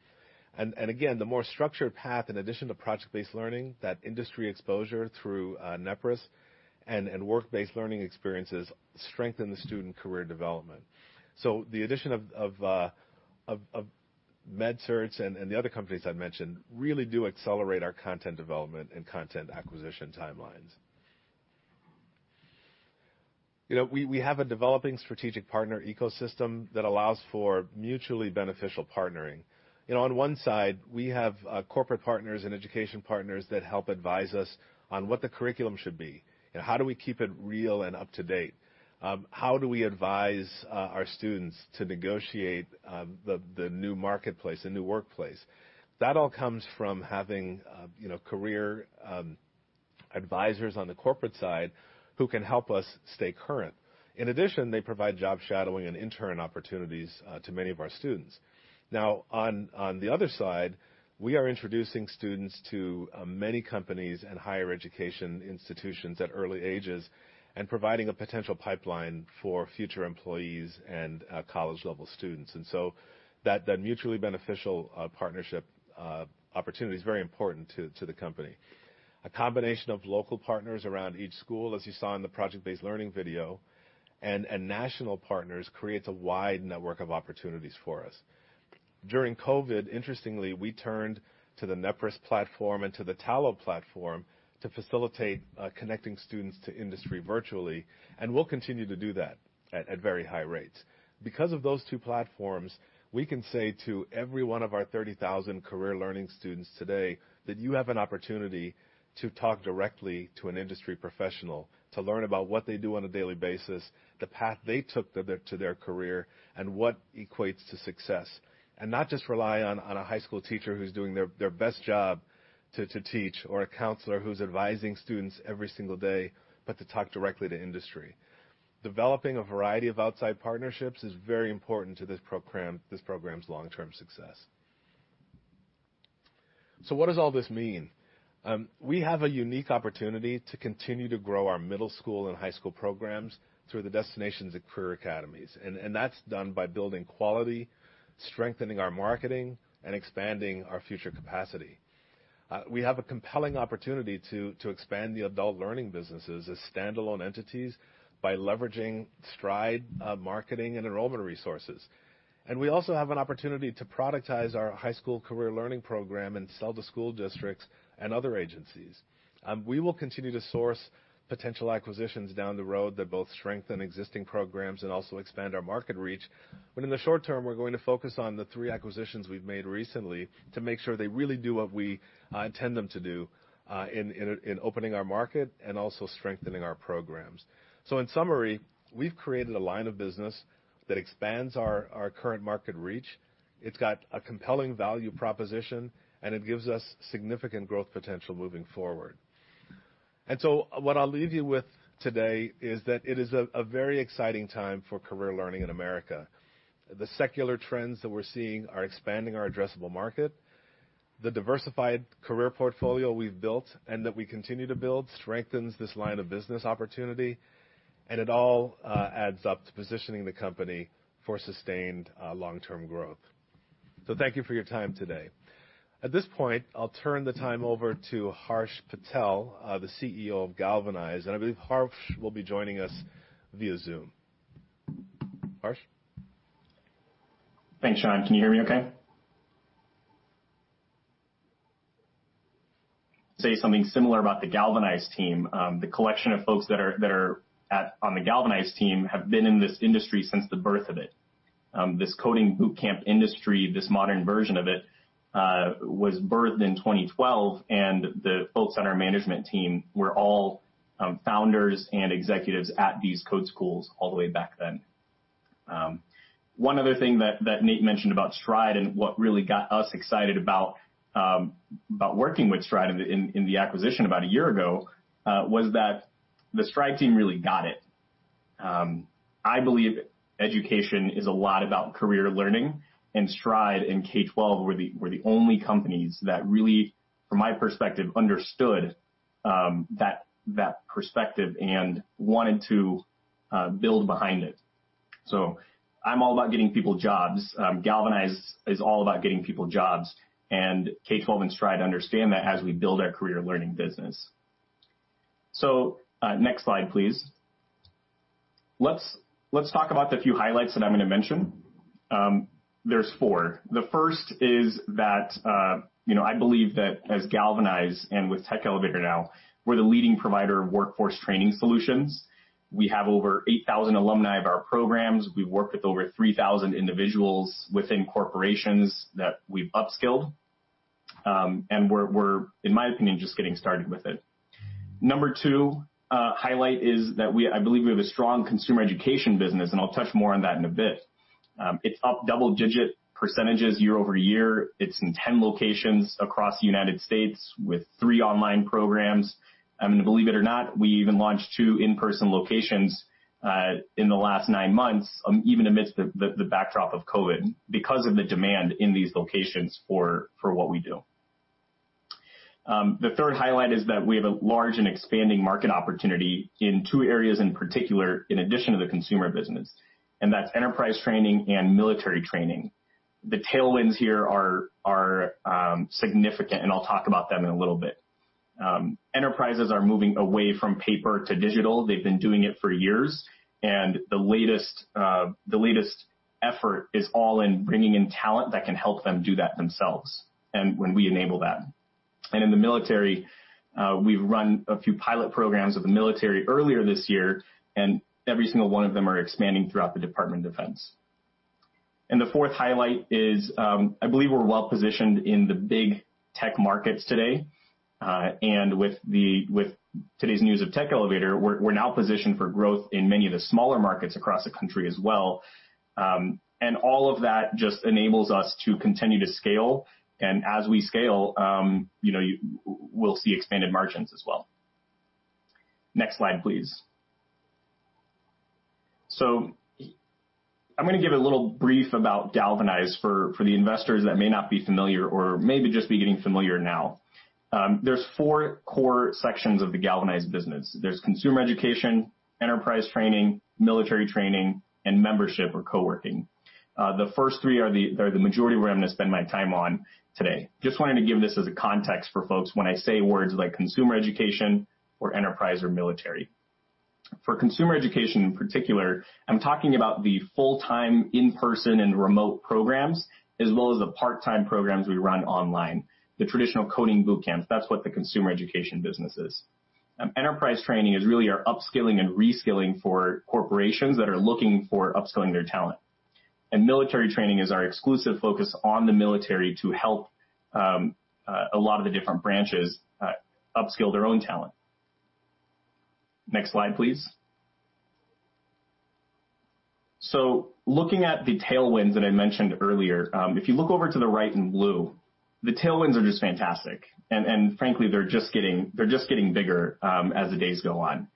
And again, the more structured path, in addition to project-based learning, that industry exposure through Nepris and work-based learning experiences strengthen the student career development. So the addition of MedCerts and the other companies I mentioned really do accelerate our content development and content acquisition timelines. We have a developing strategic partner ecosystem that allows for mutually beneficial partnering. On one side, we have corporate partners and education partners that help advise us on what the curriculum should be. How do we keep it real and up to date? How do we advise our students to negotiate the new marketplace, the new workplace? That all comes from having career advisors on the corporate side who can help us stay current. In addition, they provide job shadowing and intern opportunities to many of our students. Now, on the other side, we are introducing students to many companies and higher education institutions at early ages and providing a potential pipeline for future employees and college-level students. And so that mutually beneficial partnership opportunity is very important to the company. A combination of local partners around each school, as you saw in the project-based learning video, and national partners creates a wide network of opportunities for us. During COVID, interestingly, we turned to the Nepris platform and to the Tallo platform to facilitate connecting students to industry virtually, and we'll continue to do that at very high rates. Because of those two platforms, we can say to every one of our 30,000 Career Learning students today that you have an opportunity to talk directly to an industry professional to learn about what they do on a daily basis, the path they took to their career, and what equates to success, and not just rely on a high school teacher who's doing their best job to teach or a counselor who's advising students every single day, but to talk directly to industry. Developing a variety of outside partnerships is very important to this program's long-term success. So what does all this mean? We have a unique opportunity to continue to grow our middle school and high school programs through the Destinations Career Academies, and that's done by building quality, strengthening our marketing, and expanding our future capacity. We have a compelling opportunity to expand the adult learning businesses as standalone entities by leveraging Stride marketing and enrollment resources, and we also have an opportunity to productize our high school Career Learning program and sell to school districts and other agencies. We will continue to source potential acquisitions down the road that both strengthen existing programs and also expand our market reach, but in the short term, we're going to focus on the three acquisitions we've made recently to make sure they really do what we intend them to do in opening our market and also strengthening our programs, so in summary, we've created a line of business that expands our current market reach. It's got a compelling value proposition, and it gives us significant growth potential moving forward. And so what I'll leave you with today is that it is a very exciting time for Career Learning in America. The secular trends that we're seeing are expanding our addressable market. The diversified career portfolio we've built and that we continue to build strengthens this line of business opportunity, and it all adds up to positioning the company for sustained long-term growth. So thank you for your time today. At this point, I'll turn the time over to Harsh Patel, the CEO of Galvanize. And I believe Harsh will be joining us via Zoom. Harsh? Thanks, Shaun. Can you hear me okay? Say something similar about the Galvanize team. The collection of folks that are on the Galvanize team have been in this industry since the birth of it. This coding bootcamp industry, this modern version of it, was birthed in 2012, and the folks on our management team were all founders and executives at these code schools all the way back then. One other thing that Nate mentioned about Stride and what really got us excited about working with Stride in the acquisition about a year ago was that the Stride team really got it. I believe education is a lot about Career Learning, and Stride and K-12 were the only companies that really, from my perspective, understood that perspective and wanted to build behind it. I'm all about getting people jobs. Galvanize is all about getting people jobs, and K-12 and Stride understand that as we build our Career Learning business. Next slide, please. Let's talk about the few highlights that I'm going to mention. There's four. The first is that I believe that as Galvanize and with Tech Elevator now, we're the leading provider of workforce training solutions. We have over 8,000 alumni of our programs. We've worked with over 3,000 individuals within corporations that we've upskilled, and we're, in my opinion, just getting started with it. Number two highlight is that I believe we have a strong consumer education business, and I'll touch more on that in a bit. It's up double-digit % year over year. It's in 10 locations across the United States with three online programs. And believe it or not, we even launched two in-person locations in the last nine months, even amidst the backdrop of COVID because of the demand in these locations for what we do. The third highlight is that we have a large and expanding market opportunity in two areas in particular, in addition to the consumer business, and that's enterprise training and military training. The tailwinds here are significant, and I'll talk about them in a little bit. Enterprises are moving away from paper to digital. They've been doing it for years, and the latest effort is all in bringing in talent that can help them do that themselves when we enable that. And in the military, we've run a few pilot programs of the military earlier this year, and every single one of them are expanding throughout the Department of Defense. And the fourth highlight is I believe we're well positioned in the big tech markets today. And with today's news of Tech Elevator, we're now positioned for growth in many of the smaller markets across the country as well. And all of that just enables us to continue to scale. And as we scale, we'll see expanded margins as well. Next slide, please. So I'm going to give a little brief about Galvanize for the investors that may not be familiar or maybe just be getting familiar now. There's four core sections of the Galvanize business. There's consumer education, enterprise training, military training, and membership or coworking. The first three are the majority where I'm going to spend my time on today. Just wanted to give this as a context for folks when I say words like consumer education or enterprise or military. For consumer education in particular, I'm talking about the full-time in-person and remote programs, as well as the part-time programs we run online, the traditional coding bootcamps. That's what the consumer education business is. Enterprise training is really our upskilling and reskilling for corporations that are looking for upskilling their talent, and military training is our exclusive focus on the military to help a lot of the different branches upskill their own talent. Next slide, please. So looking at the tailwinds that I mentioned earlier, if you look over to the right in blue, the tailwinds are just fantastic, and frankly, they're just getting bigger as the days go on.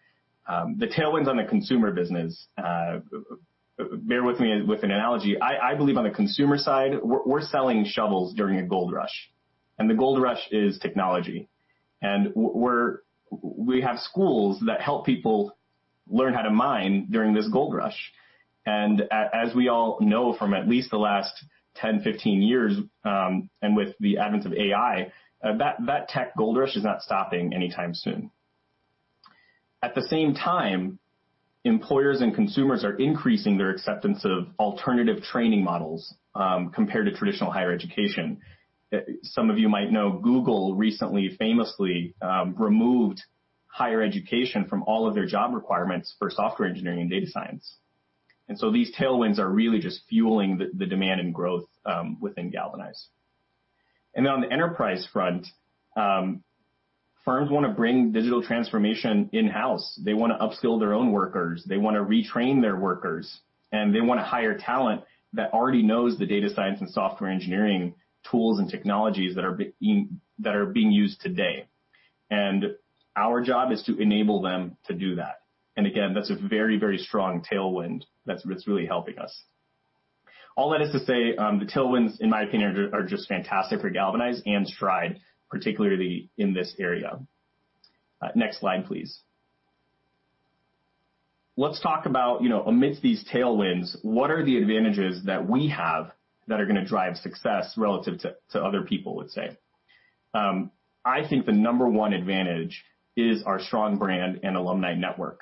The tailwinds on the consumer business, bear with me with an analogy. I believe on the consumer side, we're selling shovels during a gold rush, and the gold rush is technology, and we have schools that help people learn how to mine during this gold rush, and as we all know from at least the last 10, 15 years, and with the advent of AI, that tech gold rush is not stopping anytime soon. At the same time, employers and consumers are increasing their acceptance of alternative training models compared to traditional higher education. Some of you might know Google recently famously removed higher education from all of their job requirements for software engineering and data science. And so these tailwinds are really just fueling the demand and growth within Galvanize. And then on the enterprise front, firms want to bring digital transformation in-house. They want to upskill their own workers. They want to retrain their workers. And they want to hire talent that already knows the data science and software engineering tools and technologies that are being used today. And our job is to enable them to do that. And again, that's a very, very strong tailwind that's really helping us. All that is to say, the tailwinds, in my opinion, are just fantastic for Galvanize and Stride, particularly in this area. Next slide, please. Let's talk about, amidst these tailwinds, what are the advantages that we have that are going to drive success relative to other people, let's say. I think the number one advantage is our strong brand and alumni network.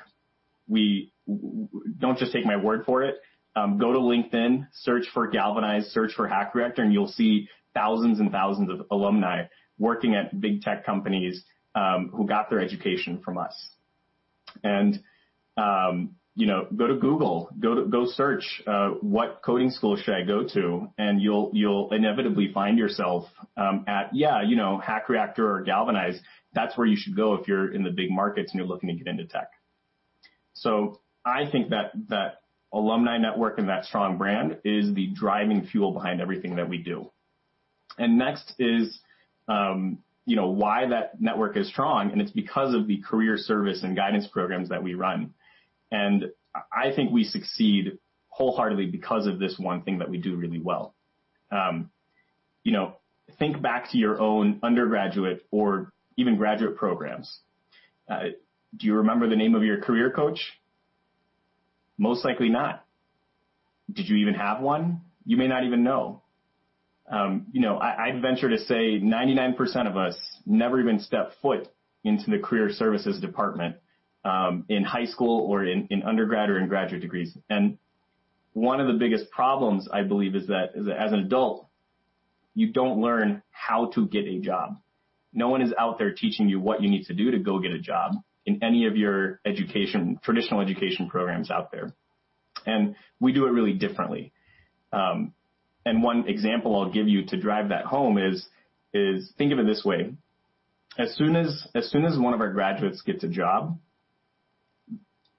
Don't just take my word for it. Go to LinkedIn, search for Galvanize, search for Hack Reactor, and you'll see thousands and thousands of alumni working at big tech companies who got their education from us, and go to Google. Go search. What coding school should I go to? And you'll inevitably find yourself at, yeah, Hack Reactor or Galvanize. That's where you should go if you're in the big markets and you're looking to get into tech. So I think that alumni network and that strong brand is the driving fuel behind everything that we do, and next is why that network is strong. And it's because of the career service and guidance programs that we run. And I think we succeed wholeheartedly because of this one thing that we do really well. Think back to your own undergraduate or even graduate programs. Do you remember the name of your career coach? Most likely not. Did you even have one? You may not even know. I'd venture to say 99% of us never even stepped foot into the career services department in high school or in undergrad or in graduate degrees. And one of the biggest problems, I believe, is that as an adult, you don't learn how to get a job. No one is out there teaching you what you need to do to go get a job in any of your traditional education programs out there. And we do it really differently. One example I'll give you to drive that home is think of it this way. As soon as one of our graduates gets a job,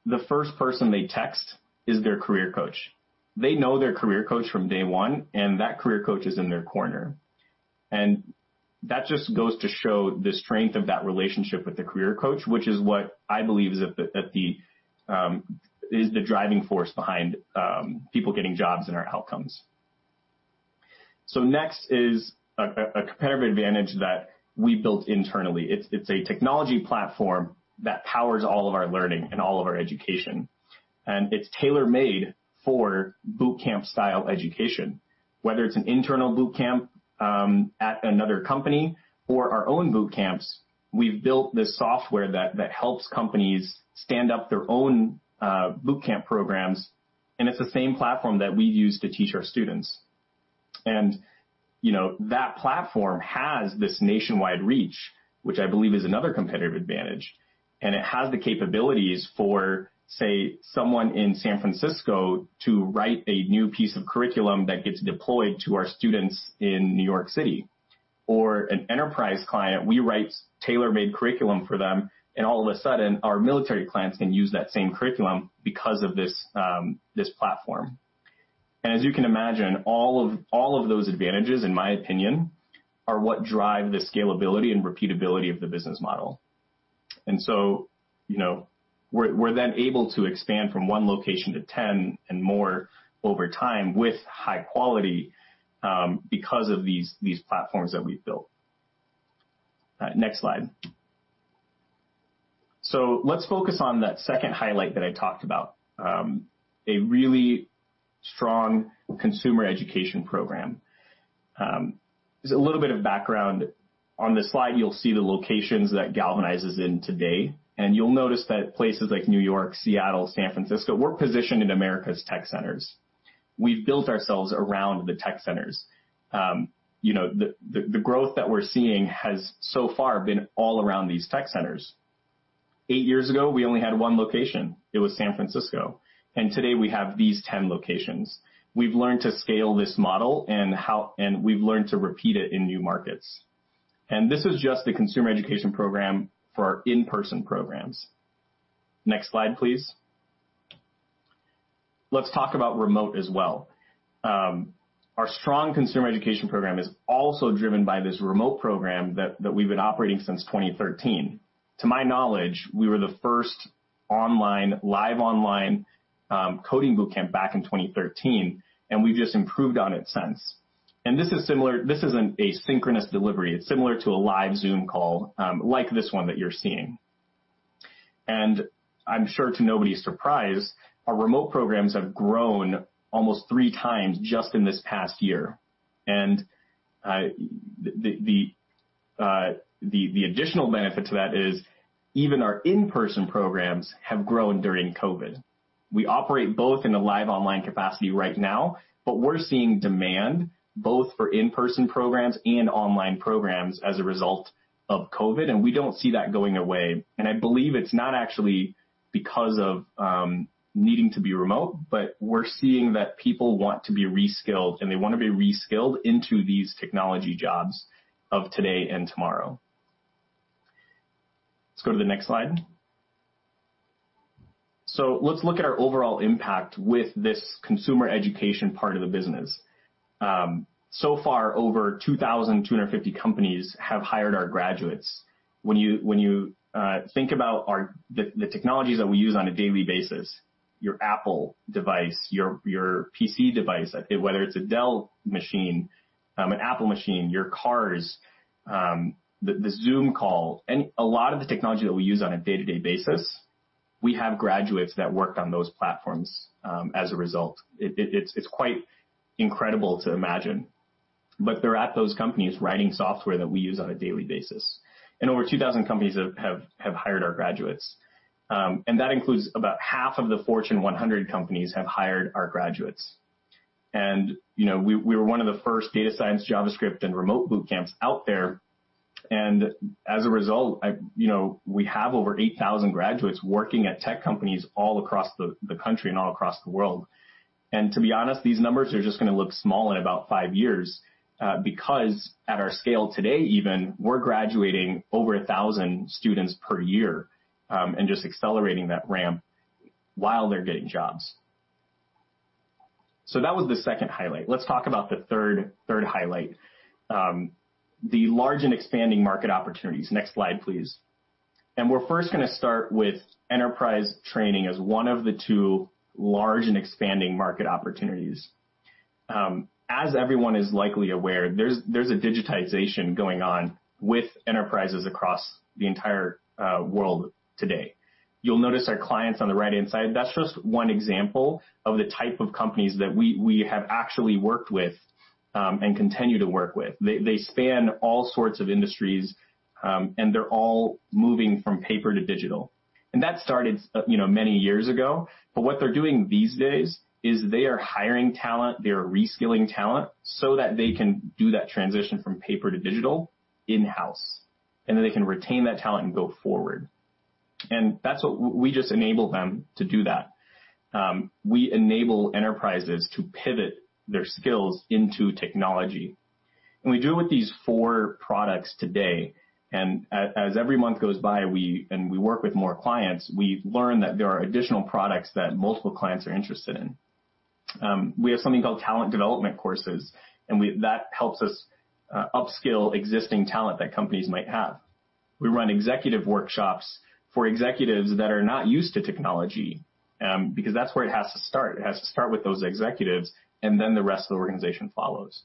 the first person they text is their career coach. They know their career coach from day one, and that career coach is in their corner. That just goes to show the strength of that relationship with the career coach, which is what I believe is the driving force behind people getting jobs and our outcomes. Next is a competitive advantage that we built internally. It's a technology platform that powers all of our learning and all of our education. It's tailor-made for bootcamp-style education. Whether it's an internal bootcamp at another company or our own bootcamps, we've built this software that helps companies stand up their own bootcamp programs. It's the same platform that we use to teach our students. That platform has this nationwide reach, which I believe is another competitive advantage. It has the capabilities for, say, someone in San Francisco to write a new piece of curriculum that gets deployed to our students in New York City. Or an enterprise client, we write tailor-made curriculum for them, and all of a sudden, our military clients can use that same curriculum because of this platform. As you can imagine, all of those advantages, in my opinion, are what drive the scalability and repeatability of the business model. We're then able to expand from one location to 10 and more over time with high quality because of these platforms that we've built. Next slide. Let's focus on that second highlight that I talked about, a really strong consumer education program. There's a little bit of background. On this slide, you'll see the locations that Galvanize is in today. And you'll notice that places like New York, Seattle, San Francisco were positioned in America's tech centers. We've built ourselves around the tech centers. The growth that we're seeing has so far been all around these tech centers. Eight years ago, we only had one location. It was San Francisco. And today, we have these 10 locations. We've learned to scale this model, and we've learned to repeat it in new markets. And this is just the consumer education program for our in-person programs. Next slide, please. Let's talk about remote as well. Our strong consumer education program is also driven by this remote program that we've been operating since 2013. To my knowledge, we were the first live online coding bootcamp back in 2013, and we've just improved on it since. And this isn't a synchronous delivery. It's similar to a live Zoom call like this one that you're seeing. And I'm sure to nobody's surprise, our remote programs have grown almost three times just in this past year. And the additional benefit to that is even our in-person programs have grown during COVID. We operate both in a live online capacity right now, but we're seeing demand both for in-person programs and online programs as a result of COVID. And we don't see that going away. And I believe it's not actually because of needing to be remote, but we're seeing that people want to be reskilled, and they want to be reskilled into these technology jobs of today and tomorrow. Let's go to the next slide. So let's look at our overall impact with this consumer education part of the business. So far, over 2,250 companies have hired our graduates. When you think about the technologies that we use on a daily basis, your Apple device, your PC device, whether it's a Dell machine, an Apple machine, your cars, the Zoom call, and a lot of the technology that we use on a day-to-day basis, we have graduates that worked on those platforms as a result. It's quite incredible to imagine. But they're at those companies writing software that we use on a daily basis. And over 2,000 companies have hired our graduates. And that includes about half of the Fortune 100 companies have hired our graduates. And we were one of the first data science, JavaScript, and remote bootcamps out there. And as a result, we have over 8,000 graduates working at tech companies all across the country and all across the world. And to be honest, these numbers are just going to look small in about five years because at our scale today even, we're graduating over 1,000 students per year and just accelerating that ramp while they're getting jobs. So that was the second highlight. Let's talk about the third highlight, the large and expanding market opportunities. Next slide, please. And we're first going to start with enterprise training as one of the two large and expanding market opportunities. As everyone is likely aware, there's a digitization going on with enterprises across the entire world today. You'll notice our clients on the right-hand side. That's just one example of the type of companies that we have actually worked with and continue to work with. They span all sorts of industries, and they're all moving from paper to digital. And that started many years ago. What they're doing these days is they are hiring talent. They are reskilling talent so that they can do that transition from paper to digital in-house. And then they can retain that talent and go forward. And that's what we just enable them to do that. We enable enterprises to pivot their skills into technology. And we do it with these four products today. And as every month goes by and we work with more clients, we learn that there are additional products that multiple clients are interested in. We have something called talent development courses, and that helps us upskill existing talent that companies might have. We run executive workshops for executives that are not used to technology because that's where it has to start. It has to start with those executives, and then the rest of the organization follows.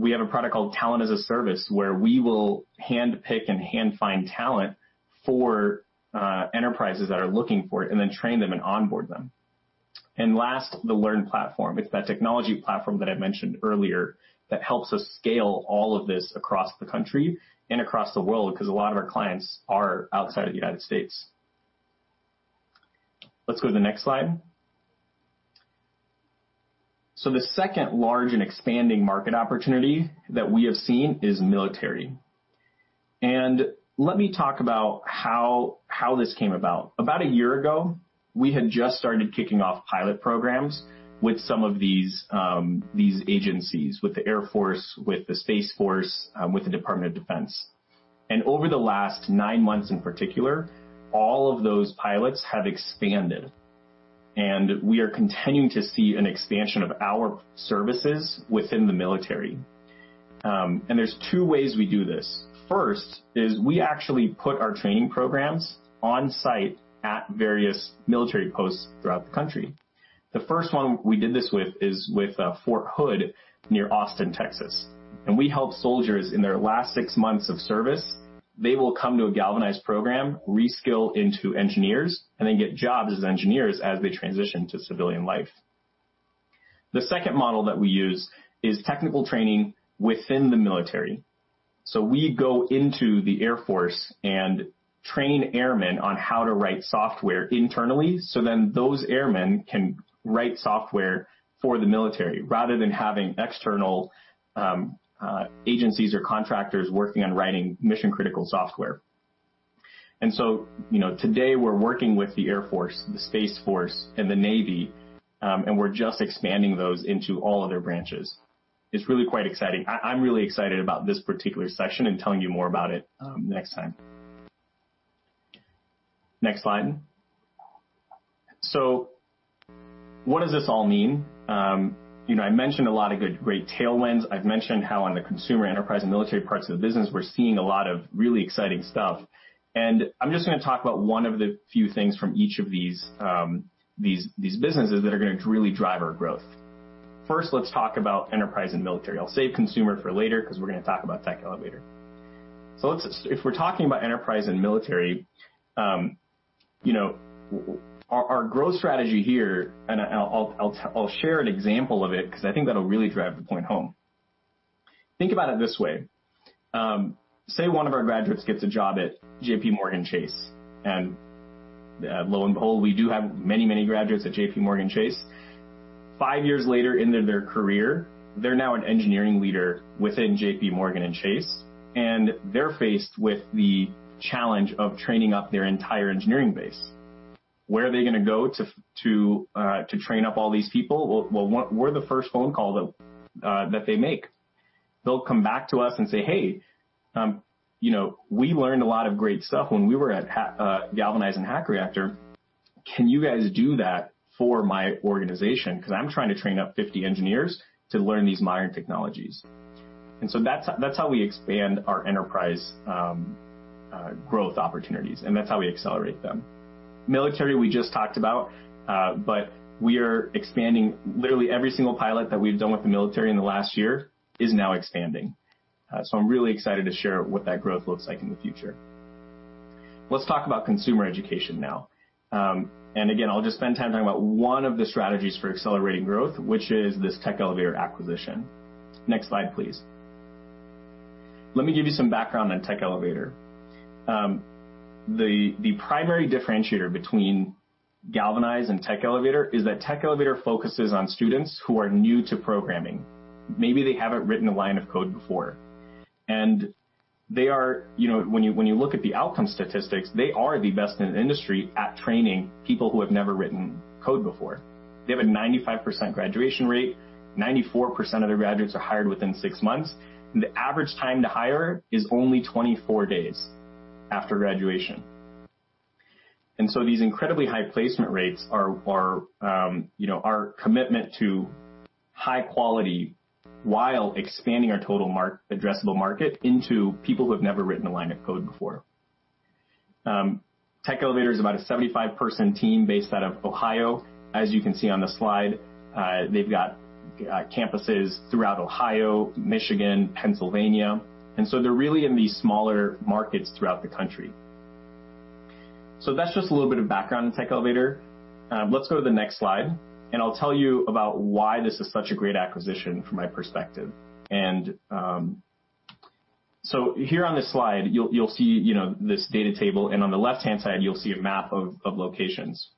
We have a product called Talent as a Service where we will handpick and hand-find talent for enterprises that are looking for it and then train them and onboard them. And last, the Learn platform. It's that technology platform that I mentioned earlier that helps us scale all of this across the country and across the world because a lot of our clients are outside of the United States. Let's go to the next slide. So the second large and expanding market opportunity that we have seen is military. And let me talk about how this came about. About a year ago, we had just started kicking off pilot programs with some of these agencies, with the Air Force, with the Space Force, with the Department of Defense. And over the last nine months in particular, all of those pilots have expanded. We are continuing to see an expansion of our services within the military. There's two ways we do this. First is we actually put our training programs on-site at various military posts throughout the country. The first one we did this with is with Fort Hood near Austin, Texas. We help soldiers in their last six months of service. They will come to a Galvanize program, reskill into engineers, and then get jobs as engineers as they transition to civilian life. The second model that we use is technical training within the military. We go into the Air Force and train airmen on how to write software internally so then those airmen can write software for the military rather than having external agencies or contractors working on writing mission-critical software. And so today, we're working with the Air Force, the Space Force, and the Navy, and we're just expanding those into all of their branches. It's really quite exciting. I'm really excited about this particular session and telling you more about it next time. Next slide. So what does this all mean? I mentioned a lot of great tailwinds. I've mentioned how on the consumer enterprise and military parts of the business, we're seeing a lot of really exciting stuff. And I'm just going to talk about one of the few things from each of these businesses that are going to really drive our growth. First, let's talk about enterprise and military. I'll save consumer for later because we're going to talk about Tech Elevator. So if we're talking about enterprise and military, our growth strategy here, and I'll share an example of it because I think that'll really drive the point home. Think about it this way. Say one of our graduates gets a job at JPMorgan Chase. And lo and behold, we do have many, many graduates at JPMorgan Chase. Five years later in their career, they're now an engineering leader within JPMorgan Chase. And they're faced with the challenge of training up their entire engineering base. Where are they going to go to train up all these people? Well, we're the first phone call that they make. They'll come back to us and say, "Hey, we learned a lot of great stuff when we were at Galvanize and Hack Reactor. Can you guys do that for my organization? Because I'm trying to train up 50 engineers to learn these modern technologies." And so that's how we expand our enterprise growth opportunities, and that's how we accelerate them. Military, we just talked about, but we are expanding. Literally, every single pilot that we've done with the military in the last year is now expanding. So I'm really excited to share what that growth looks like in the future. Let's talk about consumer education now. And again, I'll just spend time talking about one of the strategies for accelerating growth, which is this Tech Elevator acquisition. Next slide, please. Let me give you some background on Tech Elevator. The primary differentiator between Galvanize and Tech Elevator is that Tech Elevator focuses on students who are new to programming. Maybe they haven't written a line of code before. When you look at the outcome statistics, they are the best in the industry at training people who have never written code before. They have a 95% graduation rate. 94% of their graduates are hired within six months. The average time to hire is only 24 days after graduation. These incredibly high placement rates are our commitment to high quality while expanding our total addressable market into people who have never written a line of code before. Tech Elevator is about a 75-person team based out of Ohio. As you can see on the slide, they've got campuses throughout Ohio, Michigan, Pennsylvania. They're really in these smaller markets throughout the country. That's just a little bit of background on Tech Elevator. Let's go to the next slide. I'll tell you about why this is such a great acquisition from my perspective. Here on this slide, you'll see this data table. On the left-hand side, you'll see a map of locations.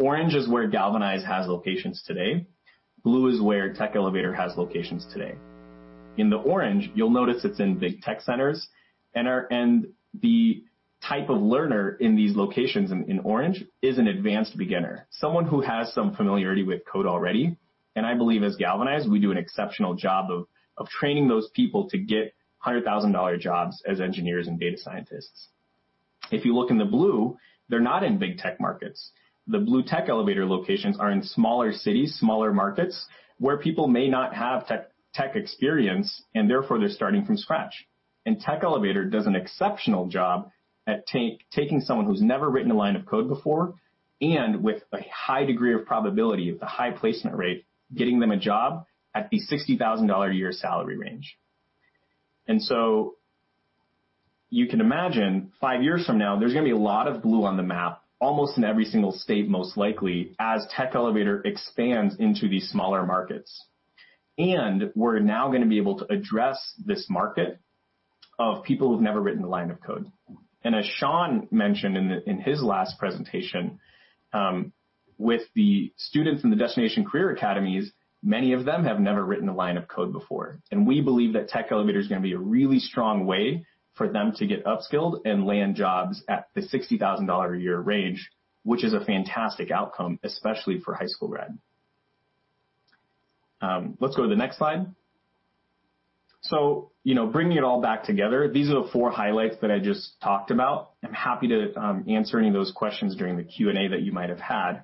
Orange is where Galvanize has locations today. Blue is where Tech Elevator has locations today. In the orange, you'll notice it's in big tech centers. The type of learner in these locations in orange is an advanced beginner, someone who has some familiarity with code already. I believe as Galvanize, we do an exceptional job of training those people to get $100,000 jobs as engineers and data scientists. If you look in the blue, they're not in big tech markets. The blue Tech Elevator locations are in smaller cities, smaller markets where people may not have tech experience, and therefore, they're starting from scratch. And Tech Elevator does an exceptional job at taking someone who's never written a line of code before and with a high degree of probability of the high placement rate, getting them a job at the $60,000 a year salary range. And so you can imagine five years from now, there's going to be a lot of blue on the map almost in every single state, most likely, as Tech Elevator expands into these smaller markets. And we're now going to be able to address this market of people who've never written a line of code. And as Shaun mentioned in his last presentation, with the students in the Destinations Career Academies, many of them have never written a line of code before. And we believe that Tech Elevator is going to be a really strong way for them to get upskilled and land jobs at the $60,000 a year range, which is a fantastic outcome, especially for high school grad. Let's go to the next slide. So bringing it all back together, these are the four highlights that I just talked about. I'm happy to answer any of those questions during the Q&A that you might have had.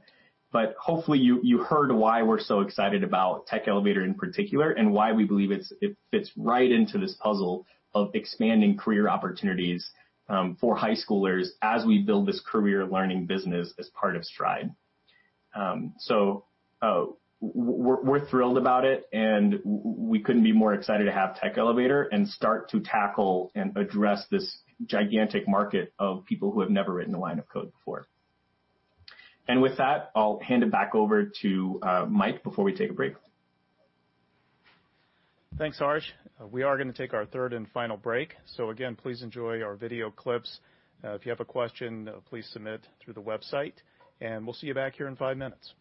But hopefully, you heard why we're so excited about Tech Elevator in particular and why we believe it fits right into this puzzle of expanding career opportunities for high schoolers as we build this Career Learning business as part of Stride. So we're thrilled about it, and we couldn't be more excited to have Tech Elevator and start to tackle and address this gigantic market of people who have never written a line of code before. And with that, I'll hand it back over to Mike before we take a break. Thanks, Harsh. We are going to take our third and final break. So again, please enjoy our video clips. If you have a question, please submit through the website, and we'll see you back here in five minutes.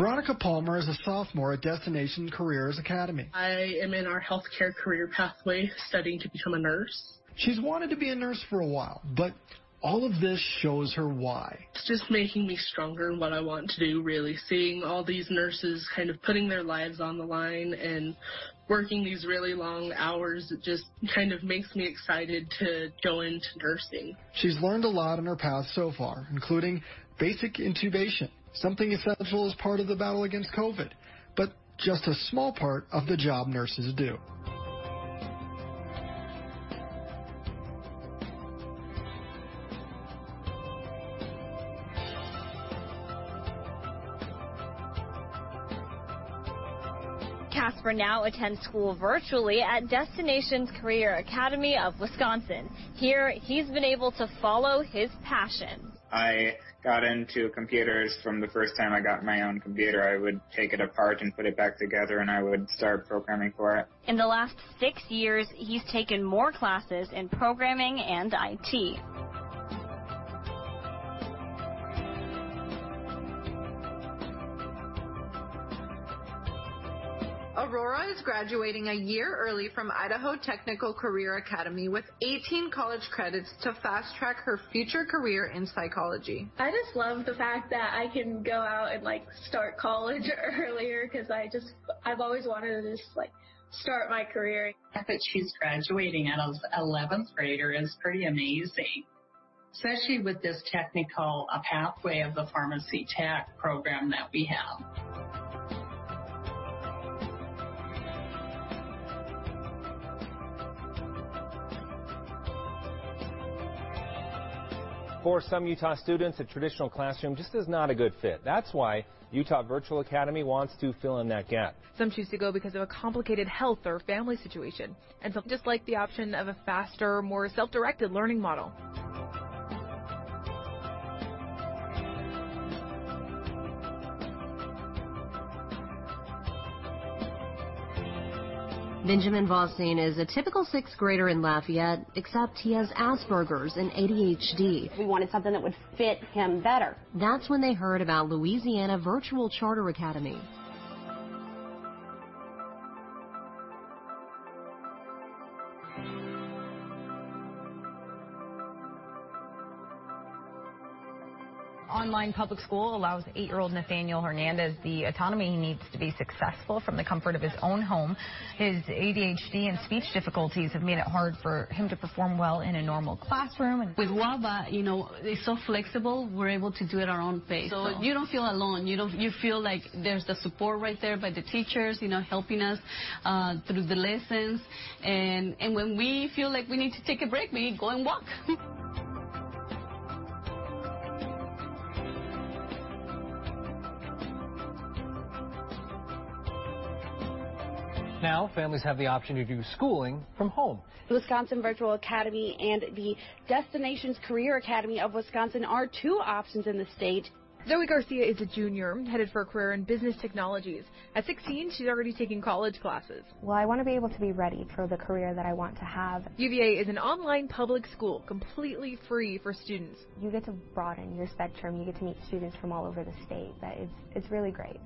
Veronica Palmer is a sophomore at Destinations Career Academy. I am in our healthcare career pathway, studying to become a nurse. She's wanted to be a nurse for a while, but all of this shows her why. It's just making me stronger in what I want to do, really. Seeing all these nurses kind of putting their lives on the line and working these really long hours just kind of makes me excited to go into nursing. She's learned a lot in her path so far, including basic intubation, something essential as part of the battle against COVID, but just a small part of the job nurses do. Casper now attends school virtually at Destinations Career Academy of Wisconsin. Here, he's been able to follow his passion. I got into computers from the first time I got my own computer. I would take it apart and put it back together, and I would start programming for it. In the last six years, he's taken more classes in programming and IT. Aurora is graduating a year early from Idaho Technical Career Academy with 18 college credits to fast-track her future career in psychology. I just love the fact that I can go out and start college earlier because I've always wanted to start my career. That she's graduating out of 11th grade is pretty amazing, especially with this technical pathway of the pharmacy tech program that we have. For some Utah students, a traditional classroom just is not a good fit. That's why Utah Virtual Academy wants to fill in that gap. Some choose to go because of a complicated health or family situation, and some just like the option of a faster, more self-directed learning model. Benjamin Voisin is a typical sixth grader in Lafayette, except he has Asperger's and ADHD. We wanted something that would fit him better. That's when they heard about Louisiana Virtual Charter Academy. Online public school allows eight-year-old Nathaniel Hernandez the autonomy he needs to be successful from the comfort of his own home. His ADHD and speech difficulties have made it hard for him to perform well in a normal classroom. With WAVA, it's so flexible. We're able to do it at our own pace, so you don't feel alone. You feel like there's the support right there by the teachers helping us through the lessons, and when we feel like we need to take a break, we go and walk. Now, families have the option to do schooling from home. Wisconsin Virtual Academy and the Destinations Career Academy of Wisconsin are two options in the state. Zoe Garcia is a junior headed for a career in business technologies. At 16, she's already taking college classes. I want to be able to be ready for the career that I want to have. UTVA is an online public school completely free for students. You get to broaden your spectrum. You get to meet students from all over the state. It's really great.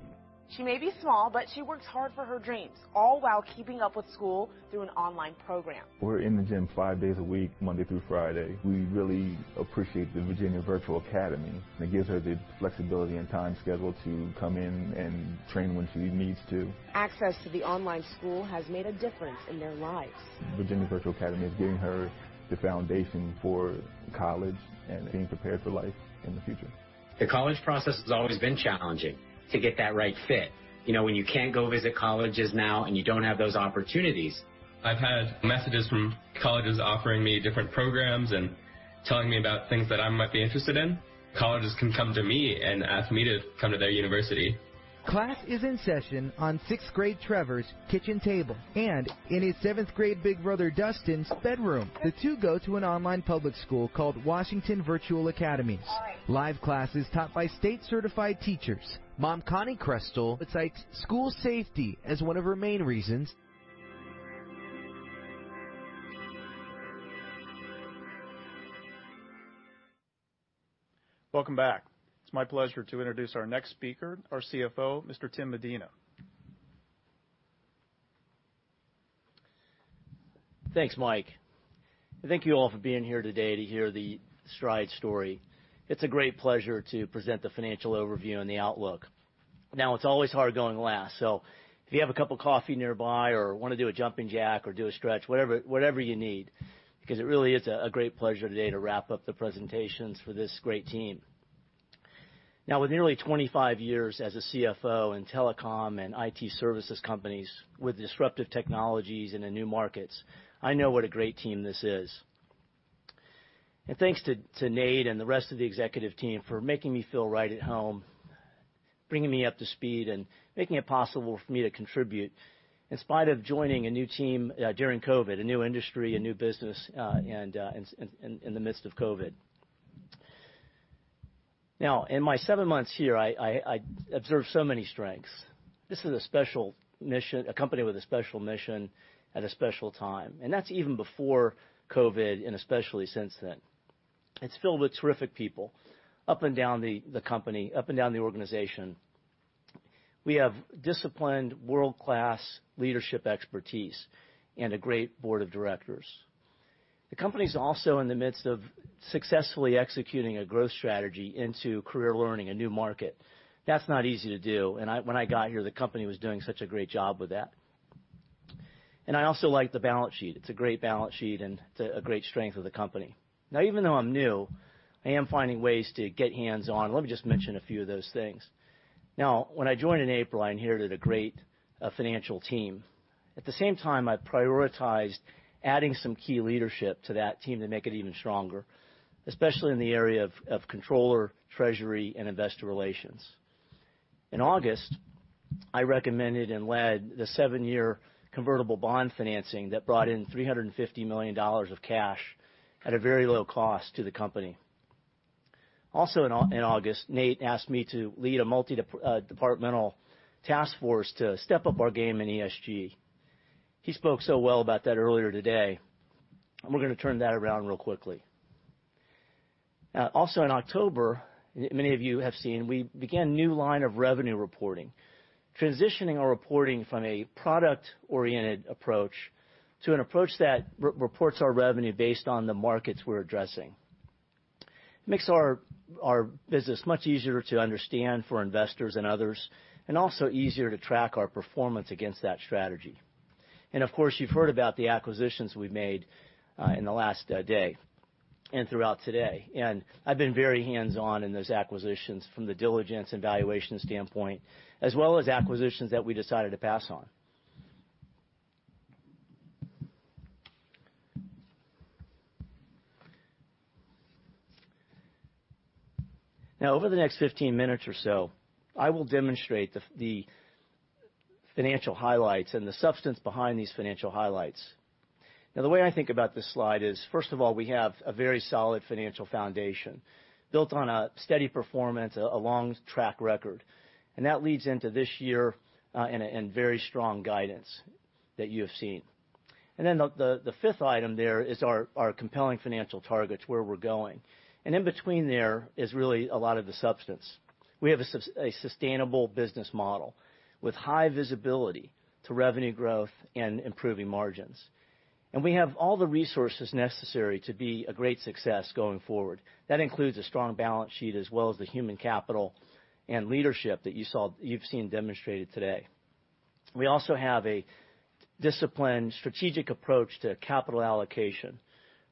She may be small, but she works hard for her dreams, all while keeping up with school through an online program. We're in the gym five days a week, Monday through Friday. We really appreciate the Virginia Virtual Academy. It gives her the flexibility and time schedule to come in and train when she needs to. Access to the online school has made a difference in their lives. Virginia Virtual Academy is giving her the foundation for college and being prepared for life in the future. The college process has always been challenging to get that right fit. When you can't go visit colleges now and you don't have those opportunities. I've had messages from colleges offering me different programs and telling me about things that I might be interested in. Colleges can come to me and ask me to come to their university. Class is in session on sixth grade Trevor's kitchen table and in his seventh grade big brother Dustin's bedroom. The two go to an online public school called Washington Virtual Academy. Live classes taught by state-certified teachers. Mom Connie Krestel cites school safety as one of her main reasons. Welcome back. It's my pleasure to introduce our next speaker, our CFO, Mr. Tim Medina. Thanks, Mike. Thank you all for being here today to hear the Stride story. It's a great pleasure to present the financial overview and the outlook. Now, it's always hard going last. So if you have a cup of coffee nearby or want to do a jumping jack or do a stretch, whatever you need, because it really is a great pleasure today to wrap up the presentations for this great team. Now, with nearly 25 years as a CFO in telecom and IT services companies with disruptive technologies and in new markets, I know what a great team this is. And thanks to Nate and the rest of the executive team for making me feel right at home, bringing me up to speed, and making it possible for me to contribute in spite of joining a new team during COVID, a new industry, a new business in the midst of COVID. Now, in my seven months here, I've observed so many strengths. This is a company with a special mission at a special time. And that's even before COVID and especially since then. It's filled with terrific people up and down the company, up and down the organization. We have disciplined, world-class leadership expertise and a great board of directors. The company's also in the midst of successfully executing a growth strategy into Career Learning, a new market. That's not easy to do. And when I got here, the company was doing such a great job with that. I also like the balance sheet. It's a great balance sheet and a great strength of the company. Now, even though I'm new, I am finding ways to get hands-on. Let me just mention a few of those things. Now, when I joined in April, I inherited a great financial team. At the same time, I prioritized adding some key leadership to that team to make it even stronger, especially in the area of controller, treasury, and investor relations. In August, I recommended and led the seven-year convertible bond financing that brought in $350 million of cash at a very low cost to the company. Also, in August, Nate asked me to lead a multi-departmental task force to step up our game in ESG. He spoke so well about that earlier today. We're going to turn that around real quickly. Also, in October, many of you have seen we began a new line of revenue reporting, transitioning our reporting from a product-oriented approach to an approach that reports our revenue based on the markets we're addressing. It makes our business much easier to understand for investors and others, and also easier to track our performance against that strategy. And of course, you've heard about the acquisitions we've made in the last day and throughout today. And I've been very hands-on in those acquisitions from the diligence and valuation standpoint, as well as acquisitions that we decided to pass on. Now, over the next 15 minutes or so, I will demonstrate the financial highlights and the substance behind these financial highlights. Now, the way I think about this slide is, first of all, we have a very solid financial foundation built on a steady performance, a long track record. That leads into this year and very strong guidance that you have seen. Then the fifth item there is our compelling financial targets, where we're going. In between there is really a lot of the substance. We have a sustainable business model with high visibility to revenue growth and improving margins. We have all the resources necessary to be a great success going forward. That includes a strong balance sheet as well as the human capital and leadership that you've seen demonstrated today. We also have a disciplined, strategic approach to capital allocation,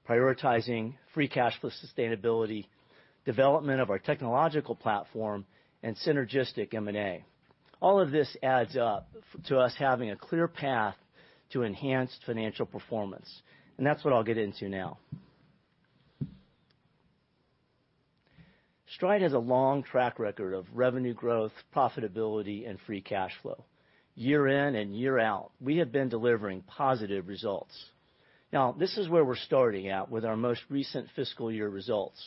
prioritizing free cash flow sustainability, development of our technological platform, and synergistic M&A. All of this adds up to us having a clear path to enhanced financial performance. That's what I'll get into now. Stride has a long track record of revenue growth, profitability, and free cash flow. Year in and year out, we have been delivering positive results. Now, this is where we're starting at with our most recent fiscal year results,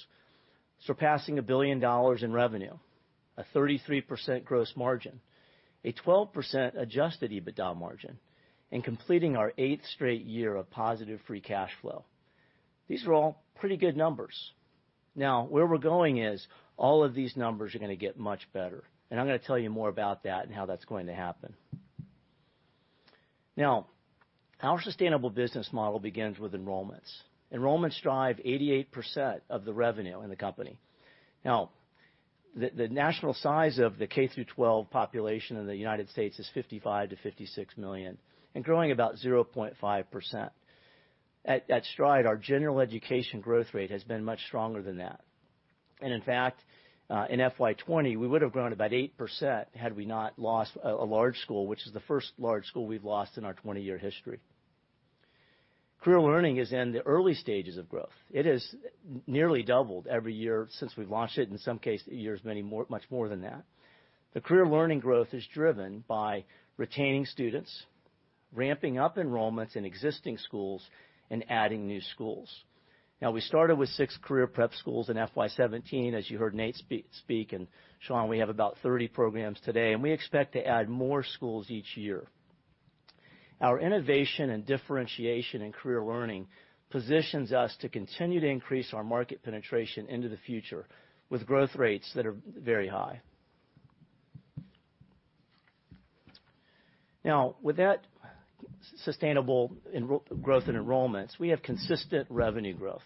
surpassing $1 billion in revenue, a 33% gross margin, a 12% Adjusted EBITDA margin, and completing our eighth straight year of positive free cash flow. These are all pretty good numbers. Now, where we're going is all of these numbers are going to get much better. And I'm going to tell you more about that and how that's going to happen. Now, our sustainable business model begins with enrollments. Enrollments drive 88% of the revenue in the company. Now, the national size of the K-12 population in the United States is 55-56 million, and growing about 0.5%. At Stride, our general education growth rate has been much stronger than that. In fact, in FY20, we would have grown about 8% had we not lost a large school, which is the first large school we've lost in our 20-year history. Career Learning is in the early stages of growth. It has nearly doubled every year since we've launched it, in some cases, much more than that. The Career Learning growth is driven by retaining students, ramping up enrollments in existing schools, and adding new schools. Now, we started with six Career Prep schools in FY17. As you heard Nate speak and Shaun, we have about 30 programs today. We expect to add more schools each year. Our innovation and differentiation in Career Learning positions us to continue to increase our market penetration into the future with growth rates that are very high. Now, with that sustainable growth in enrollments, we have consistent revenue growth.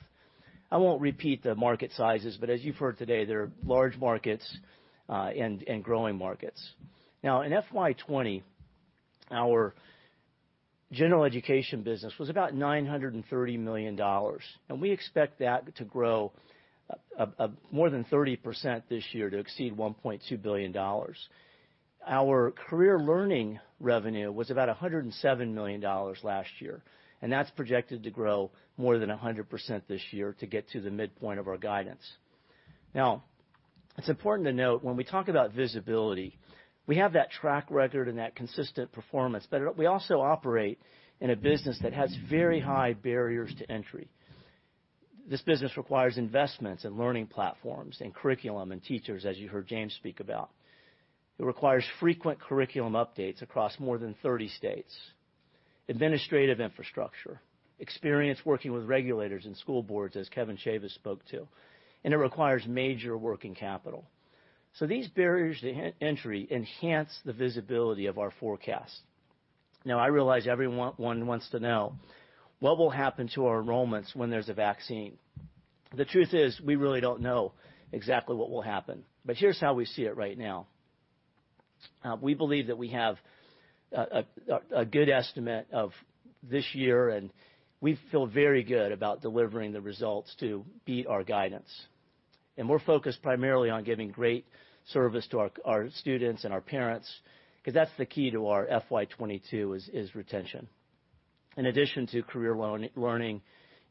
I won't repeat the market sizes, but as you've heard today, there are large markets and growing markets. Now, in FY20, our general education business was about $930 million, and we expect that to grow more than 30% this year to exceed $1.2 billion. Our Career Learning revenue was about $107 million last year, and that's projected to grow more than 100% this year to get to the midpoint of our guidance. Now, it's important to note when we talk about visibility, we have that track record and that consistent performance, but we also operate in a business that has very high barriers to entry. This business requires investments in learning platforms and curriculum and teachers, as you heard James speak about. It requires frequent curriculum updates across more than 30 states, administrative infrastructure, experience working with regulators and school boards, as Kevin Chavous spoke to. It requires major working capital. So these barriers to entry enhance the visibility of our forecast. Now, I realize everyone wants to know what will happen to our enrollments when there's a vaccine. The truth is, we really don't know exactly what will happen. But here's how we see it right now. We believe that we have a good estimate of this year, and we feel very good about delivering the results to beat our guidance. We're focused primarily on giving great service to our students and our parents because that's the key to our FY22 is retention, in addition to Career Learning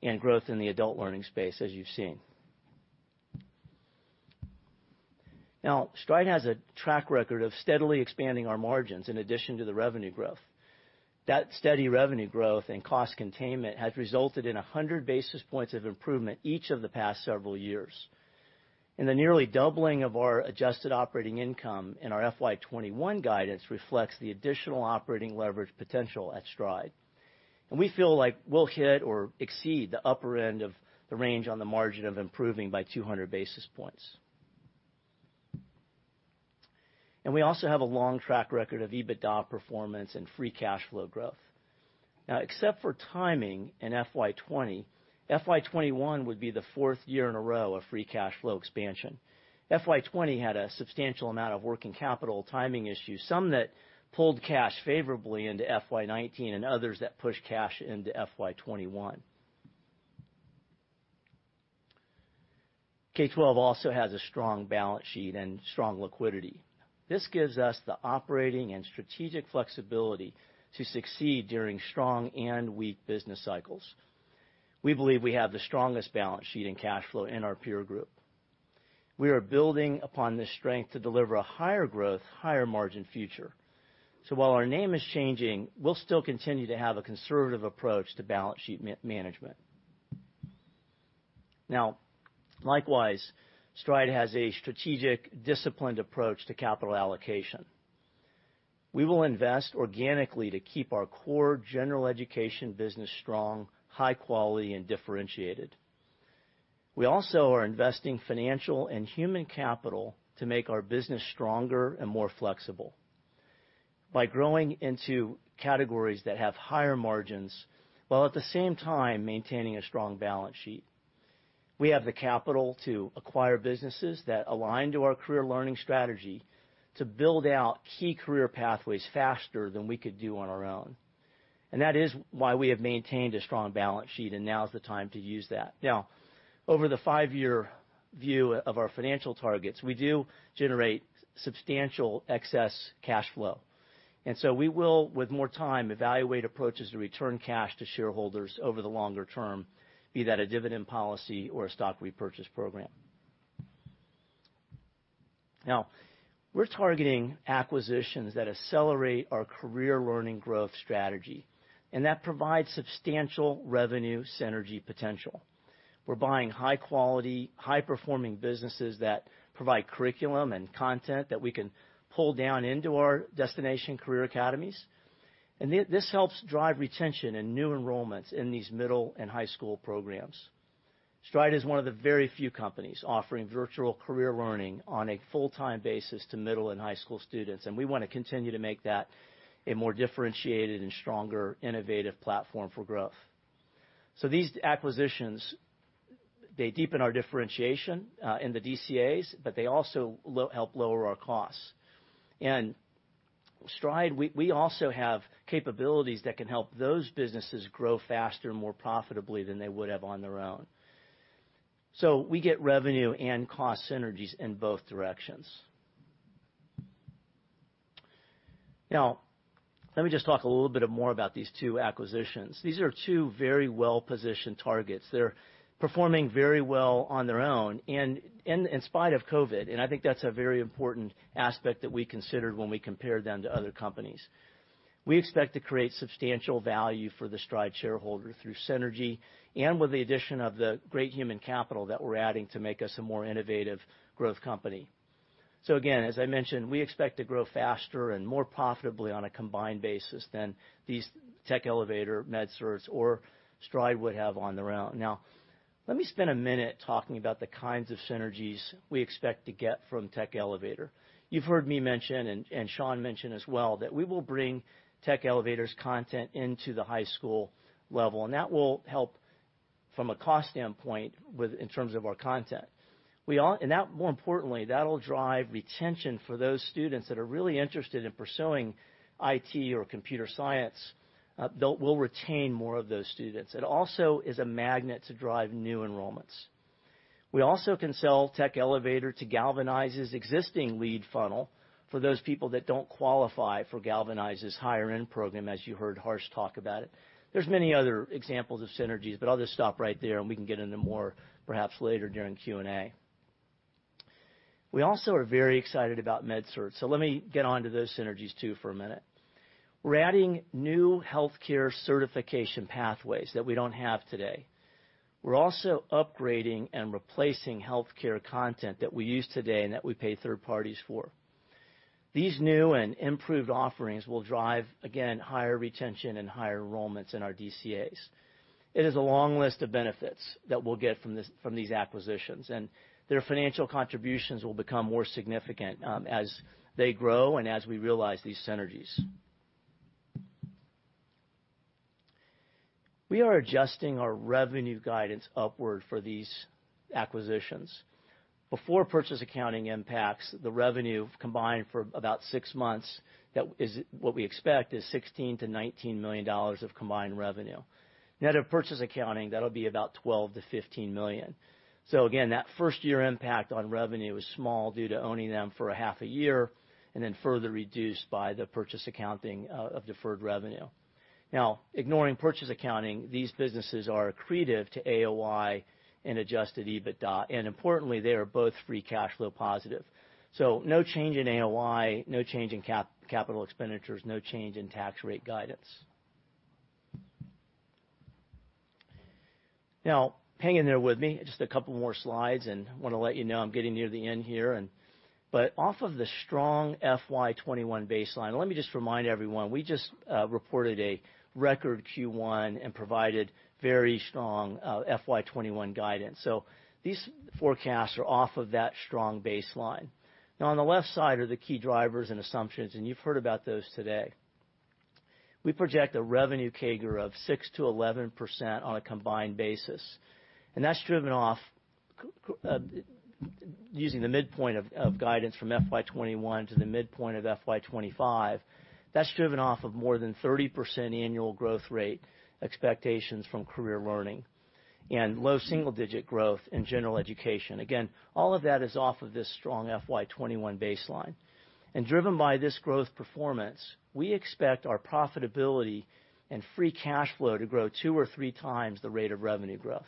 and growth in the adult learning space, as you've seen. Now, Stride has a track record of steadily expanding our margins in addition to the revenue growth. That steady revenue growth and cost containment has resulted in 100 basis points of improvement each of the past several years, and the nearly doubling of our Adjusted Operating Income in our FY21 guidance reflects the additional operating leverage potential at Stride. We feel like we'll hit or exceed the upper end of the range on the margin of improving by 200 basis points. We also have a long track record of EBITDA performance and free cash flow growth. Now, except for timing in FY20, FY21 would be the fourth year in a row of free cash flow expansion. FY20 had a substantial amount of working capital timing issues, some that pulled cash favorably into FY19 and others that pushed cash into FY21. K-12 also has a strong balance sheet and strong liquidity. This gives us the operating and strategic flexibility to succeed during strong and weak business cycles. We believe we have the strongest balance sheet and cash flow in our peer group. We are building upon this strength to deliver a higher growth, higher margin future. So while our name is changing, we'll still continue to have a conservative approach to balance sheet management. Now, likewise, Stride has a strategic, disciplined approach to capital allocation. We will invest organically to keep our core general education business strong, high quality, and differentiated. We also are investing financial and human capital to make our business stronger and more flexible by growing into categories that have higher margins while at the same time maintaining a strong balance sheet. We have the capital to acquire businesses that align to our Career Learning strategy to build out key career pathways faster than we could do on our own. And that is why we have maintained a strong balance sheet, and now is the time to use that. Now, over the five-year view of our financial targets, we do generate substantial excess cash flow. And so we will, with more time, evaluate approaches to return cash to shareholders over the longer term, be that a dividend policy or a stock repurchase program. Now, we're targeting acquisitions that accelerate our Career Learning growth strategy. And that provides substantial revenue synergy potential. We're buying high-quality, high-performing businesses that provide curriculum and content that we can pull down into our Destinations Career Academies. And this helps drive retention and new enrollments in these middle and high school programs. Stride is one of the very few companies offering virtual Career Learning on a full-time basis to middle and high school students, and we want to continue to make that a more differentiated and stronger, innovative platform for growth. So these acquisitions, they deepen our differentiation in the DCAs, but they also help lower our costs, and Stride, we also have capabilities that can help those businesses grow faster and more profitably than they would have on their own, so we get revenue and cost synergies in both directions. Now, let me just talk a little bit more about these two acquisitions. These are two very well-positioned targets. They're performing very well on their own in spite of COVID, and I think that's a very important aspect that we considered when we compared them to other companies. We expect to create substantial value for the Stride shareholder through synergy and with the addition of the great human capital that we're adding to make us a more innovative growth company. So again, as I mentioned, we expect to grow faster and more profitably on a combined basis than these Tech Elevator, MedCerts, or Stride would have on their own. Now, let me spend a minute talking about the kinds of synergies we expect to get from Tech Elevator. You've heard me mention and Shaun mention as well that we will bring Tech Elevator's content into the high school level. And that will help from a cost standpoint in terms of our content. And more importantly, that'll drive retention for those students that are really interested in pursuing IT or computer science. We'll retain more of those students. It also is a magnet to drive new enrollments. We also can sell Tech Elevator to Galvanize's existing lead funnel for those people that don't qualify for Galvanize's higher-end program, as you heard Harsh talk about it. There's many other examples of synergies, but I'll just stop right there, and we can get into more perhaps later during Q&A. We also are very excited about MedCerts. So let me get on to those synergies too for a minute. We're adding new healthcare certification pathways that we don't have today. We're also upgrading and replacing healthcare content that we use today and that we pay third parties for. These new and improved offerings will drive, again, higher retention and higher enrollments in our DCAs. It is a long list of benefits that we'll get from these acquisitions. And their financial contributions will become more significant as they grow and as we realize these synergies. We are adjusting our revenue guidance upward for these acquisitions. Before purchase accounting impacts, the revenue combined for about six months, what we expect is $16-$19 million of combined revenue. Now, to purchase accounting, that'll be about $12-$15 million. So again, that first-year impact on revenue is small due to owning them for a half a year and then further reduced by the purchase accounting of deferred revenue. Now, ignoring purchase accounting, these businesses are accretive to AOI and adjusted EBITDA. And importantly, they are both free cash flow positive. So no change in AOI, no change in capital expenditures, no change in tax rate guidance. Now, hang in there with me. Just a couple more slides. And I want to let you know I'm getting near the end here. But off of the strong FY21 baseline, let me just remind everyone. We just reported a record Q1 and provided very strong FY21 guidance. So these forecasts are off of that strong baseline. Now, on the left side are the key drivers and assumptions. And you've heard about those today. We project a revenue CAGR of 6%-11% on a combined basis. And that's driven off using the midpoint of guidance from FY21 to the midpoint of FY25. That's driven off of more than 30% annual growth rate expectations from Career Learning and low single-digit growth in general education. Again, all of that is off of this strong FY21 baseline. And driven by this growth performance, we expect our profitability and free cash flow to grow two or three times the rate of revenue growth.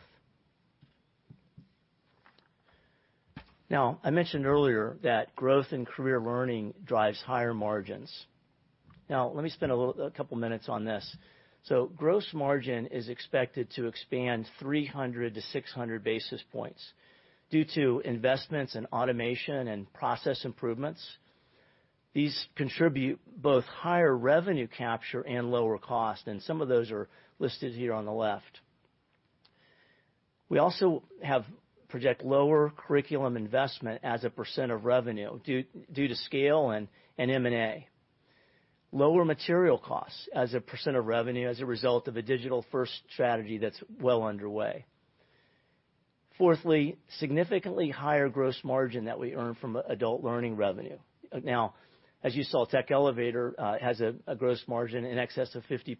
Now, I mentioned earlier that growth in Career Learning drives higher margins. Now, let me spend a couple of minutes on this. So gross margin is expected to expand 300 to 600 basis points due to investments and automation and process improvements. These contribute both higher revenue capture and lower cost. And some of those are listed here on the left. We also project lower curriculum investment as a percent of revenue due to scale and M&A. Lower material costs as a percent of revenue as a result of a digital-first strategy that's well underway. Fourthly, significantly higher gross margin that we earn from adult learning revenue. Now, as you saw, Tech Elevator has a gross margin in excess of 50%,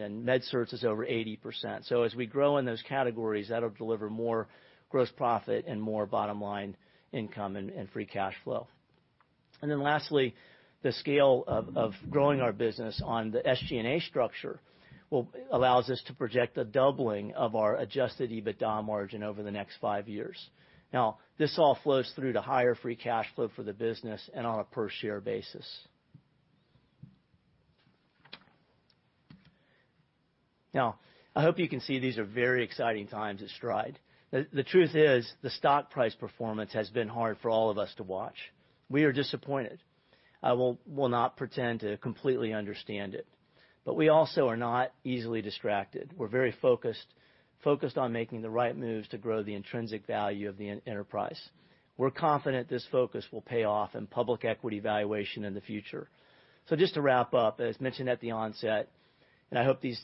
and MedCerts is over 80%. So as we grow in those categories, that'll deliver more gross profit and more bottom-line income and free cash flow. And then lastly, the scale of growing our business on the SG&A structure allows us to project a doubling of our Adjusted EBITDA margin over the next five years. Now, this all flows through to higher free cash flow for the business and on a per-share basis. Now, I hope you can see these are very exciting times at Stride. The truth is, the stock price performance has been hard for all of us to watch. We are disappointed. I will not pretend to completely understand it. But we also are not easily distracted. We're very focused on making the right moves to grow the intrinsic value of the enterprise. We're confident this focus will pay off in public equity valuation in the future. So just to wrap up, as mentioned at the onset, and I hope these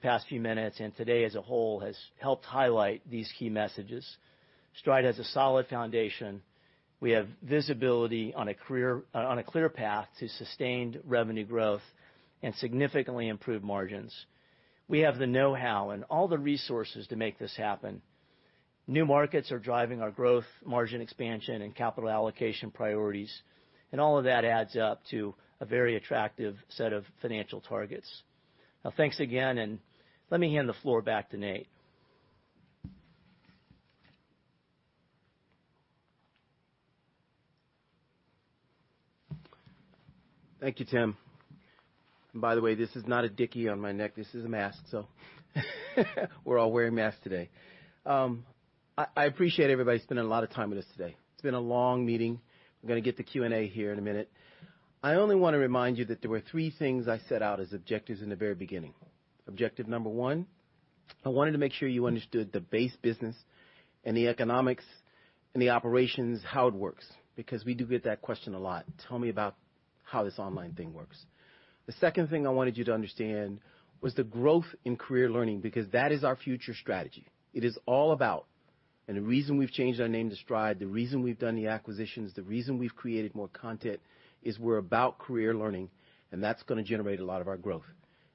past few minutes and today as a whole has helped highlight these key messages. Stride has a solid foundation. We have visibility on a clear path to sustained revenue growth and significantly improved margins. We have the know-how and all the resources to make this happen. New markets are driving our growth, margin expansion, and capital allocation priorities. And all of that adds up to a very attractive set of financial targets. Now, thanks again. And let me hand the floor back to Nate. Thank you, Tim. And by the way, this is not a dickey on my neck. This is a mask. So we're all wearing masks today. I appreciate everybody spending a lot of time with us today. It's been a long meeting. We're going to get the Q&A here in a minute. I only want to remind you that there were three things I set out as objectives in the very beginning. Objective number one, I wanted to make sure you understood the base business and the economics and the operations, how it works, because we do get that question a lot. Tell me about how this online thing works. The second thing I wanted you to understand was the growth in Career Learning because that is our future strategy. It is all about, and the reason we've changed our name to Stride, the reason we've done the acquisitions, the reason we've created more content is we're about Career Learning, and that's going to generate a lot of our growth.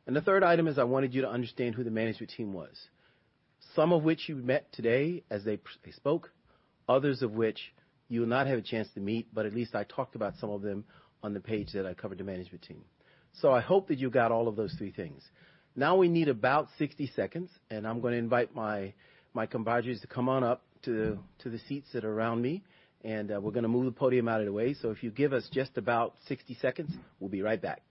And the third item is I wanted you to understand who the management team was, some of which you met today as they spoke, others of which you will not have a chance to meet, but at least I talked about some of them on the page that I covered the management team. So I hope that you got all of those three things. Now we need about 60 seconds, and I'm going to invite my comrades to come on up to the seats that are around me. And we're going to move the podium out of the way. So if you give us just about 60 seconds, we'll be right back.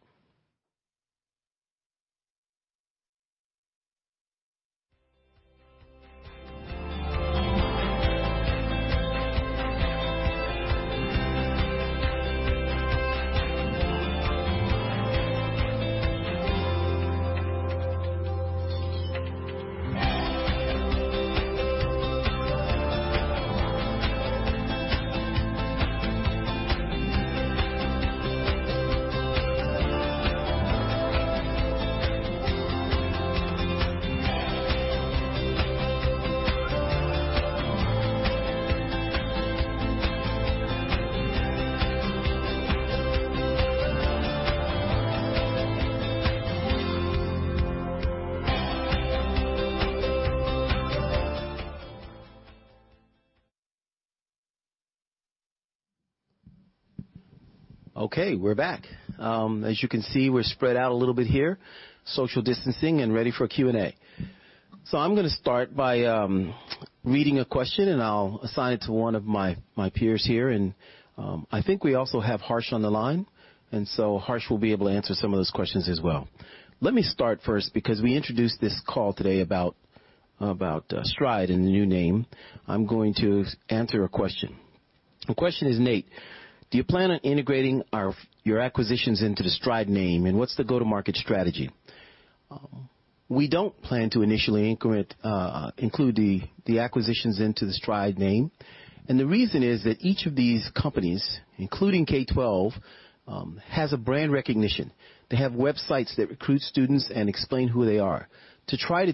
Okay, we're back. As you can see, we're spread out a little bit here, social distancing, and ready for Q&A. I'm going to start by reading a question, and I'll assign it to one of my peers here. And I think we also have Harsh on the line. And so Harsh will be able to answer some of those questions as well. Let me start first because we introduced this call today about Stride and the new name. I'm going to answer a question. The question is, "Nate, do you plan on integrating your acquisitions into the Stride name? And what's the go-to-market strategy?" We don't plan to initially include the acquisitions into the Stride name. And the reason is that each of these companies, including K-12, has a brand recognition. They have websites that recruit students and explain who they are. To try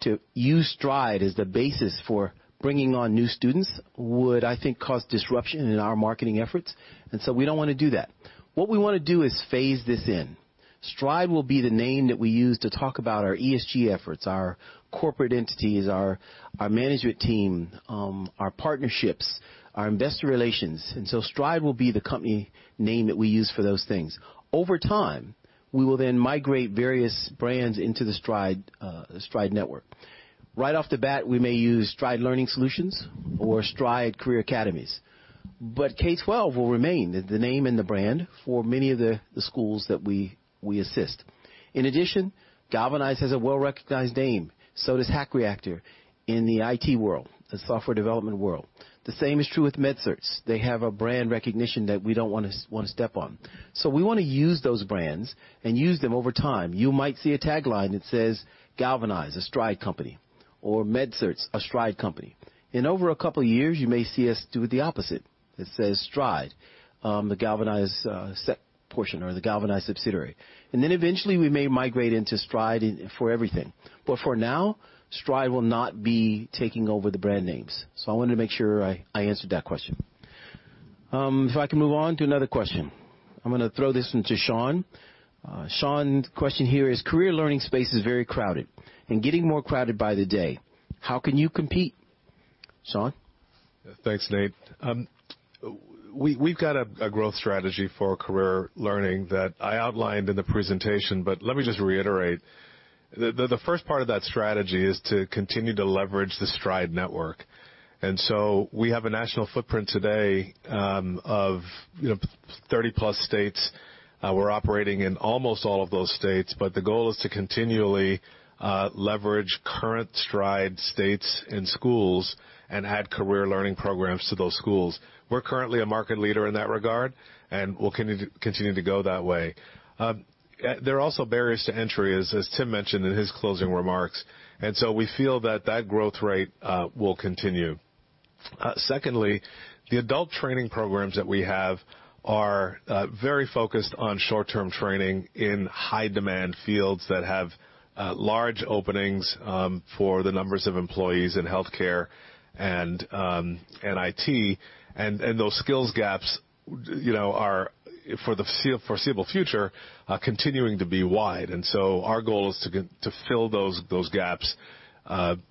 to use Stride as the basis for bringing on new students would, I think, cause disruption in our marketing efforts. And so we don't want to do that. What we want to do is phase this in. Stride will be the name that we use to talk about our ESG efforts, our corporate entities, our management team, our partnerships, our investor relations. And so Stride will be the company name that we use for those things. Over time, we will then migrate various brands into the Stride network. Right off the bat, we may use Stride Learning Solutions or Stride Career Academies. But K-12 will remain the name and the brand for many of the schools that we assist. In addition, Galvanize has a well-recognized name. So does Hack Reactor in the IT world, the software development world. The same is true with MedCerts. They have a brand recognition that we don't want to step on. So we want to use those brands and use them over time. You might see a tagline that says, "Galvanize, a Stride company," or, "MedCerts, a Stride company." In over a couple of years, you may see us do the opposite that says, "Stride, the Galvanize segment or the Galvanize subsidiary." And then eventually, we may migrate into Stride for everything. But for now, Stride will not be taking over the brand names. So I wanted to make sure I answered that question. If I can move on to another question. I'm going to throw this one to Shaun. Shaun's question here is, "Career learning space is very crowded and getting more crowded by the day. How can you compete?" Shaun? Thanks, Nate. We've got a growth strategy for Career Learning that I outlined in the presentation. But let me just reiterate. The first part of that strategy is to continue to leverage the Stride network. We have a national footprint today of 30-plus states. We're operating in almost all of those states. But the goal is to continually leverage current Stride states and schools and add Career Learning programs to those schools. We're currently a market leader in that regard and will continue to go that way. There are also barriers to entry, as Tim mentioned in his closing remarks. And so we feel that that growth rate will continue. Secondly, the adult training programs that we have are very focused on short-term training in high-demand fields that have large openings for the numbers of employees in healthcare and IT. And those skills gaps are, for the foreseeable future, continuing to be wide. And so our goal is to fill those gaps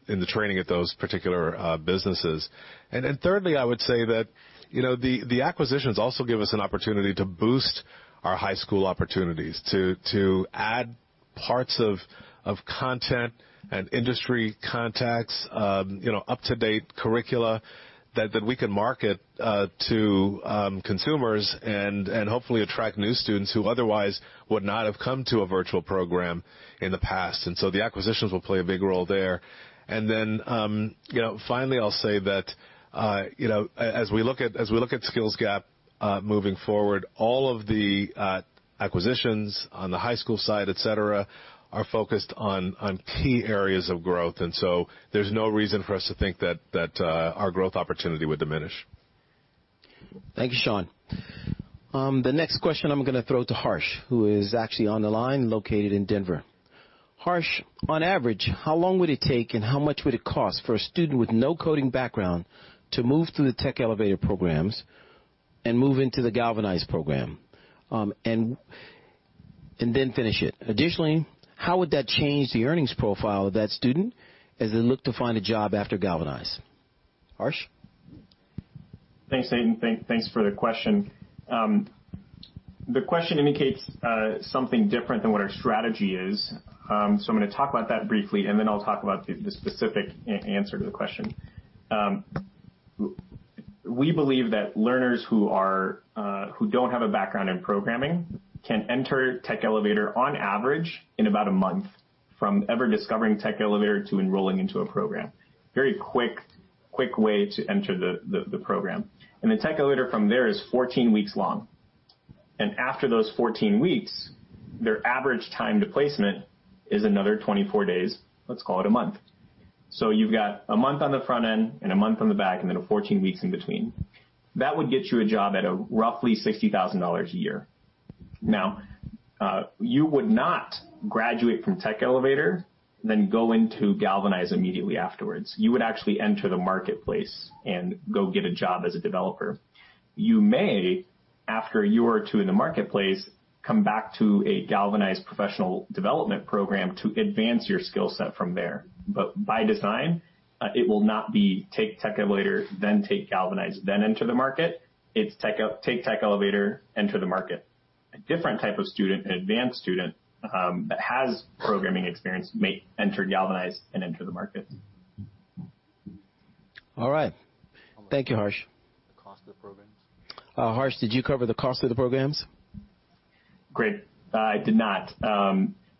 in the training at those particular businesses. Thirdly, I would say that the acquisitions also give us an opportunity to boost our high school opportunities, to add parts of content and industry contacts, up-to-date curricula that we can market to consumers and hopefully attract new students who otherwise would not have come to a virtual program in the past. And so the acquisitions will play a big role there. And then finally, I'll say that as we look at skills gap moving forward, all of the acquisitions on the high school side, etc., are focused on key areas of growth. And so there's no reason for us to think that our growth opportunity would diminish. Thank you, Shaun. The next question I'm going to throw to Harsh, who is actually on the line, located in Denver. Harsh, on average, how long would it take and how much would it cost for a student with no coding background to move through the Tech Elevator programs and move into the Galvanize program and then finish it? Additionally, how would that change the earnings profile of that student as they look to find a job after Galvanize? Harsh? Thanks, Nate. Thanks for the question. The question indicates something different than what our strategy is. So I'm going to talk about that briefly, and then I'll talk about the specific answer to the question. We believe that learners who don't have a background in programming can enter Tech Elevator on average in about a month from ever discovering Tech Elevator to enrolling into a program. Very quick way to enter the program, and the Tech Elevator from there is 14 weeks long. After those 14 weeks, their average time to placement is another 24 days. Let's call it a month. So you've got a month on the front end and a month on the back and then 14 weeks in between. That would get you a job at roughly $60,000 a year. Now, you would not graduate from Tech Elevator, then go into Galvanize immediately afterwards. You would actually enter the marketplace and go get a job as a developer. You may, after a year or two in the marketplace, come back to a Galvanize professional development program to advance your skill set from there. But by design, it will not be take Tech Elevator, then take Galvanize, then enter the market. It's take Tech Elevator, enter the market. A different type of student, an advanced student that has programming experience may enter Galvanize and enter the market. All right. Thank you, Harsh. The cost of the programs? Harsh, did you cover the cost of the programs? Great. I did not.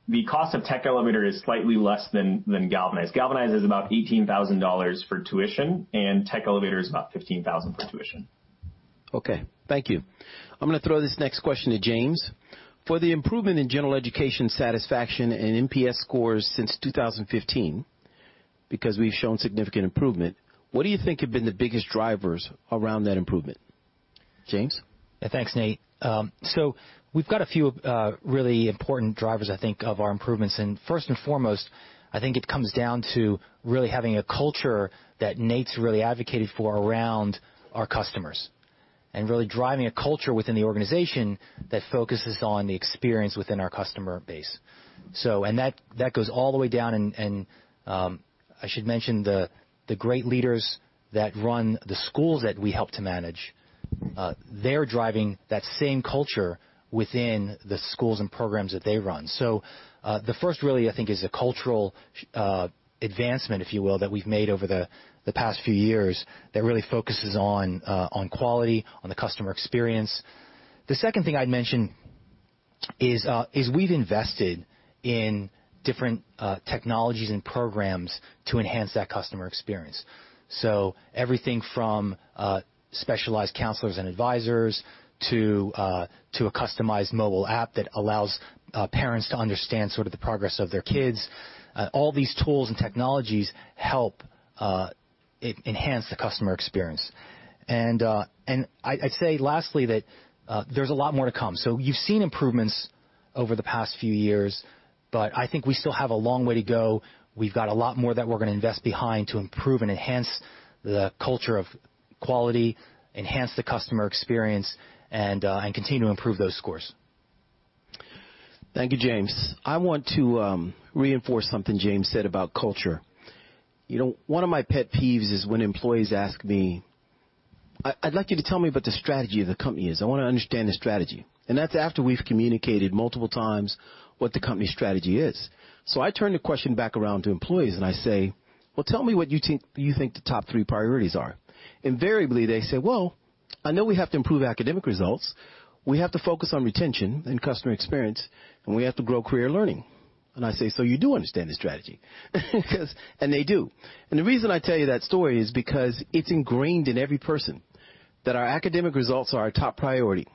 The cost of Tech Elevator is slightly less than Galvanize. Galvanize is about $18,000 for tuition, and Tech Elevator is about $15,000 for tuition. Okay. Thank you. I'm going to throw this next question to James. For the improvement in general education satisfaction and NPS scores since 2015, because we've shown significant improvement, what do you think have been the biggest drivers around that improvement? James. Yeah, thanks, Nate. So we've got a few really important drivers, I think, of our improvements. And first and foremost, I think it comes down to really having a culture that Nate's really advocated for around our customers and really driving a culture within the organization that focuses on the experience within our customer base. And that goes all the way down. I should mention the great leaders that run the schools that we help to manage. They're driving that same culture within the schools and programs that they run. The first, really, I think, is a cultural advancement, if you will, that we've made over the past few years that really focuses on quality, on the customer experience. The second thing I'd mention is we've invested in different technologies and programs to enhance that customer experience. Everything from specialized counselors and advisors to a customized mobile app that allows parents to understand sort of the progress of their kids. All these tools and technologies help enhance the customer experience. I'd say, lastly, that there's a lot more to come. You've seen improvements over the past few years, but I think we still have a long way to go. We've got a lot more that we're going to invest behind to improve and enhance the culture of quality, enhance the customer experience, and continue to improve those scores. Thank you, James. I want to reinforce something James said about culture. One of my pet peeves is when employees ask me, "I'd like you to tell me what the strategy of the company is. I want to understand the strategy." And that's after we've communicated multiple times what the company's strategy is. So I turn the question back around to employees and I say, "Well, tell me what you think the top three priorities are." Invariably, they say, "Well, I know we have to improve academic results. We have to focus on retention and customer experience, and we have to grow Career Learning." And I say, "So you do understand the strategy?" And they do. And the reason I tell you that story is because it's ingrained in every person that our academic results are our top priority.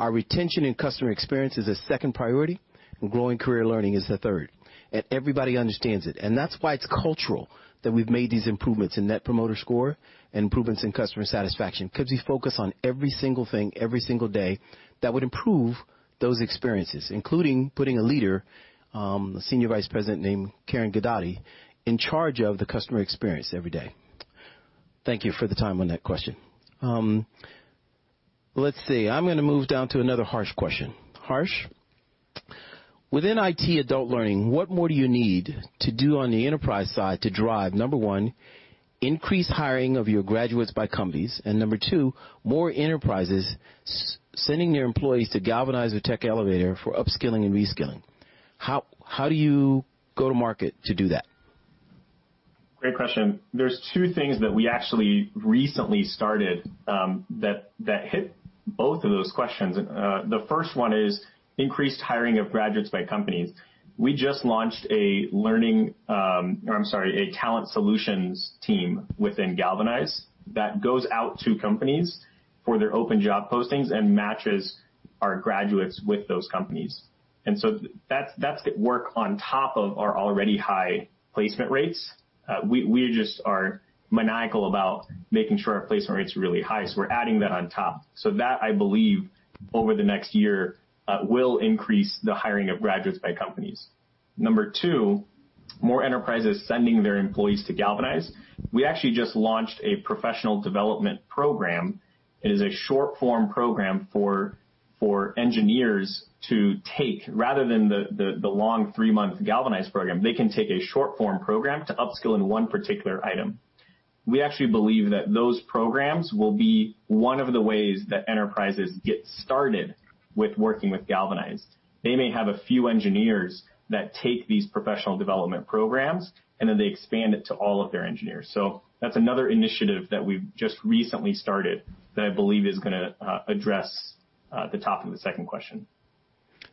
Our retention and customer experience is a second priority, and growing Career Learning is the third. And everybody understands it. And that's why it's cultural that we've made these improvements in Net Promoter Score and improvements in customer satisfaction because we focus on every single thing, every single day that would improve those experiences, including putting a leader, a Senior Vice President named Karen Ghidotti, in charge of the customer experience every day. Thank you for the time on that question. Let's see. I'm going to move down to another Harsh question. Harsh. Within IT adult learning, what more do you need to do on the enterprise side to drive, number one, increase hiring of your graduates by companies, and number two, more enterprises sending their employees to Galvanize or Tech Elevator for upskilling and reskilling? How do you go to market to do that? Great question. There's two things that we actually recently started that hit both of those questions. The first one is increased hiring of graduates by companies. We just launched a learning or, I'm sorry, a talent solutions team within Galvanize that goes out to companies for their open job postings and matches our graduates with those companies. And so that's work on top of our already high placement rates. We just are maniacal about making sure our placement rates are really high. So we're adding that on top. So that, I believe, over the next year will increase the hiring of graduates by companies. Number two, more enterprises sending their employees to Galvanize. We actually just launched a professional development program. It is a short-form program for engineers to take, rather than the long three-month Galvanize program. They can take a short-form program to upskill in one particular item. We actually believe that those programs will be one of the ways that enterprises get started with working with Galvanize. They may have a few engineers that take these professional development programs, and then they expand it to all of their engineers. So that's another initiative that we've just recently started that I believe is going to address the top of the second question.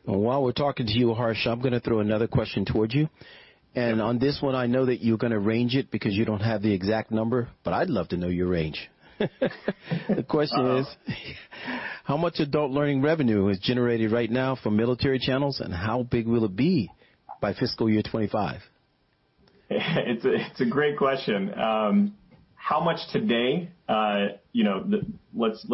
Well, while we're talking to you, Harsh, I'm going to throw another question towards you. On this one, I know that you're going to range it because you don't have the exact number, but I'd love to know your range. The question is, how much adult learning revenue is generated right now from military channels, and how big will it be by fiscal year 2025? It's a great question. How much today? Let's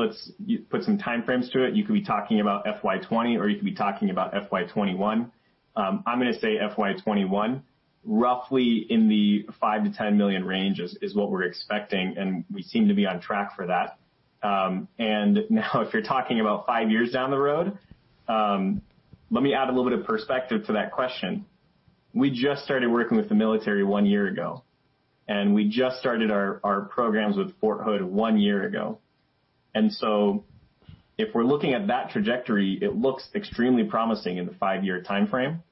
put some time frames to it. You could be talking about FY20, or you could be talking about FY21. I'm going to say FY21. Roughly in the $5 million-$10 million range is what we're expecting, and we seem to be on track for that. Now, if you're talking about five years down the road, let me add a little bit of perspective to that question. We just started working with the military one year ago, and we just started our programs with Fort Hood one year ago. And so if we're looking at that trajectory, it looks extremely promising in the five-year time frame.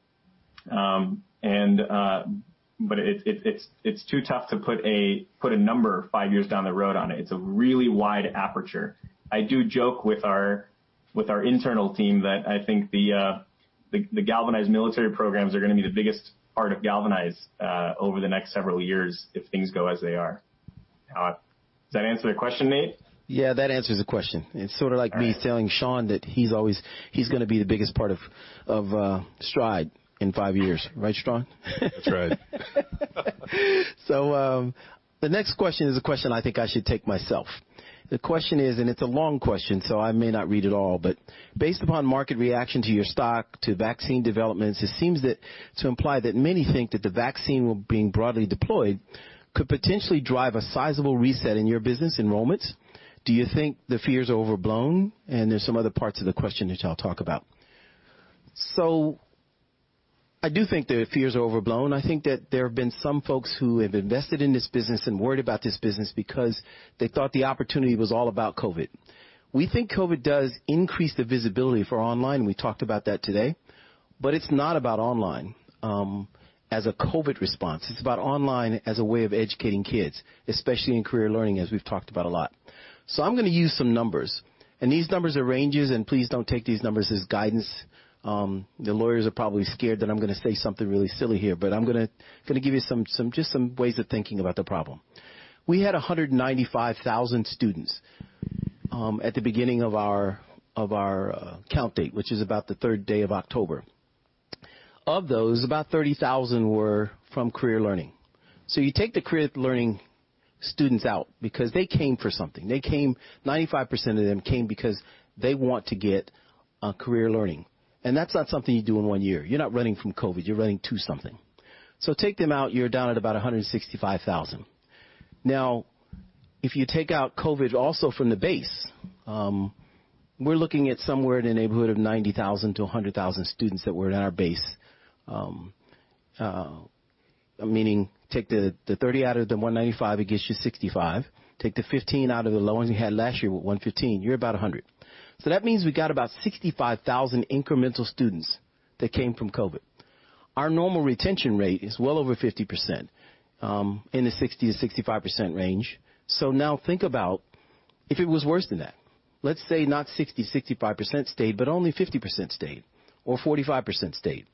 But it's too tough to put a number five years down the road on it. It's a really wide aperture. I do joke with our internal team that I think the Galvanize military programs are going to be the biggest part of Galvanize over the next several years if things go as they are. Does that answer the question, Nate? Yeah, that answers the question. It's sort of like me telling Shaun that he's going to be the biggest part of Stride in five years, right, Shaun? That's right. So the next question is a question I think I should take myself. The question is, and it's a long question, so I may not read it all, but based upon market reaction to your stock, to vaccine developments, it seems to imply that many think that the vaccine being broadly deployed could potentially drive a sizable reset in your business enrollments. Do you think the fears are overblown? And there's some other parts of the question which I'll talk about. So I do think the fears are overblown. I think that there have been some folks who have invested in this business and worried about this business because they thought the opportunity was all about COVID. We think COVID does increase the visibility for online, and we talked about that today. But it's not about online as a COVID response. It's about online as a way of educating kids, especially in Career Learning, as we've talked about a lot. So I'm going to use some numbers. And these numbers are ranges, and please don't take these numbers as guidance. The lawyers are probably scared that I'm going to say something really silly here, but I'm going to give you just some ways of thinking about the problem. We had 195,000 students at the beginning of our count date, which is about the third day of October. Of those, about 30,000 were from Career Learning. So you take the Career Learning students out because they came for something. 95% of them came because they want to get Career Learning. And that's not something you do in one year. You're not running from COVID. You're running to something. So take them out. You're down at about 165,000. Now, if you take out COVID also from the base, we're looking at somewhere in the neighborhood of 90,000-100,000 students that were in our base, meaning take the 30 out of the 195, it gets you 65. Take the 15 out of the low ones we had last year with 115, you're about 100. So that means we got about 65,000 incremental students that came from COVID. Our normal retention rate is well over 50% in the 60%-65% range. So now think about if it was worse than that. Let's say not 60%-65% stayed, but only 50% stayed or 45% stayed.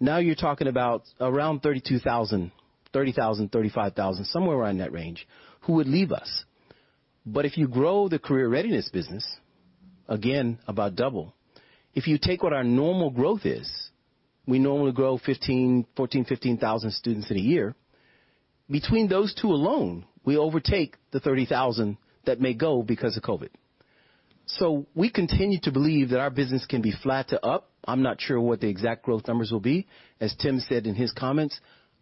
Now you're talking about around 32,000, 30,000, 35,000, somewhere around that range who would leave us. But if you grow the career readiness business, again, about double, if you take what our normal growth is, we normally grow 14,000, 15,000 students in a year. Between those two alone, we overtake the 30,000 that may go because of COVID. So we continue to believe that our business can be flat to up. I'm not sure what the exact growth numbers will be. As Tim said in his comments,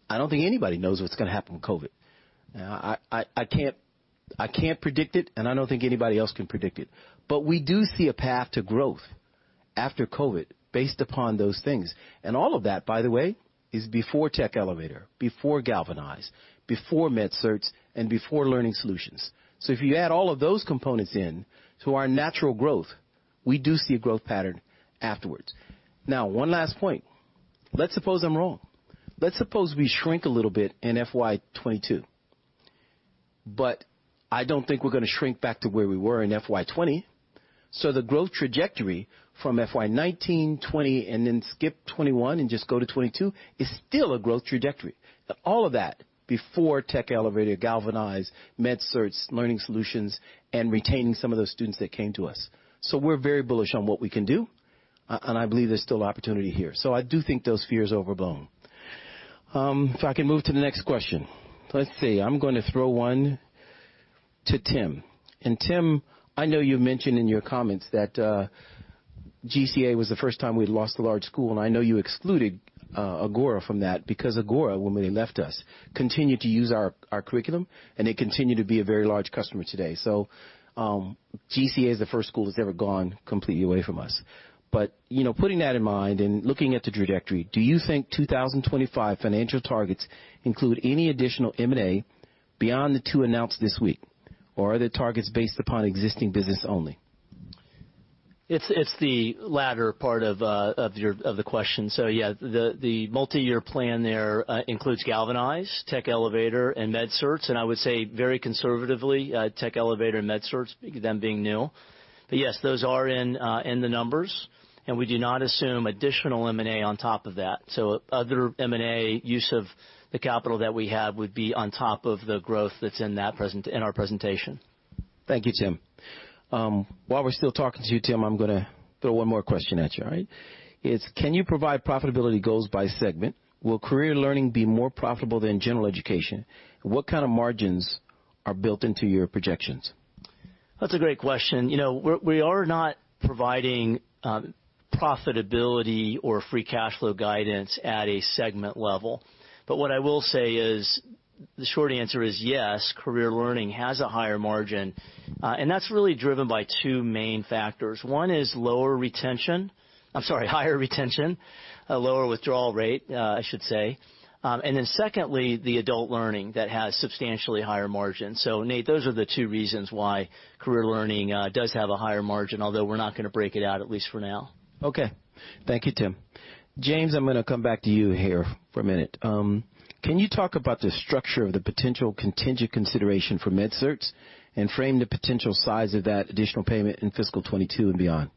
I don't think anybody knows what's going to happen with COVID. I can't predict it, and I don't think anybody else can predict it. But we do see a path to growth after COVID based upon those things. And all of that, by the way, is before Tech Elevator, before Galvanize, before MedCerts, and before Learning Solutions. So if you add all of those components in to our natural growth, we do see a growth pattern afterwards. Now, one last point. Let's suppose I'm wrong. Let's suppose we shrink a little bit in FY22. But I don't think we're going to shrink back to where we were in FY20. So the growth trajectory from FY19, '20, and then skip '21 and just go to '22 is still a growth trajectory. All of that before Tech Elevator, Galvanize, MedCerts, Learning Solutions, and retaining some of those students that came to us. So we're very bullish on what we can do, and I believe there's still opportunity here. So I do think those fears are overblown. If I can move to the next question. Let's see. I'm going to throw one to Tim. Tim, I know you mentioned in your comments that GCA was the first time we'd lost a large school, and I know you excluded Agora from that because Agora, when they left us, continued to use our curriculum, and they continue to be a very large customer today. GCA is the first school that's ever gone completely away from us. Putting that in mind and looking at the trajectory, do you think 2025 financial targets include any additional M&A beyond the two announced this week, or are the targets based upon existing business only? It's the latter part of the question. The multi-year plan there includes Galvanize, Tech Elevator, and MedCerts. I would say very conservatively, Tech Elevator and MedCerts, them being new. Those are in the numbers, and we do not assume additional M&A on top of that. Other M&A use of the capital that we have would be on top of the growth that's in our presentation. Thank you, Tim. While we're still talking to you, Tim, I'm going to throw one more question at you, all right? It's, can you provide profitability goals by segment? Will Career Learning be more profitable than General Education? What kind of margins are built into your projections? That's a great question. We are not providing profitability or free cash flow guidance at a segment level. But what I will say is the short answer is yes, Career Learning has a higher margin. And that's really driven by two main factors. One is lower retention. I'm sorry, higher retention, lower withdrawal rate, I should say. And then secondly, the Adult Learning that has substantially higher margins. So Nate, those are the two reasons why Career Learning does have a higher margin, although we're not going to break it out, at least for now. Okay. Thank you, Tim. James, I'm going to come back to you here for a minute. Can you talk about the structure of the potential contingent consideration for MedCerts and frame the potential size of that additional payment in fiscal 2022 and beyond?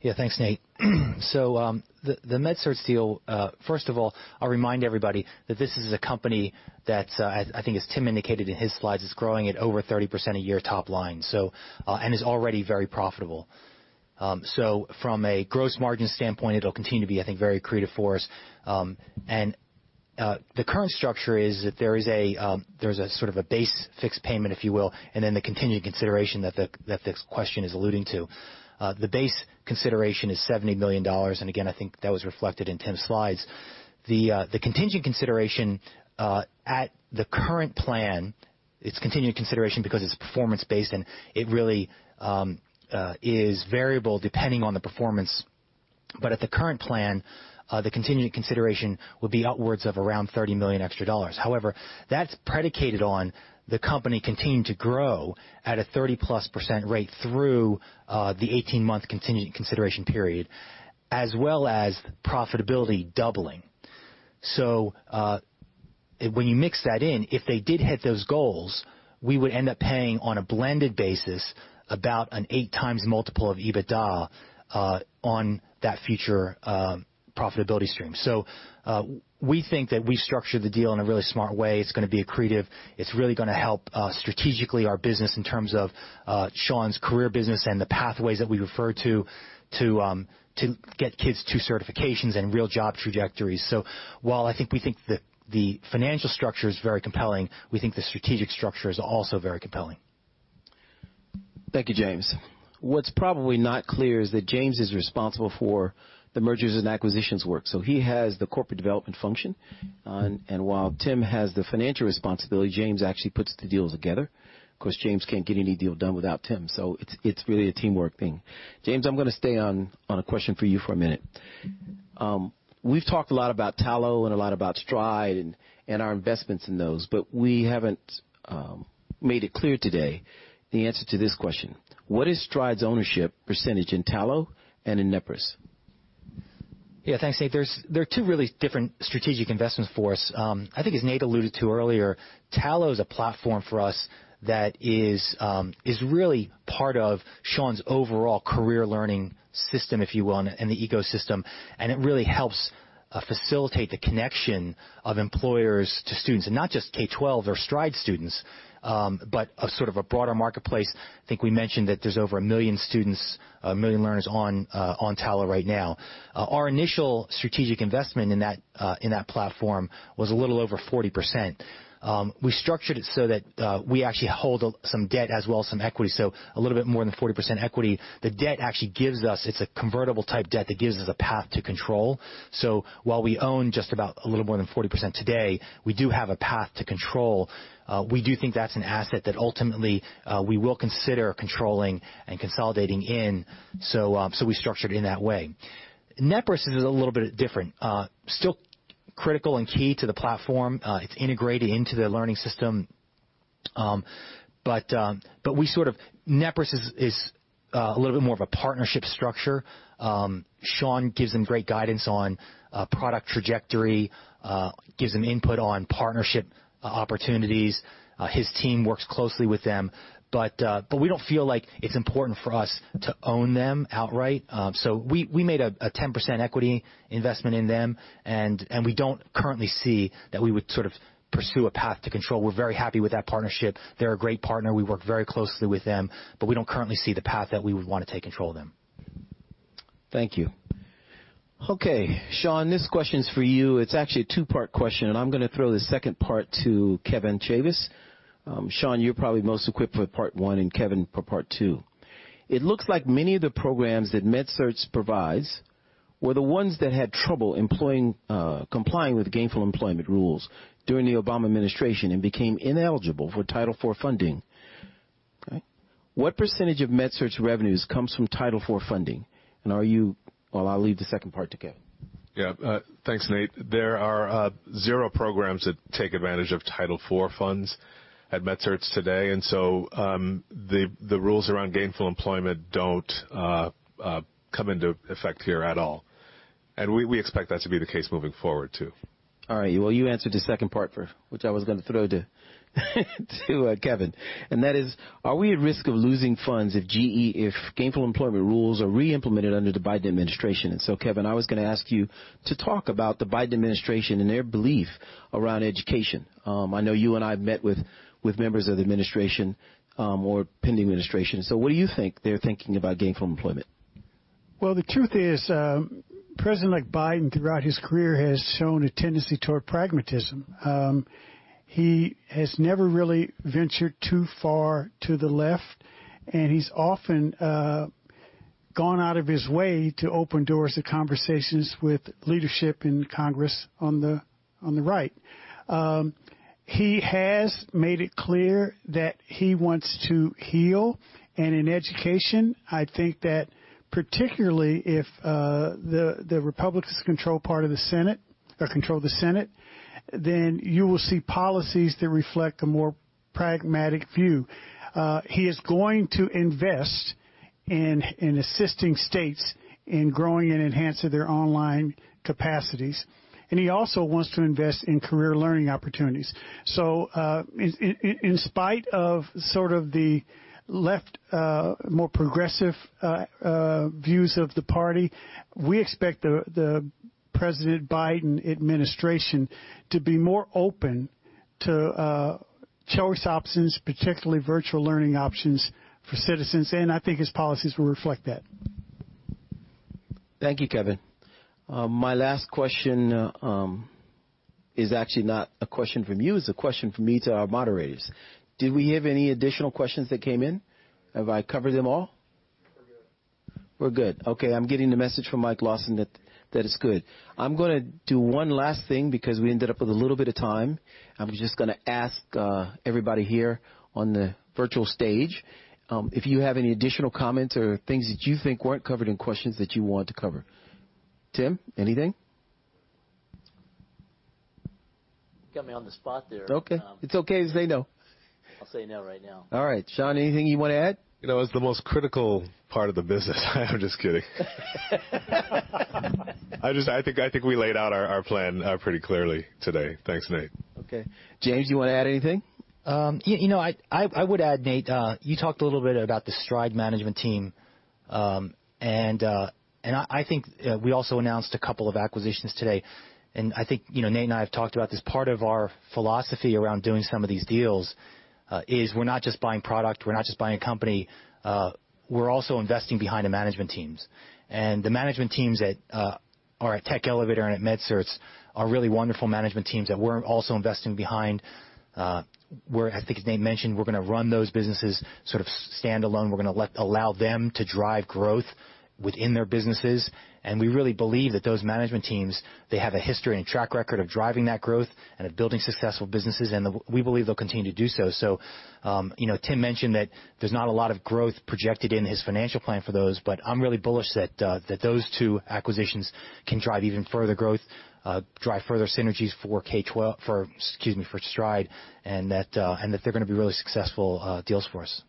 Yeah, thanks, Nate. So the MedCerts deal, first of all, I'll remind everybody that this is a company that, I think, as Tim indicated in his slides, is growing at over 30% a year top line, and is already very profitable. So from a gross margin standpoint, it'll continue to be, I think, very accretive for us. The current structure is that there is a sort of a base fixed payment, if you will, and then the contingent consideration that this question is alluding to. The base consideration is $70 million. And again, I think that was reflected in Tim's slides. The contingent consideration at the current plan, it's contingent consideration because it's performance-based, and it really is variable depending on the performance. But at the current plan, the contingent consideration would be upwards of around $30 million extra dollars. However, that's predicated on the company continuing to grow at a 30-plus% rate through the 18-month contingent consideration period, as well as profitability doubling. So when you mix that in, if they did hit those goals, we would end up paying on a blended basis about an eight-times multiple of EBITDA on that future profitability stream. So we think that we've structured the deal in a really smart way. It's going to be accretive. It's really going to help strategically our business in terms of Shaun's career business and the pathways that we refer to to get kids to certifications and real job trajectories. So while I think we think the financial structure is very compelling, we think the strategic structure is also very compelling. Thank you, James. What's probably not clear is that James is responsible for the mergers and acquisitions work. So he has the corporate development function. And while Tim has the financial responsibility, James actually puts the deals together. Of course, James can't get any deal done without Tim. So it's really a teamwork thing. James, I'm going to stay on a question for you for a minute. We've talked a lot about Tallo and a lot about Stride and our investments in those, but we haven't made it clear today the answer to this question. What is Stride's ownership percentage in Tallo and in Nepris? Yeah, thanks, Nate. There are two really different strategic investments for us. I think, as Nate alluded to earlier, Tallo is a platform for us that is really part of Shaun's overall Career Learning system, if you will, and the ecosystem, and it really helps facilitate the connection of employers to students, and not just K-12 or Stride students, but sort of a broader marketplace. I think we mentioned that there's over 1 million students, 1 million learners on Tallo right now. Our initial strategic investment in that platform was a little over 40%. We structured it so that we actually hold some debt as well as some equity. So a little bit more than 40% equity. The debt actually gives us. It's a convertible type debt that gives us a path to control. So while we own just about a little more than 40% today, we do have a path to control. We do think that's an asset that ultimately we will consider controlling and consolidating in. So we structured it in that way. Nepris is a little bit different. Still critical and key to the platform. It's integrated into the learning system. But Nepris is a little bit more of a partnership structure. Shaun gives them great guidance on product trajectory, gives them input on partnership opportunities. His team works closely with them. But we don't feel like it's important for us to own them outright. So we made a 10% equity investment in them, and we don't currently see that we would sort of pursue a path to control. We're very happy with that partnership. They're a great partner. We work very closely with them. But we don't currently see the path that we would want to take control of them. Thank you. Okay. Shaun, this question is for you. It's actually a two-part question, and I'm going to throw the second part to Kevin Chavous. Shaun, you're probably most equipped for part one and Kevin for part two. It looks like many of the programs that MedCerts provide were the ones that had trouble complying with Gainful Employment rules during the Obama administration and became ineligible for Title IV funding. What percentage of MedCerts' revenues comes from Title IV funding? And I'll leave the second part to Kevin. Yeah. Thanks, Nate. There are zero programs that take advantage of Title IV funds at MedCerts today. And so the rules around Gainful Employment don't come into effect here at all. And we expect that to be the case moving forward too. All right. Well, you answered the second part, which I was going to throw to Kevin. And that is, are we at risk of losing funds if Gainful Employment rules are reimplemented under the Biden administration? And so, Kevin, I was going to ask you to talk about the Biden administration and their belief around education. I know you and I have met with members of the administration or pending administration. So what do you think they're thinking about Gainful Employment? Well, the truth is, President-elect Biden, throughout his career, has shown a tendency toward pragmatism. He has never really ventured too far to the left, and he's often gone out of his way to open doors to conversations with leadership in Congress on the right. He has made it clear that he wants to heal, and in education, I think that particularly if the Republicans control part of the Senate or control the Senate, then you will see policies that reflect a more pragmatic view. He is going to invest in assisting states in growing and enhancing their online capacities. And he also wants to invest in Career Learning opportunities, so in spite of sort of the left-more-progressive views of the party, we expect the President Biden administration to be more open to choice options, particularly virtual learning options for citizens, and I think his policies will reflect that. Thank you, Kevin. My last question is actually not a question from you. It's a question from me to our moderators. Did we have any additional questions that came in? Have I covered them all? We're good. We're good. Okay. I'm getting the message from Mike Lawson that it's good. I'm going to do one last thing because we ended up with a little bit of time. I'm just going to ask everybody here on the virtual stage if you have any additional comments or things that you think weren't covered in questions that you want to cover. Tim, anything? You got me on the spot there. Okay. It's okay to say no. I'll say no right now. All right. Shaun, anything you want to add? It was the most critical part of the business. I'm just kidding. I think we laid out our plan pretty clearly today. Thanks, Nate. Okay. James, you want to add anything? I would add, Nate, you talked a little bit about the Stride management team. I think we also announced a couple of acquisitions today. I think Nate and I have talked about this. Part of our philosophy around doing some of these deals is we're not just buying product. We're not just buying a company. We're also investing behind the management teams. The management teams that are at Tech Elevator and at MedCerts are really wonderful management teams that we're also investing behind. I think, as Nate mentioned, we're going to run those businesses sort of stand-alone. We're going to allow them to drive growth within their businesses. We really believe that those management teams, they have a history and track record of driving that growth and of building successful businesses. We believe they'll continue to do so. So Tim mentioned that there's not a lot of growth projected in his financial plan for those, but I'm really bullish that those two acquisitions can drive even further growth, drive further synergies for Stride, and that they're going to be really successful deals for us.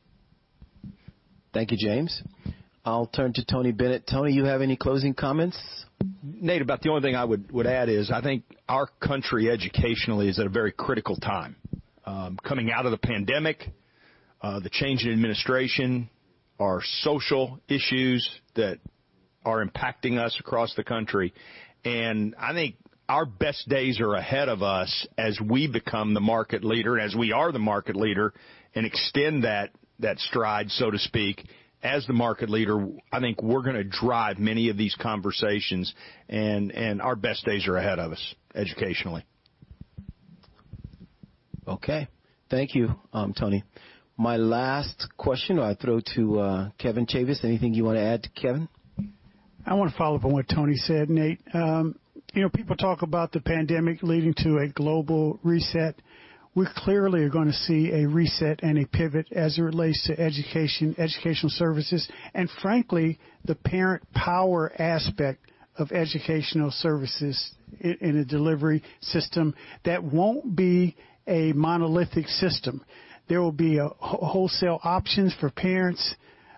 Thank you, James. I'll turn to Tony Bennett. Tony, you have any closing comments? Nate, about the only thing I would add is I think our country, educationally, is at a very critical time. Coming out of the pandemic, the change in administration, our social issues that are impacting us across the country. And I think our best days are ahead of us as we become the market leader, as we are the market leader, and extend that stride, so to speak. As the market leader, I think we're going to drive many of these conversations. Our best days are ahead of us educationally. Okay. Thank you, Tony. My last question I'll throw to Kevin Chavous. Anything you want to add to Kevin? I want to follow up on what Tony said, Nate. People talk about the pandemic leading to a global reset. We clearly are going to see a reset and a pivot as it relates to education, educational services, and frankly, the parent-power aspect of educational services in a delivery system that won't be a monolithic system. There will be wholesale options for parents,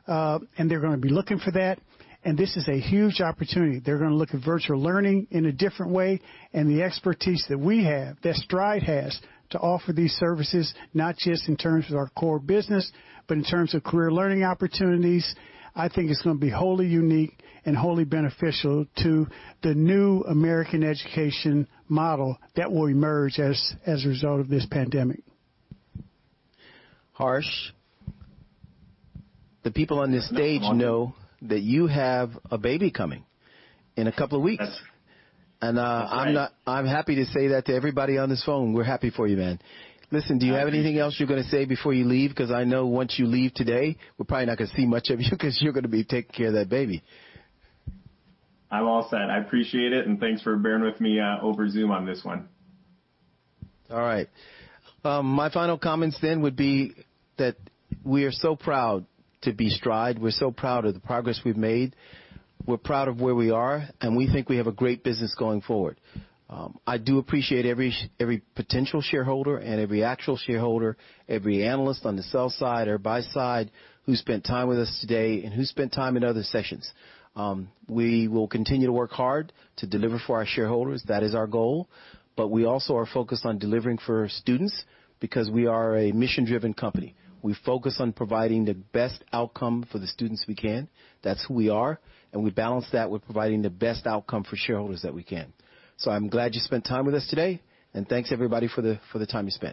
and they're going to be looking for that. And this is a huge opportunity. They're going to look at virtual learning in a different way. And the expertise that we have, that Stride has, to offer these services, not just in terms of our core business, but in terms of Career Learning opportunities, I think it's going to be wholly unique and wholly beneficial to the new American education model that will emerge as a result of this pandemic. Harsh, the people on this stage know that you have a baby coming in a couple of weeks. And I'm happy to say that to everybody on this phone. We're happy for you, man. Listen, do you have anything else you're going to say before you leave? Because I know once you leave today, we're probably not going to see much of you because you're going to be taking care of that baby. I'm all set. I appreciate it. And thanks for bearing with me over Zoom on this one. All right. My final comments then would be that we are so proud to be Stride. We're so proud of the progress we've made. We're proud of where we are. And we think we have a great business going forward. I do appreciate every potential shareholder and every actual shareholder, every analyst on the sell side or buy side who spent time with us today and who spent time in other sessions. We will continue to work hard to deliver for our shareholders. That is our goal. But we also are focused on delivering for students because we are a mission-driven company. We focus on providing the best outcome for the students we can. That's who we are. And we balance that with providing the best outcome for shareholders that we can. So I'm glad you spent time with us today. And thanks, everybody, for the time you spent.